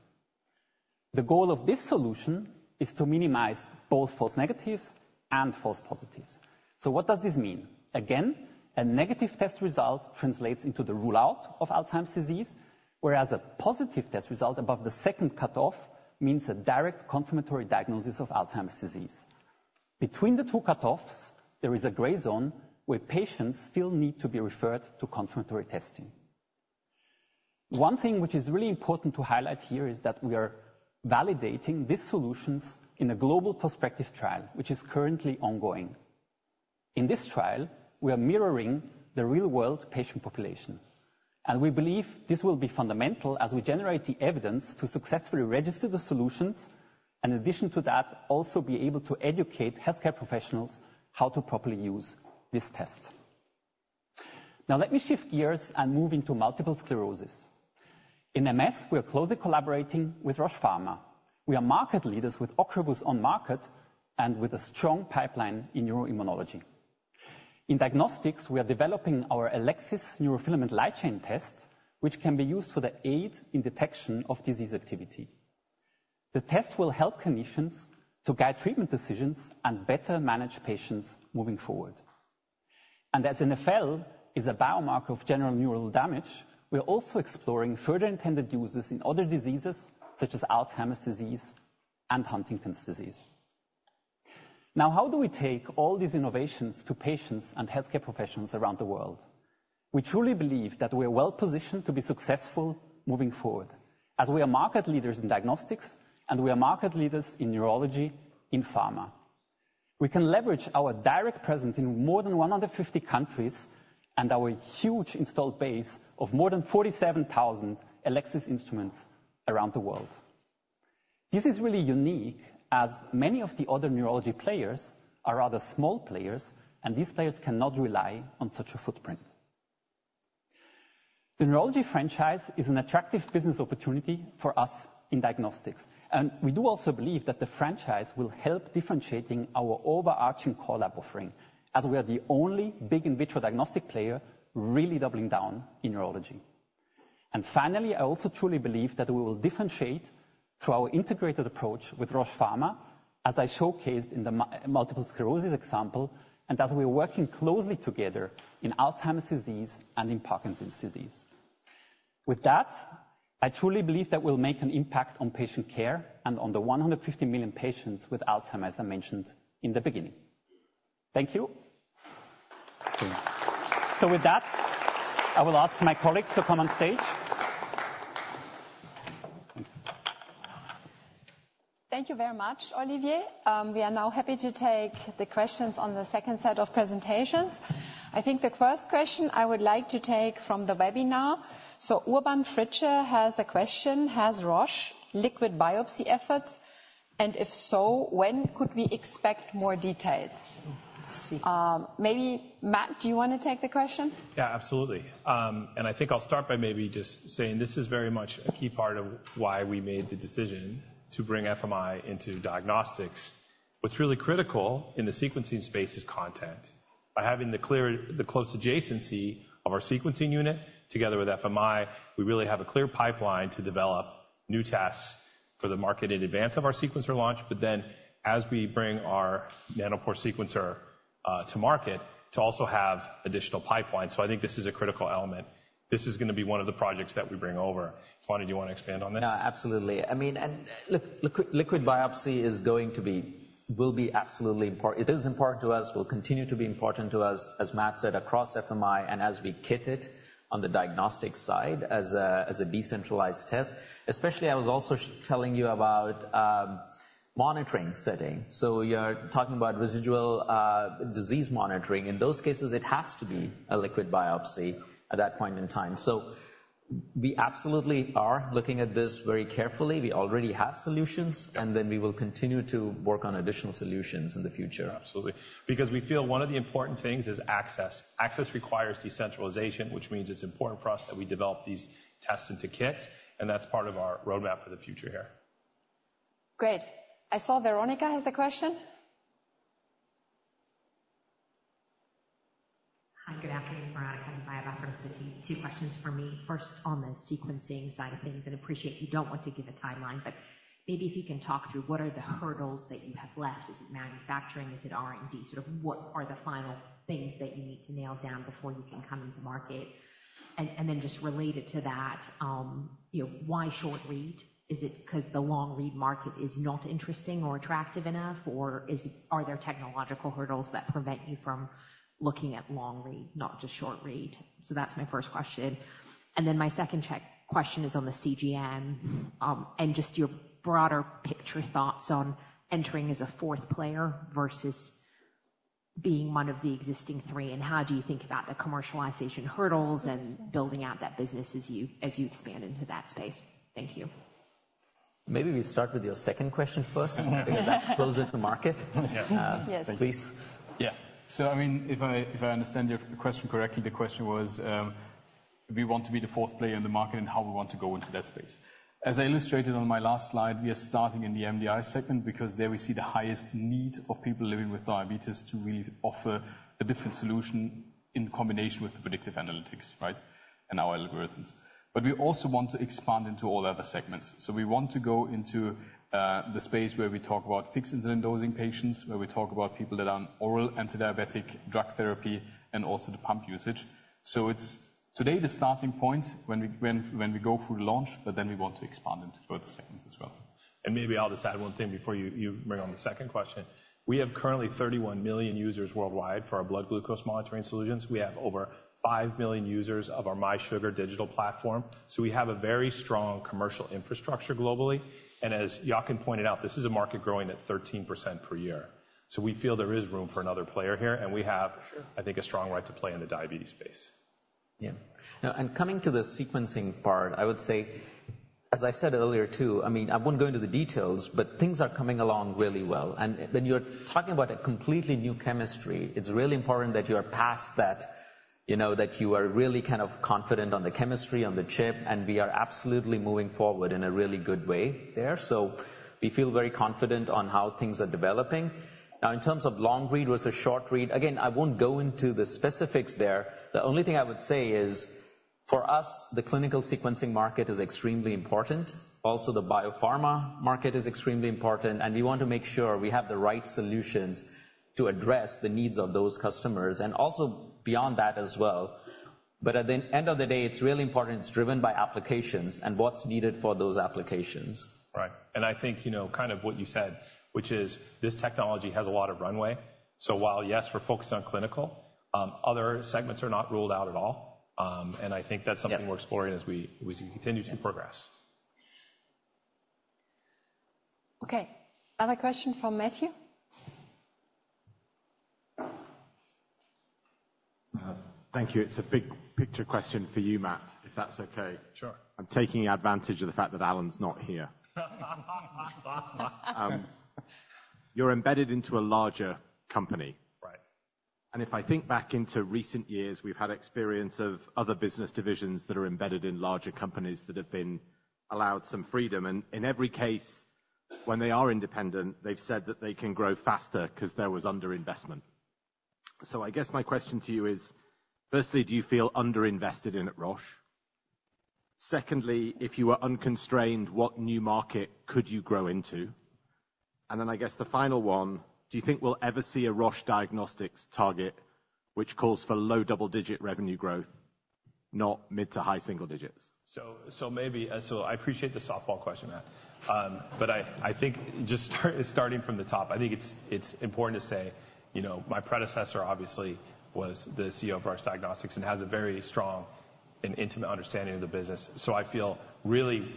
The goal of this solution is to minimize both false negatives and false positives. So what does this mean? Again, a negative test result translates into the rule-out of Alzheimer's disease, whereas a positive test result above the second cutoff means a direct confirmatory diagnosis of Alzheimer's disease. Between the two cutoffs, there is a gray zone where patients still need to be referred to confirmatory testing. One thing which is really important to highlight here is that we are validating these solutions in a global prospective trial, which is currently ongoing. In this trial, we are mirroring the real-world patient population, and we believe this will be fundamental as we generate the evidence to successfully register the solutions, and in addition to that, also be able to educate healthcare professionals how to properly use these tests. Now, let me shift gears and move into multiple sclerosis. In MS, we are closely collaborating with Roche Pharma. We are market leaders with Ocrevus on market and with a strong pipeline in neuroimmunology.... In diagnostics, we are developing our Elecsys Neurofilament Light Chain test, which can be used for the aid in detection of disease activity. The test will help clinicians to guide treatment decisions and better manage patients moving forward. And as NFL is a biomarker of general neural damage, we are also exploring further intended uses in other diseases, such as Alzheimer's disease and Huntington's disease. Now, how do we take all these innovations to patients and healthcare professionals around the world? We truly believe that we are well-positioned to be successful moving forward, as we are market leaders in diagnostics, and we are market leaders in neurology in pharma. We can leverage our direct presence in more than 150 countries and our huge installed base of more than 47,000 Elecsys instruments around the world. This is really unique, as many of the other neurology players are rather small players, and these players cannot rely on such a footprint. The neurology franchise is an attractive business opportunity for us in diagnostics, and we do also believe that the franchise will help differentiating our overarching core lab offering, as we are the only big in vitro diagnostic player really doubling down in neurology. And finally, I also truly believe that we will differentiate through our integrated approach with Roche Pharma, as I showcased in the multiple sclerosis example, and as we are working closely together in Alzheimer's disease and in Parkinson's disease. With that, I truly believe that we'll make an impact on patient care and on the 150 million patients with Alzheimer's, as I mentioned in the beginning. Thank you. So with that, I will ask my colleagues to come on stage. Thank you very much, Olivier. We are now happy to take the questions on the second set of presentations. I think the first question I would like to take from the webinar. So Urban Fritsche has a question: Has Roche liquid biopsy efforts, and if so, when could we expect more details? Maybe, Matt, do you want to take the question? Yeah, absolutely. And I think I'll start by maybe just saying this is very much a key part of why we made the decision to bring FMI into diagnostics. What's really critical in the sequencing space is content. By having the close adjacency of our sequencing unit together with FMI, we really have a clear pipeline to develop new tests for the market in advance of our sequencer launch, but then as we bring our Nanopore sequencer to market, to also have additional pipelines. I think this is a critical element. This is going to be one of the projects that we bring over. Swati, do you want to expand on this? No, absolutely. I mean, and, look, liquid biopsy is going to be, will be absolutely important. It is important to us, will continue to be important to us, as Matt said, across FMI and as we kit it on the diagnostic side as a decentralized test. Especially, I was also telling you about monitoring setting. So you're talking about residual disease monitoring. In those cases, it has to be a liquid biopsy at that point in time. So we absolutely are looking at this very carefully. We already have solutions, and then we will continue to work on additional solutions in the future. Absolutely. Because we feel one of the important things is access. Access requires decentralization, which means it's important for us that we develop these tests into kits, and that's part of our roadmap for the future here. Great. I saw Veronika has a question. Hi, good afternoon, Veronika from Citigroup. Two questions for me. First, on the sequencing side of things, and appreciate you don't want to give a timeline, but maybe if you can talk through what are the hurdles that you have left? Is it manufacturing? Is it R&D? Sort of, what are the final things that you need to nail down before you can come into market? And, and then just related to that, you know, why short read? Is it because the long read market is not interesting or attractive enough, or is it - are there technological hurdles that prevent you from looking at long read, not just short read? So that's my first question. Then my second question is on the CGM, and just your broader picture thoughts on entering as a fourth player versus being one of the existing three, and how do you think about the commercialization hurdles and building out that business as you expand into that space? Thank you. Maybe we start with your second question first, because that's closer to market. Yeah. Yes. Please. Yeah. So, I mean, if I, if I understand your question correctly, the question was, we want to be the fourth player in the market and how we want to go into that space. As I illustrated on my last slide, we are starting in the MDI segment because there we see the highest need for people living with diabetes to really offer a different solution in combination with the predictive analytics, right? And our algorithms. But we also want to expand into all other segments. So we want to go into the space where we talk about fixed insulin dosing patients, where we talk about people that are on oral antidiabetic drug therapy and also the pump usage. So it's today, the starting point when we go through the launch, but then we want to expand into further segments as well. Maybe I'll just add one thing before you bring on the second question. We have currently 31 million users worldwide for our blood glucose monitoring solutions. We have over 5 million users of our mySugr digital platform. We have a very strong commercial infrastructure globally. And as Jochen pointed out, this is a market growing at 13% per year. We feel there is room for another player here, and we have- For sure... I think, a strong right to play in the diabetes space. Yeah. Now, coming to the sequencing part, I would say, as I said earlier, too, I mean, I won't go into the details, but things are coming along really well. When you're talking about a completely new chemistry, it's really important that you are past that- ... you know, that you are really kind of confident on the chemistry, on the chip, and we are absolutely moving forward in a really good way there. So we feel very confident on how things are developing. Now, in terms of long read versus short read, again, I won't go into the specifics there. The only thing I would say is, for us, the clinical sequencing market is extremely important. Also, the biopharma market is extremely important, and we want to make sure we have the right solutions to address the needs of those customers, and also beyond that as well. But at the end of the day, it's really important, it's driven by applications and what's needed for those applications. Right. And I think, you know, kind of what you said, which is this technology has a lot of runway. So while, yes, we're focused on clinical, other segments are not ruled out at all. And I think that's something- Yeah We're exploring as we, we continue to progress. Okay. Other question from Matthew? Thank you. It's a big picture question for you, Matt, if that's okay. Sure. I'm taking advantage of the fact that Alan's not here. You're embedded into a larger company. Right. And if I think back into recent years, we've had experience of other business divisions that are embedded in larger companies that have been allowed some freedom. And in every case, when they are independent, they've said that they can grow faster 'cause there was underinvestment. So I guess my question to you is, firstly, do you feel underinvested in at Roche? Secondly, if you were unconstrained, what new market could you grow into? And then, I guess the final one, do you think we'll ever see a Roche Diagnostics target which calls for low double-digit revenue growth, not mid to high single digits? So I appreciate the softball question, Matt. But I think starting from the top, I think it's important to say, you know, my predecessor obviously was the CEO of Roche Diagnostics and has a very strong and intimate understanding of the business. So I feel really,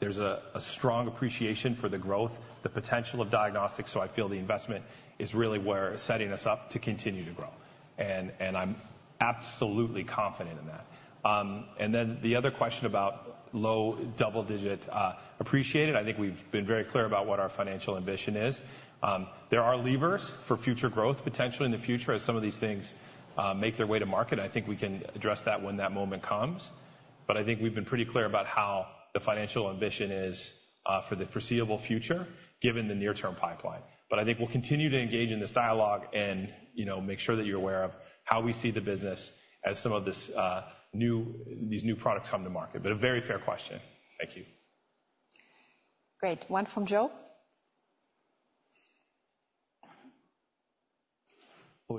there's a strong appreciation for the growth, the potential of diagnostics, so I feel the investment is really where setting us up to continue to grow, and I'm absolutely confident in that. And then the other question about low double digit, appreciate it. I think we've been very clear about what our financial ambition is. There are levers for future growth, potentially in the future, as some of these things make their way to market. I think we can address that when that moment comes. But I think we've been pretty clear about how the financial ambition is for the foreseeable future, given the near-term pipeline. But I think we'll continue to engage in this dialogue and, you know, make sure that you're aware of how we see the business as some of this, new, these new products come to market. But a very fair question. Thank you. Great. One from Jo? Over here. Up here. Front row. Front row. Always the same. Thank you. I'm Jo Walton from UBS. I've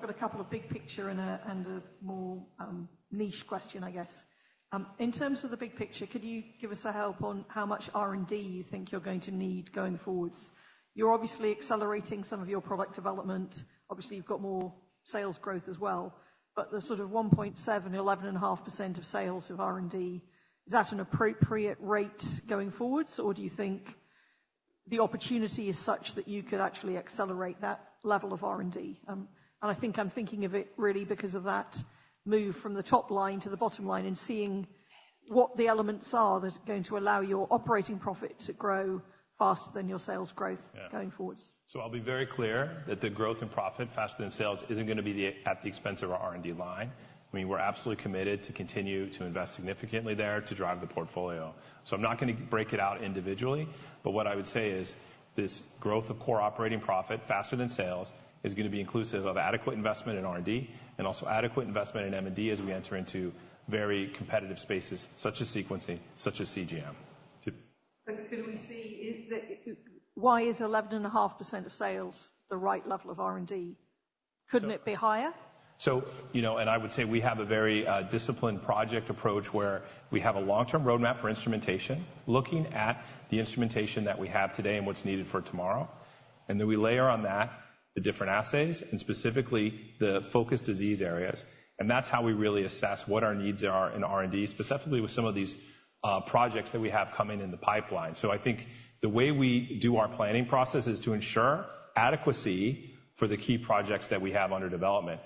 got a couple of big picture and a more niche question, I guess. In terms of the big picture, could you give us a help on how much R&D you think you're going to need going forwards? You're obviously accelerating some of your product development. Obviously, you've got more sales growth as well, but the sort of 1.7%-11.5% of sales of R&D, is that an appropriate rate going forwards? Or do you think the opportunity is such that you could actually accelerate that level of R&D? And I think I'm thinking of it really because of that move from the top line to the bottom line and seeing what the elements are that are going to allow your operating profit to grow faster than your sales growth- Yeah -going forwards. So I'll be very clear that the growth in profit faster than sales isn't gonna be at the expense of our R&D line. I mean, we're absolutely committed to continue to invest significantly there to drive the portfolio. So I'm not gonna break it out individually, but what I would say is this growth of core operating profit faster than sales is gonna be inclusive of adequate investment in R&D, and also adequate investment in M&D as we enter into very competitive spaces, such as sequencing, such as CGM. Why is 11.5% of sales the right level of R&D? Couldn't it be higher? So, you know, and I would say we have a very disciplined project approach, where we have a long-term roadmap for instrumentation, looking at the instrumentation that we have today and what's needed for tomorrow. And then we layer on that the different assays, and specifically, the focus disease areas. And that's how we really assess what our needs are in R&D, specifically with some of these projects that we have coming in the pipeline. So I think the way we do our planning process is to ensure adequacy for the key projects that we have under development.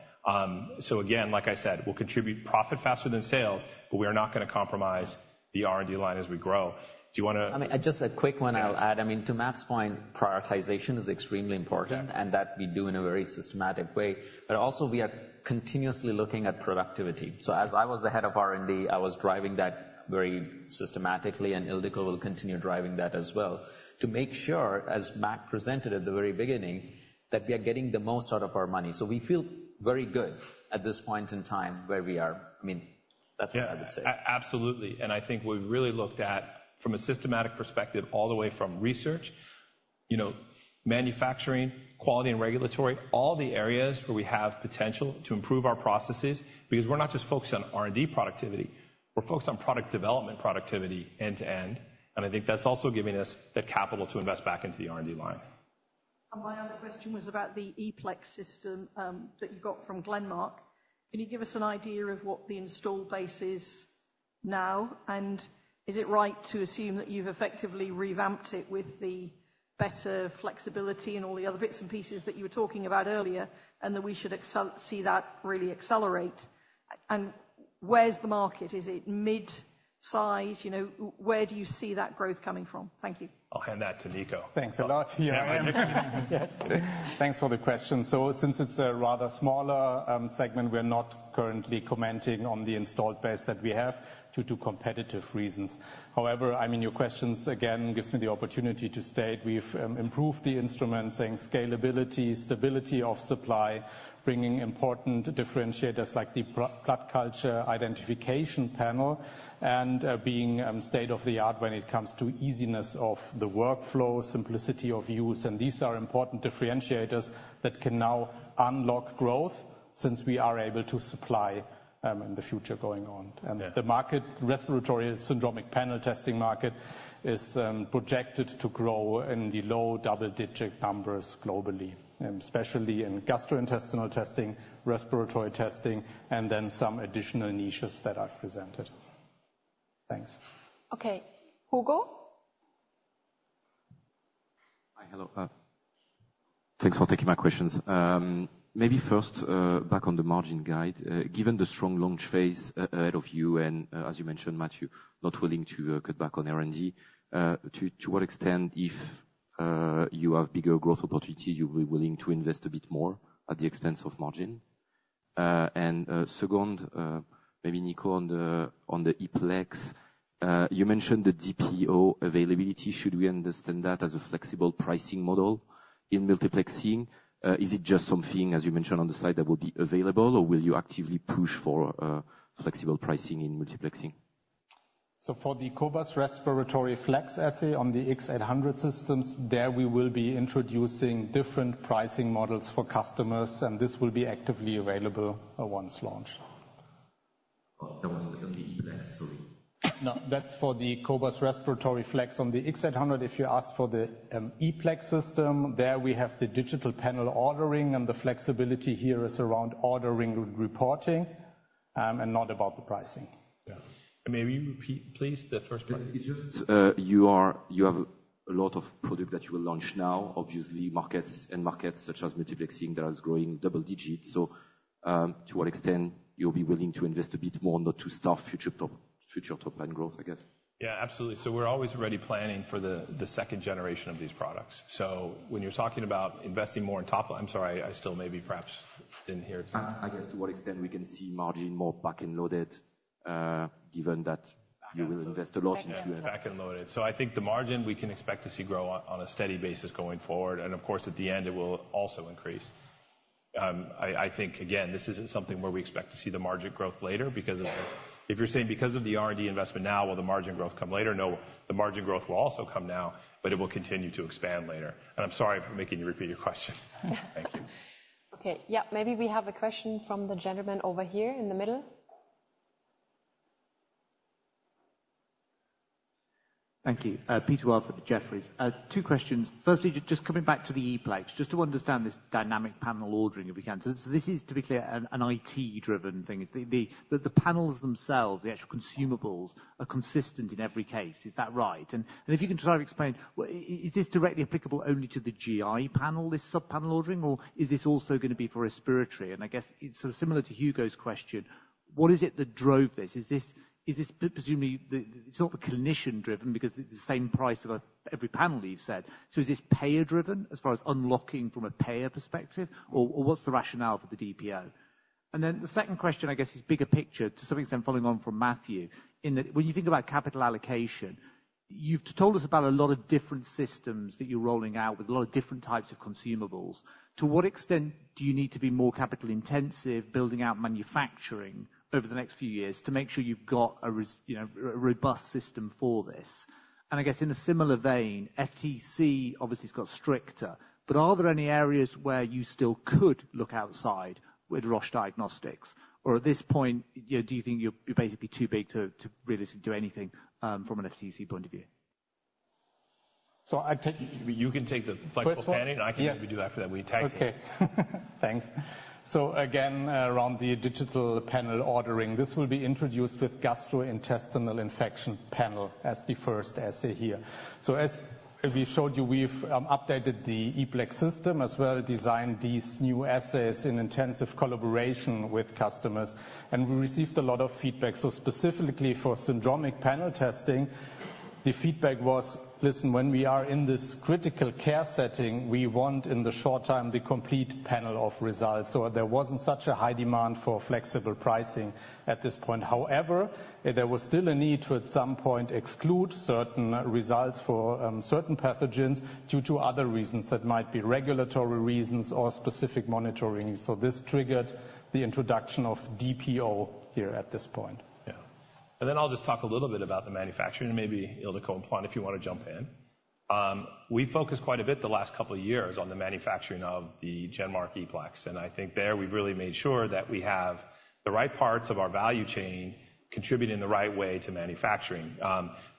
So again, like I said, we'll contribute profit faster than sales, but we are not gonna compromise the R&D line as we grow. Do you wanna- I mean, just a quick one I'll add. Yeah. I mean, to Matt's point, prioritization is extremely important- Yeah and that we do in a very systematic way. But also, we are continuously looking at productivity. So as I was the head of R&D, I was driving that very systematically, and Ildikó will continue driving that as well, to make sure, as Matt presented at the very beginning, that we are getting the most out of our money. So we feel very good at this point in time where we are. I mean, that's what I would say. Yeah. Absolutely, and I think we've really looked at, from a systematic perspective, all the way from research, you know, manufacturing, quality and regulatory, all the areas where we have potential to improve our processes, because we're not just focused on R&D productivity, we're focused on product development productivity end to end, and I think that's also giving us the capital to invest back into the R&D line. My other question was about the ePlex system that you got from GenMark. Can you give us an idea of what the installed base is now? And is it right to assume that you've effectively revamped it with the better flexibility and all the other bits and pieces that you were talking about earlier, and that we should see that really accelerate? And where's the market? Is it mid-size? You know, where do you see that growth coming from? Thank you. I'll hand that to Nico. Thanks a lot. Yes. Thanks for the question. So since it's a rather smaller segment, we are not currently commenting on the installed base that we have due to competitive reasons. However, I mean, your questions, again, gives me the opportunity to state we've improved the instrument, saying scalability, stability of supply, bringing important differentiators like the blood culture identification panel, and being state-of-the-art when it comes to easiness of the workflow, simplicity of use. And these are important differentiators that can now unlock growth since we are able to supply in the future going on. Yeah. The market, respiratory syndromic panel testing market, is projected to grow in the low double-digit numbers globally, and especially in gastrointestinal testing, respiratory testing, and then some additional niches that I've presented. Thanks. Okay. Hugo? Hi. Hello. Thanks for taking my questions. Maybe first, back on the margin guide. Given the strong launch phase ahead of you, and, as you mentioned, Matthew, not willing to cut back on R&D, to what extent, if you have bigger growth opportunity, you'll be willing to invest a bit more at the expense of margin? And, second, maybe Nico, on the ePlex, you mentioned the DPO availability. Should we understand that as a flexible pricing model in multiplexing? Is it just something, as you mentioned on the side, that will be available, or will you actively push for flexible pricing in multiplexing? So for the cobas Respiratory Flex assay on the cobas x800 systems, there we will be introducing different pricing models for customers, and this will be actually available once launched. Oh, that was on the ePlex. Sorry. No, that's for the cobas Respiratory Flex on the x800. If you ask for the ePlex system, there we have the digital panel ordering, and the flexibility here is around ordering, reporting, and not about the pricing. Yeah. May you repeat, please, the first part? It's just, you are—you have a lot of product that you will launch now, obviously, markets end markets such as multiplexing that is growing double digits. So, to what extent you'll be willing to invest a bit more not to stop future top, future top-line growth, I guess? Yeah, absolutely. So we're always already planning for the, the second generation of these products. So when you're talking about investing more in top line... I'm sorry, I still maybe perhaps didn't hear it. I guess to what extent we can see margin more back and loaded, given that- Yeah. You will invest a lot into it. Back end. Back and loaded. So I think the margin, we can expect to see grow on, on a steady basis going forward, and of course, at the end it will also increase. I think, again, this isn't something where we expect to see the margin growth later because of the—If you're saying because of the R&D investment now, will the margin growth come later? No, the margin growth will also come now, but it will continue to expand later. And I'm sorry for making you repeat your question. Thank you. Okay. Yeah, maybe we have a question from the gentleman over here in the middle. Thank you. Peter Welford at Jefferies. Two questions. Firstly, just coming back to the ePlex, just to understand this dynamic panel ordering, if we can. So this is, to be clear, an IT-driven thing. The panels themselves, the actual consumables, are consistent in every case. Is that right? And if you can try to explain, is this directly applicable only to the GI panel, this sub-panel ordering, or is this also gonna be for respiratory? And I guess it's sort of similar to Hugo's question, what is it that drove this? Is this presumably the... It's not clinician-driven, because it's the same price of every panel, you've said. So is this payer-driven, as far as unlocking from a payer perspective? Or what's the rationale for the DPO? Then the second question, I guess, is bigger picture, to some extent following on from Matthew, in that when you think about capital allocation, you've told us about a lot of different systems that you're rolling out with a lot of different types of consumables. To what extent do you need to be more capital-intensive, building out manufacturing over the next few years to make sure you've got, you know, a robust system for this? And I guess in a similar vein, FTC obviously has got stricter, but are there any areas where you still could look outside with Roche Diagnostics? Or at this point, you know, do you think you're basically too big to really do anything from an FTC point of view? So I take- You can take the flexible panning- First one. Yes. I can maybe do after that. We tagged it. Okay. Thanks. So again, around the dynamic panel ordering, this will be introduced with gastrointestinal infection panel as the first assay here. So as we showed you, we've updated the ePlex system, as well designed these new assays in intensive collaboration with customers, and we received a lot of feedback. So specifically for syndromic panel testing, the feedback was, "Listen, when we are in this critical care setting, we want, in the short term, the complete panel of results." So there wasn't such a high demand for flexible pricing at this point. However, there was still a need to, at some point, exclude certain results for certain pathogens due to other reasons. That might be regulatory reasons or specific monitoring. So this triggered the introduction of DPO here at this point. Yeah. And then I'll just talk a little bit about the manufacturing and maybe, Ildikó and Claus, if you want to jump in. We focused quite a bit the last couple of years on the manufacturing of the GenMark ePlex, and I think there, we've really made sure that we have the right parts of our value chain contributing the right way to manufacturing.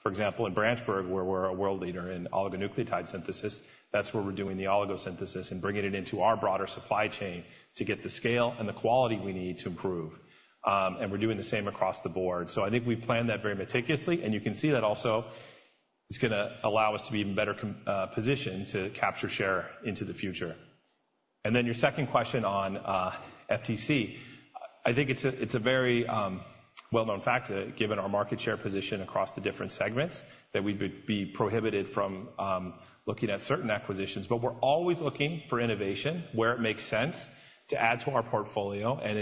For example, in Branchburg, where we're a world leader in oligonucleotide synthesis, that's where we're doing the oligo synthesis and bringing it into our broader supply chain to get the scale and the quality we need to improve. And we're doing the same across the board. So I think we planned that very meticulously, and you can see that also it's gonna allow us to be even better positioned to capture share into the future. And then your second question on FTC. I think it's a very well-known fact, given our market share position across the different segments, that we'd be prohibited from looking at certain acquisitions. But we're always looking for innovation where it makes sense to add to our portfolio. And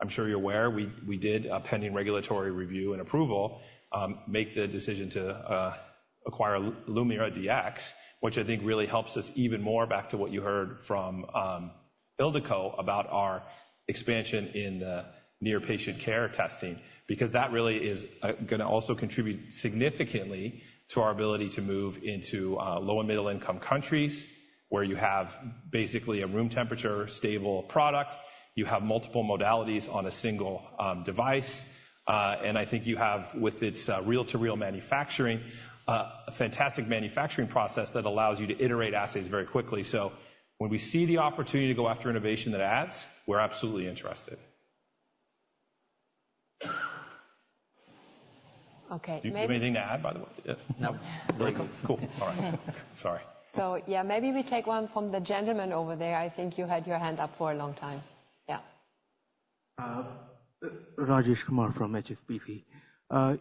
as I'm sure you're aware, we did, pending regulatory review and approval, make the decision to acquire LumiraDx, which I think really helps us even more back to what you heard from Ildikó about our expansion in the near patient care testing, because that really is gonna also contribute significantly to our ability to move into low and middle income countries, where you have basically a room temperature stable product. You have multiple modalities on a single device. And I think you have, with its reel-to-reel manufacturing, a fantastic manufacturing process that allows you to iterate assays very quickly. So when we see the opportunity to go after innovation that adds, we're absolutely interested. Okay, may- Do you have anything to add, by the way? No. Very good. Cool. All right. Sorry. So yeah, maybe we take one from the gentleman over there. I think you had your hand up for a long time. Yeah. Rajesh Kumar from HSBC.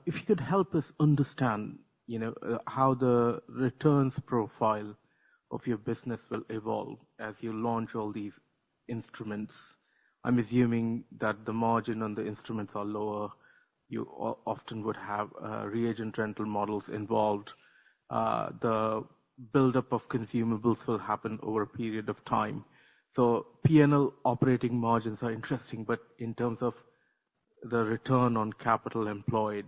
If you could help us understand, you know, how the returns profile of your business will evolve as you launch all these instruments. I'm assuming that the margin on the instruments are lower. You often would have, reagent rental models involved. The buildup of consumables will happen over a period of time. So PNL operating margins are interesting, but in terms of the return on capital employed,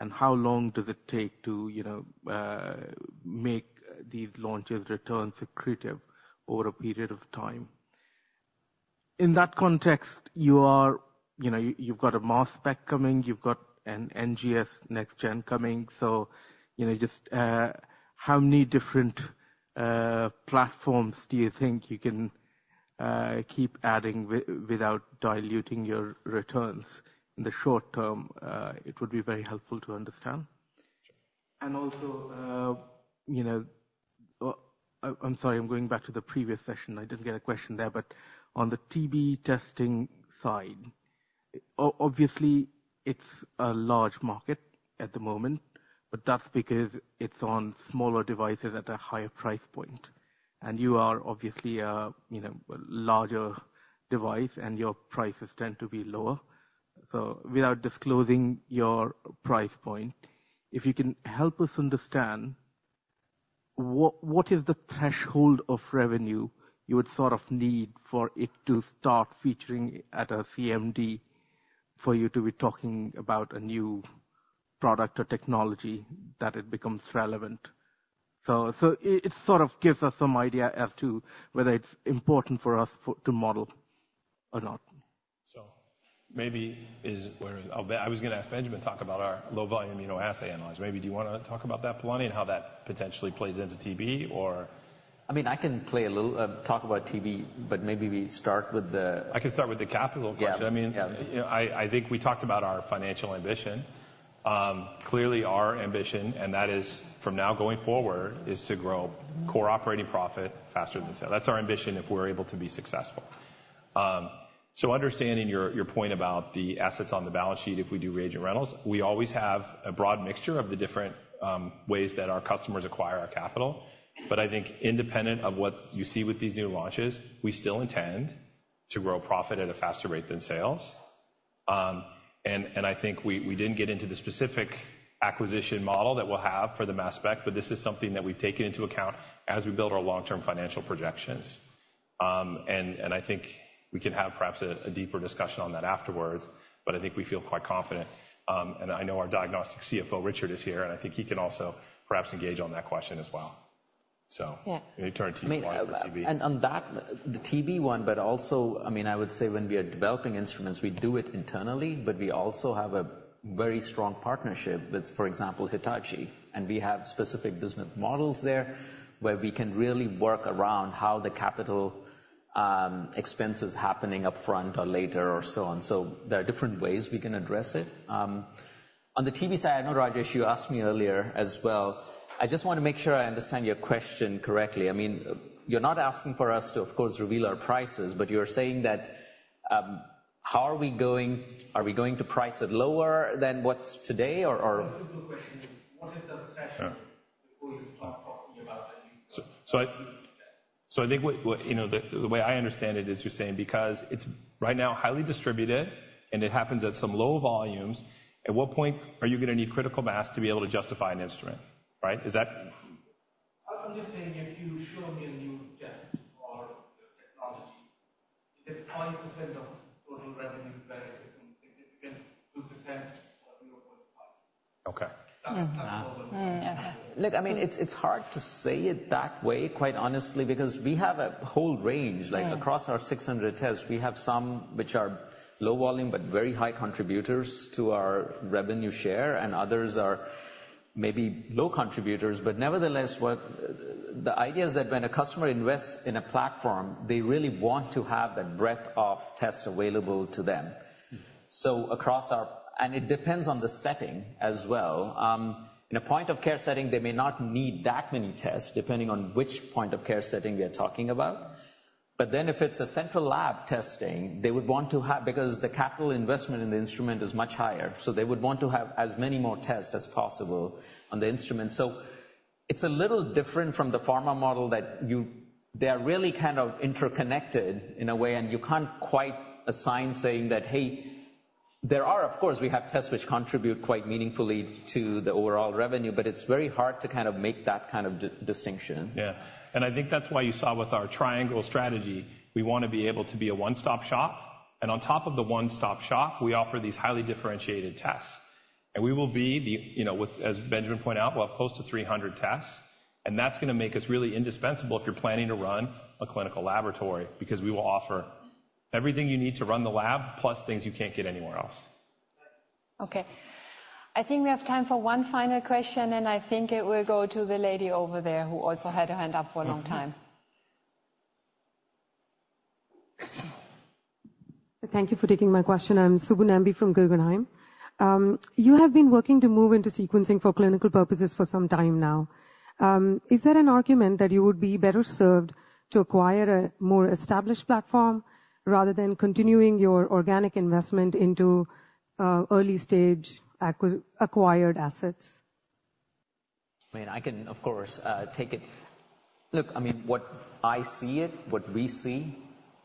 and how long does it take to, you know, make these launches return accretive over a period of time? In that context, you are... You know, you've got a mass spec coming, you've got an NGS, next gen, coming. So, you know, just, how many different, platforms do you think you can, keep adding wi- without diluting your returns in the short term? It would be very helpful to understand. Also, you know, I'm sorry, I'm going back to the previous session. I didn't get a question there, but on the TB testing side, obviously, it's a large market at the moment, but that's because it's on smaller devices at a higher price point. And you are obviously a, you know, larger device, and your prices tend to be lower. So without disclosing your price point, if you can help us understand, what is the threshold of revenue you would sort of need for it to start featuring at a CMD, for you to be talking about a new product or technology, that it becomes relevant? So it sort of gives us some idea as to whether it's important for us to model or not. So, I was going to ask Benjamin to talk about our low volume immunoassay analyzer. Maybe, do you want to talk about that, Palani, and how that potentially plays into TB or- I mean, I can play a little, talk about TB, but maybe we start with the- I can start with the capital question. Yeah. I mean, I think we talked about our financial ambition. Clearly, our ambition, and that is from now going forward, is to grow core operating profit faster than sales. That's our ambition, if we're able to be successful. So understanding your point about the assets on the balance sheet, if we do reagent rentals, we always have a broad mixture of the different ways that our customers acquire our capital. But I think independent of what you see with these new launches, we still intend to grow profit at a faster rate than sales. And I think we didn't get into the specific acquisition model that we'll have for the mass spec, but this is something that we've taken into account as we build our long-term financial projections. I think we can have perhaps a deeper discussion on that afterwards, but I think we feel quite confident. I know our diagnostic CFO, Richard, is here, and I think he can also perhaps engage on that question as well. So- Yeah. Maybe turn to you for TB. And on that, the TB one, but also, I mean, I would say when we are developing instruments, we do it internally, but we also have a very strong partnership with, for example, Hitachi, and we have specific business models there, where we can really work around how the capital expenses happening up front or later or so on. So there are different ways we can address it. On the TB side, I know, Rajesh, you asked me earlier as well. I just want to make sure I understand your question correctly. I mean, you're not asking for us to, of course, reveal our prices, but you're saying that, how are we going-- are we going to price it lower than what's today, or, or? The question is, what is the threshold? So I think what, you know, the way I understand it is you're saying, because it's right now highly distributed and it happens at some low volumes, at what point are you going to need critical mass to be able to justify an instrument? Right? Is that... I'm just saying, if you show me a new test or technology, it's 5% of total revenue significant, 2% of your profit. Okay. Mm. Look, I mean, it's hard to say it that way, quite honestly, because we have a whole range- Yeah... Like, across our 600 tests, we have some which are low volume, but very high contributors to our revenue share, and others are maybe low contributors. But nevertheless, the idea is that when a customer invests in a platform, they really want to have the breadth of tests available to them. Mm. It depends on the setting as well. In a point-of-care setting, they may not need that many tests, depending on which point-of-care setting we are talking about... But then if it's a central lab testing, they would want to have, because the capital investment in the instrument is much higher, so they would want to have as many more tests as possible on the instrument. So it's a little different from the pharma model that they are really kind of interconnected in a way, and you can't quite assign saying that, "Hey," there are of course, we have tests which contribute quite meaningfully to the overall revenue, but it's very hard to kind of make that kind of distinction. Yeah, and I think that's why you saw with our triangle strategy, we wanna be able to be a one-stop shop. And on top of the one-stop shop, we offer these highly differentiated tests. And we will be the, you know, with—as Benjamin pointed out, we'll have close to 300 tests, and that's gonna make us really indispensable if you're planning to run a clinical laboratory, because we will offer everything you need to run the lab, plus things you can't get anywhere else. Okay. I think we have time for one final question, and I think it will go to the lady over there, who also had her hand up for a long time. Thank you for taking my question. I'm Subbu Nambi from Guggenheim. You have been working to move into sequencing for clinical purposes for some time now. Is there an argument that you would be better served to acquire a more established platform rather than continuing your organic investment into early-stage acquired assets? I mean, I can, of course, take it. Look, I mean, what I see it, what we see,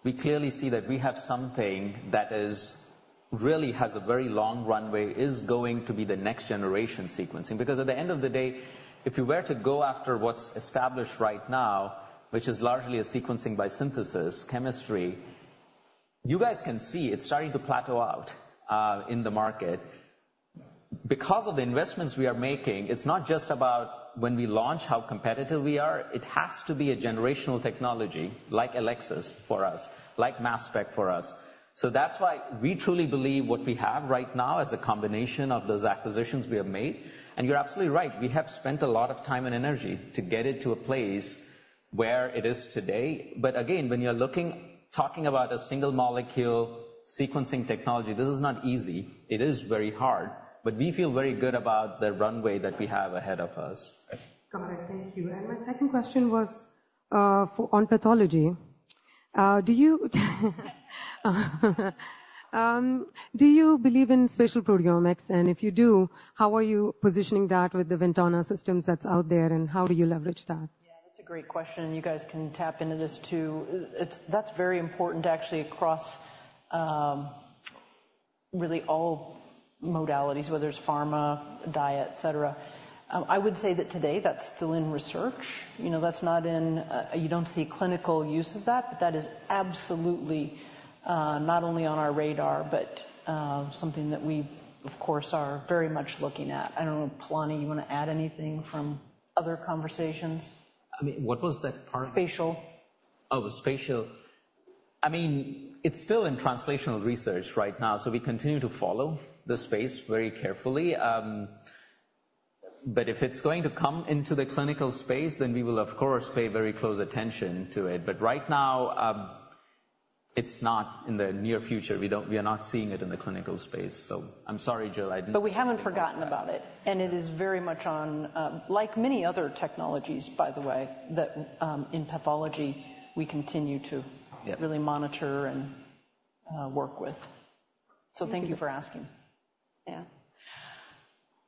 we clearly see that we have something that is really has a very long runway, is going to be the next-generation sequencing. Because at the end of the day, if you were to go after what's established right now, which is largely a sequencing by synthesis chemistry, you guys can see it's starting to plateau out in the market. Because of the investments we are making, it's not just about when we launch, how competitive we are, it has to be a generational technology, like Elexys for us, like Mass Spec for us. So that's why we truly believe what we have right now is a combination of those acquisitions we have made. You're absolutely right, we have spent a lot of time and energy to get it to a place where it is today. But again, when you're looking, talking about a single molecule sequencing technology, this is not easy. It is very hard, but we feel very good about the runway that we have ahead of us. Got it. Thank you. And my second question was, for, on pathology. Do you believe in spatial proteomics? And if you do, how are you positioning that with the Ventana systems that's out there, and how do you leverage that? Yeah, that's a great question. You guys can tap into this, too. It's. That's very important, actually, across really all modalities, whether it's pharma, diet, et cetera. I would say that today, that's still in research. You know, that's not in. You don't see clinical use of that, but that is absolutely not only on our radar, but something that we, of course, are very much looking at. I don't know, Palani, you want to add anything from other conversations? I mean, what was that part? Spatial. Oh, spatial. I mean, it's still in translational research right now, so we continue to follow the space very carefully. But if it's going to come into the clinical space, then we will, of course, pay very close attention to it. But right now, it's not in the near future. We don't—We are not seeing it in the clinical space, so I'm sorry, Jill, I didn't- But we haven't forgotten about it, and it is very much on, like many other technologies, by the way, that in pathology, we continue to- Yeah... really monitor and work with. So thank you for asking. Yeah.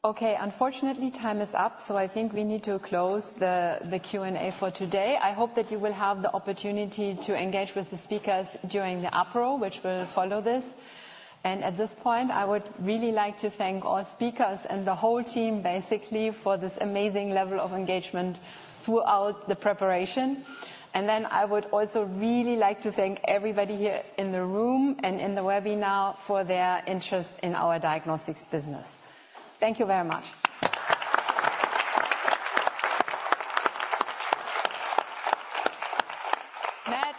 Okay, unfortunately, time is up, so I think we need to close the Q&A for today. I hope that you will have the opportunity to engage with the speakers during the appro, which will follow this. And at this point, I would really like to thank all speakers and the whole team, basically, for this amazing level of engagement throughout the preparation. And then I would also really like to thank everybody here in the room and in the webinar for their interest in our diagnostics business. Thank you very much. Matt,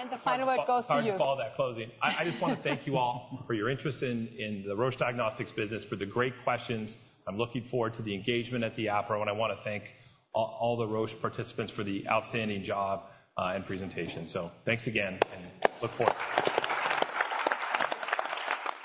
and the final word goes to you. Hard to follow that closing. I just want to thank you all for your interest in the Roche Diagnostics business, for the great questions. I'm looking forward to the engagement at the apéro, and I want to thank all the Roche participants for the outstanding job and presentation. So thanks again, and look forward.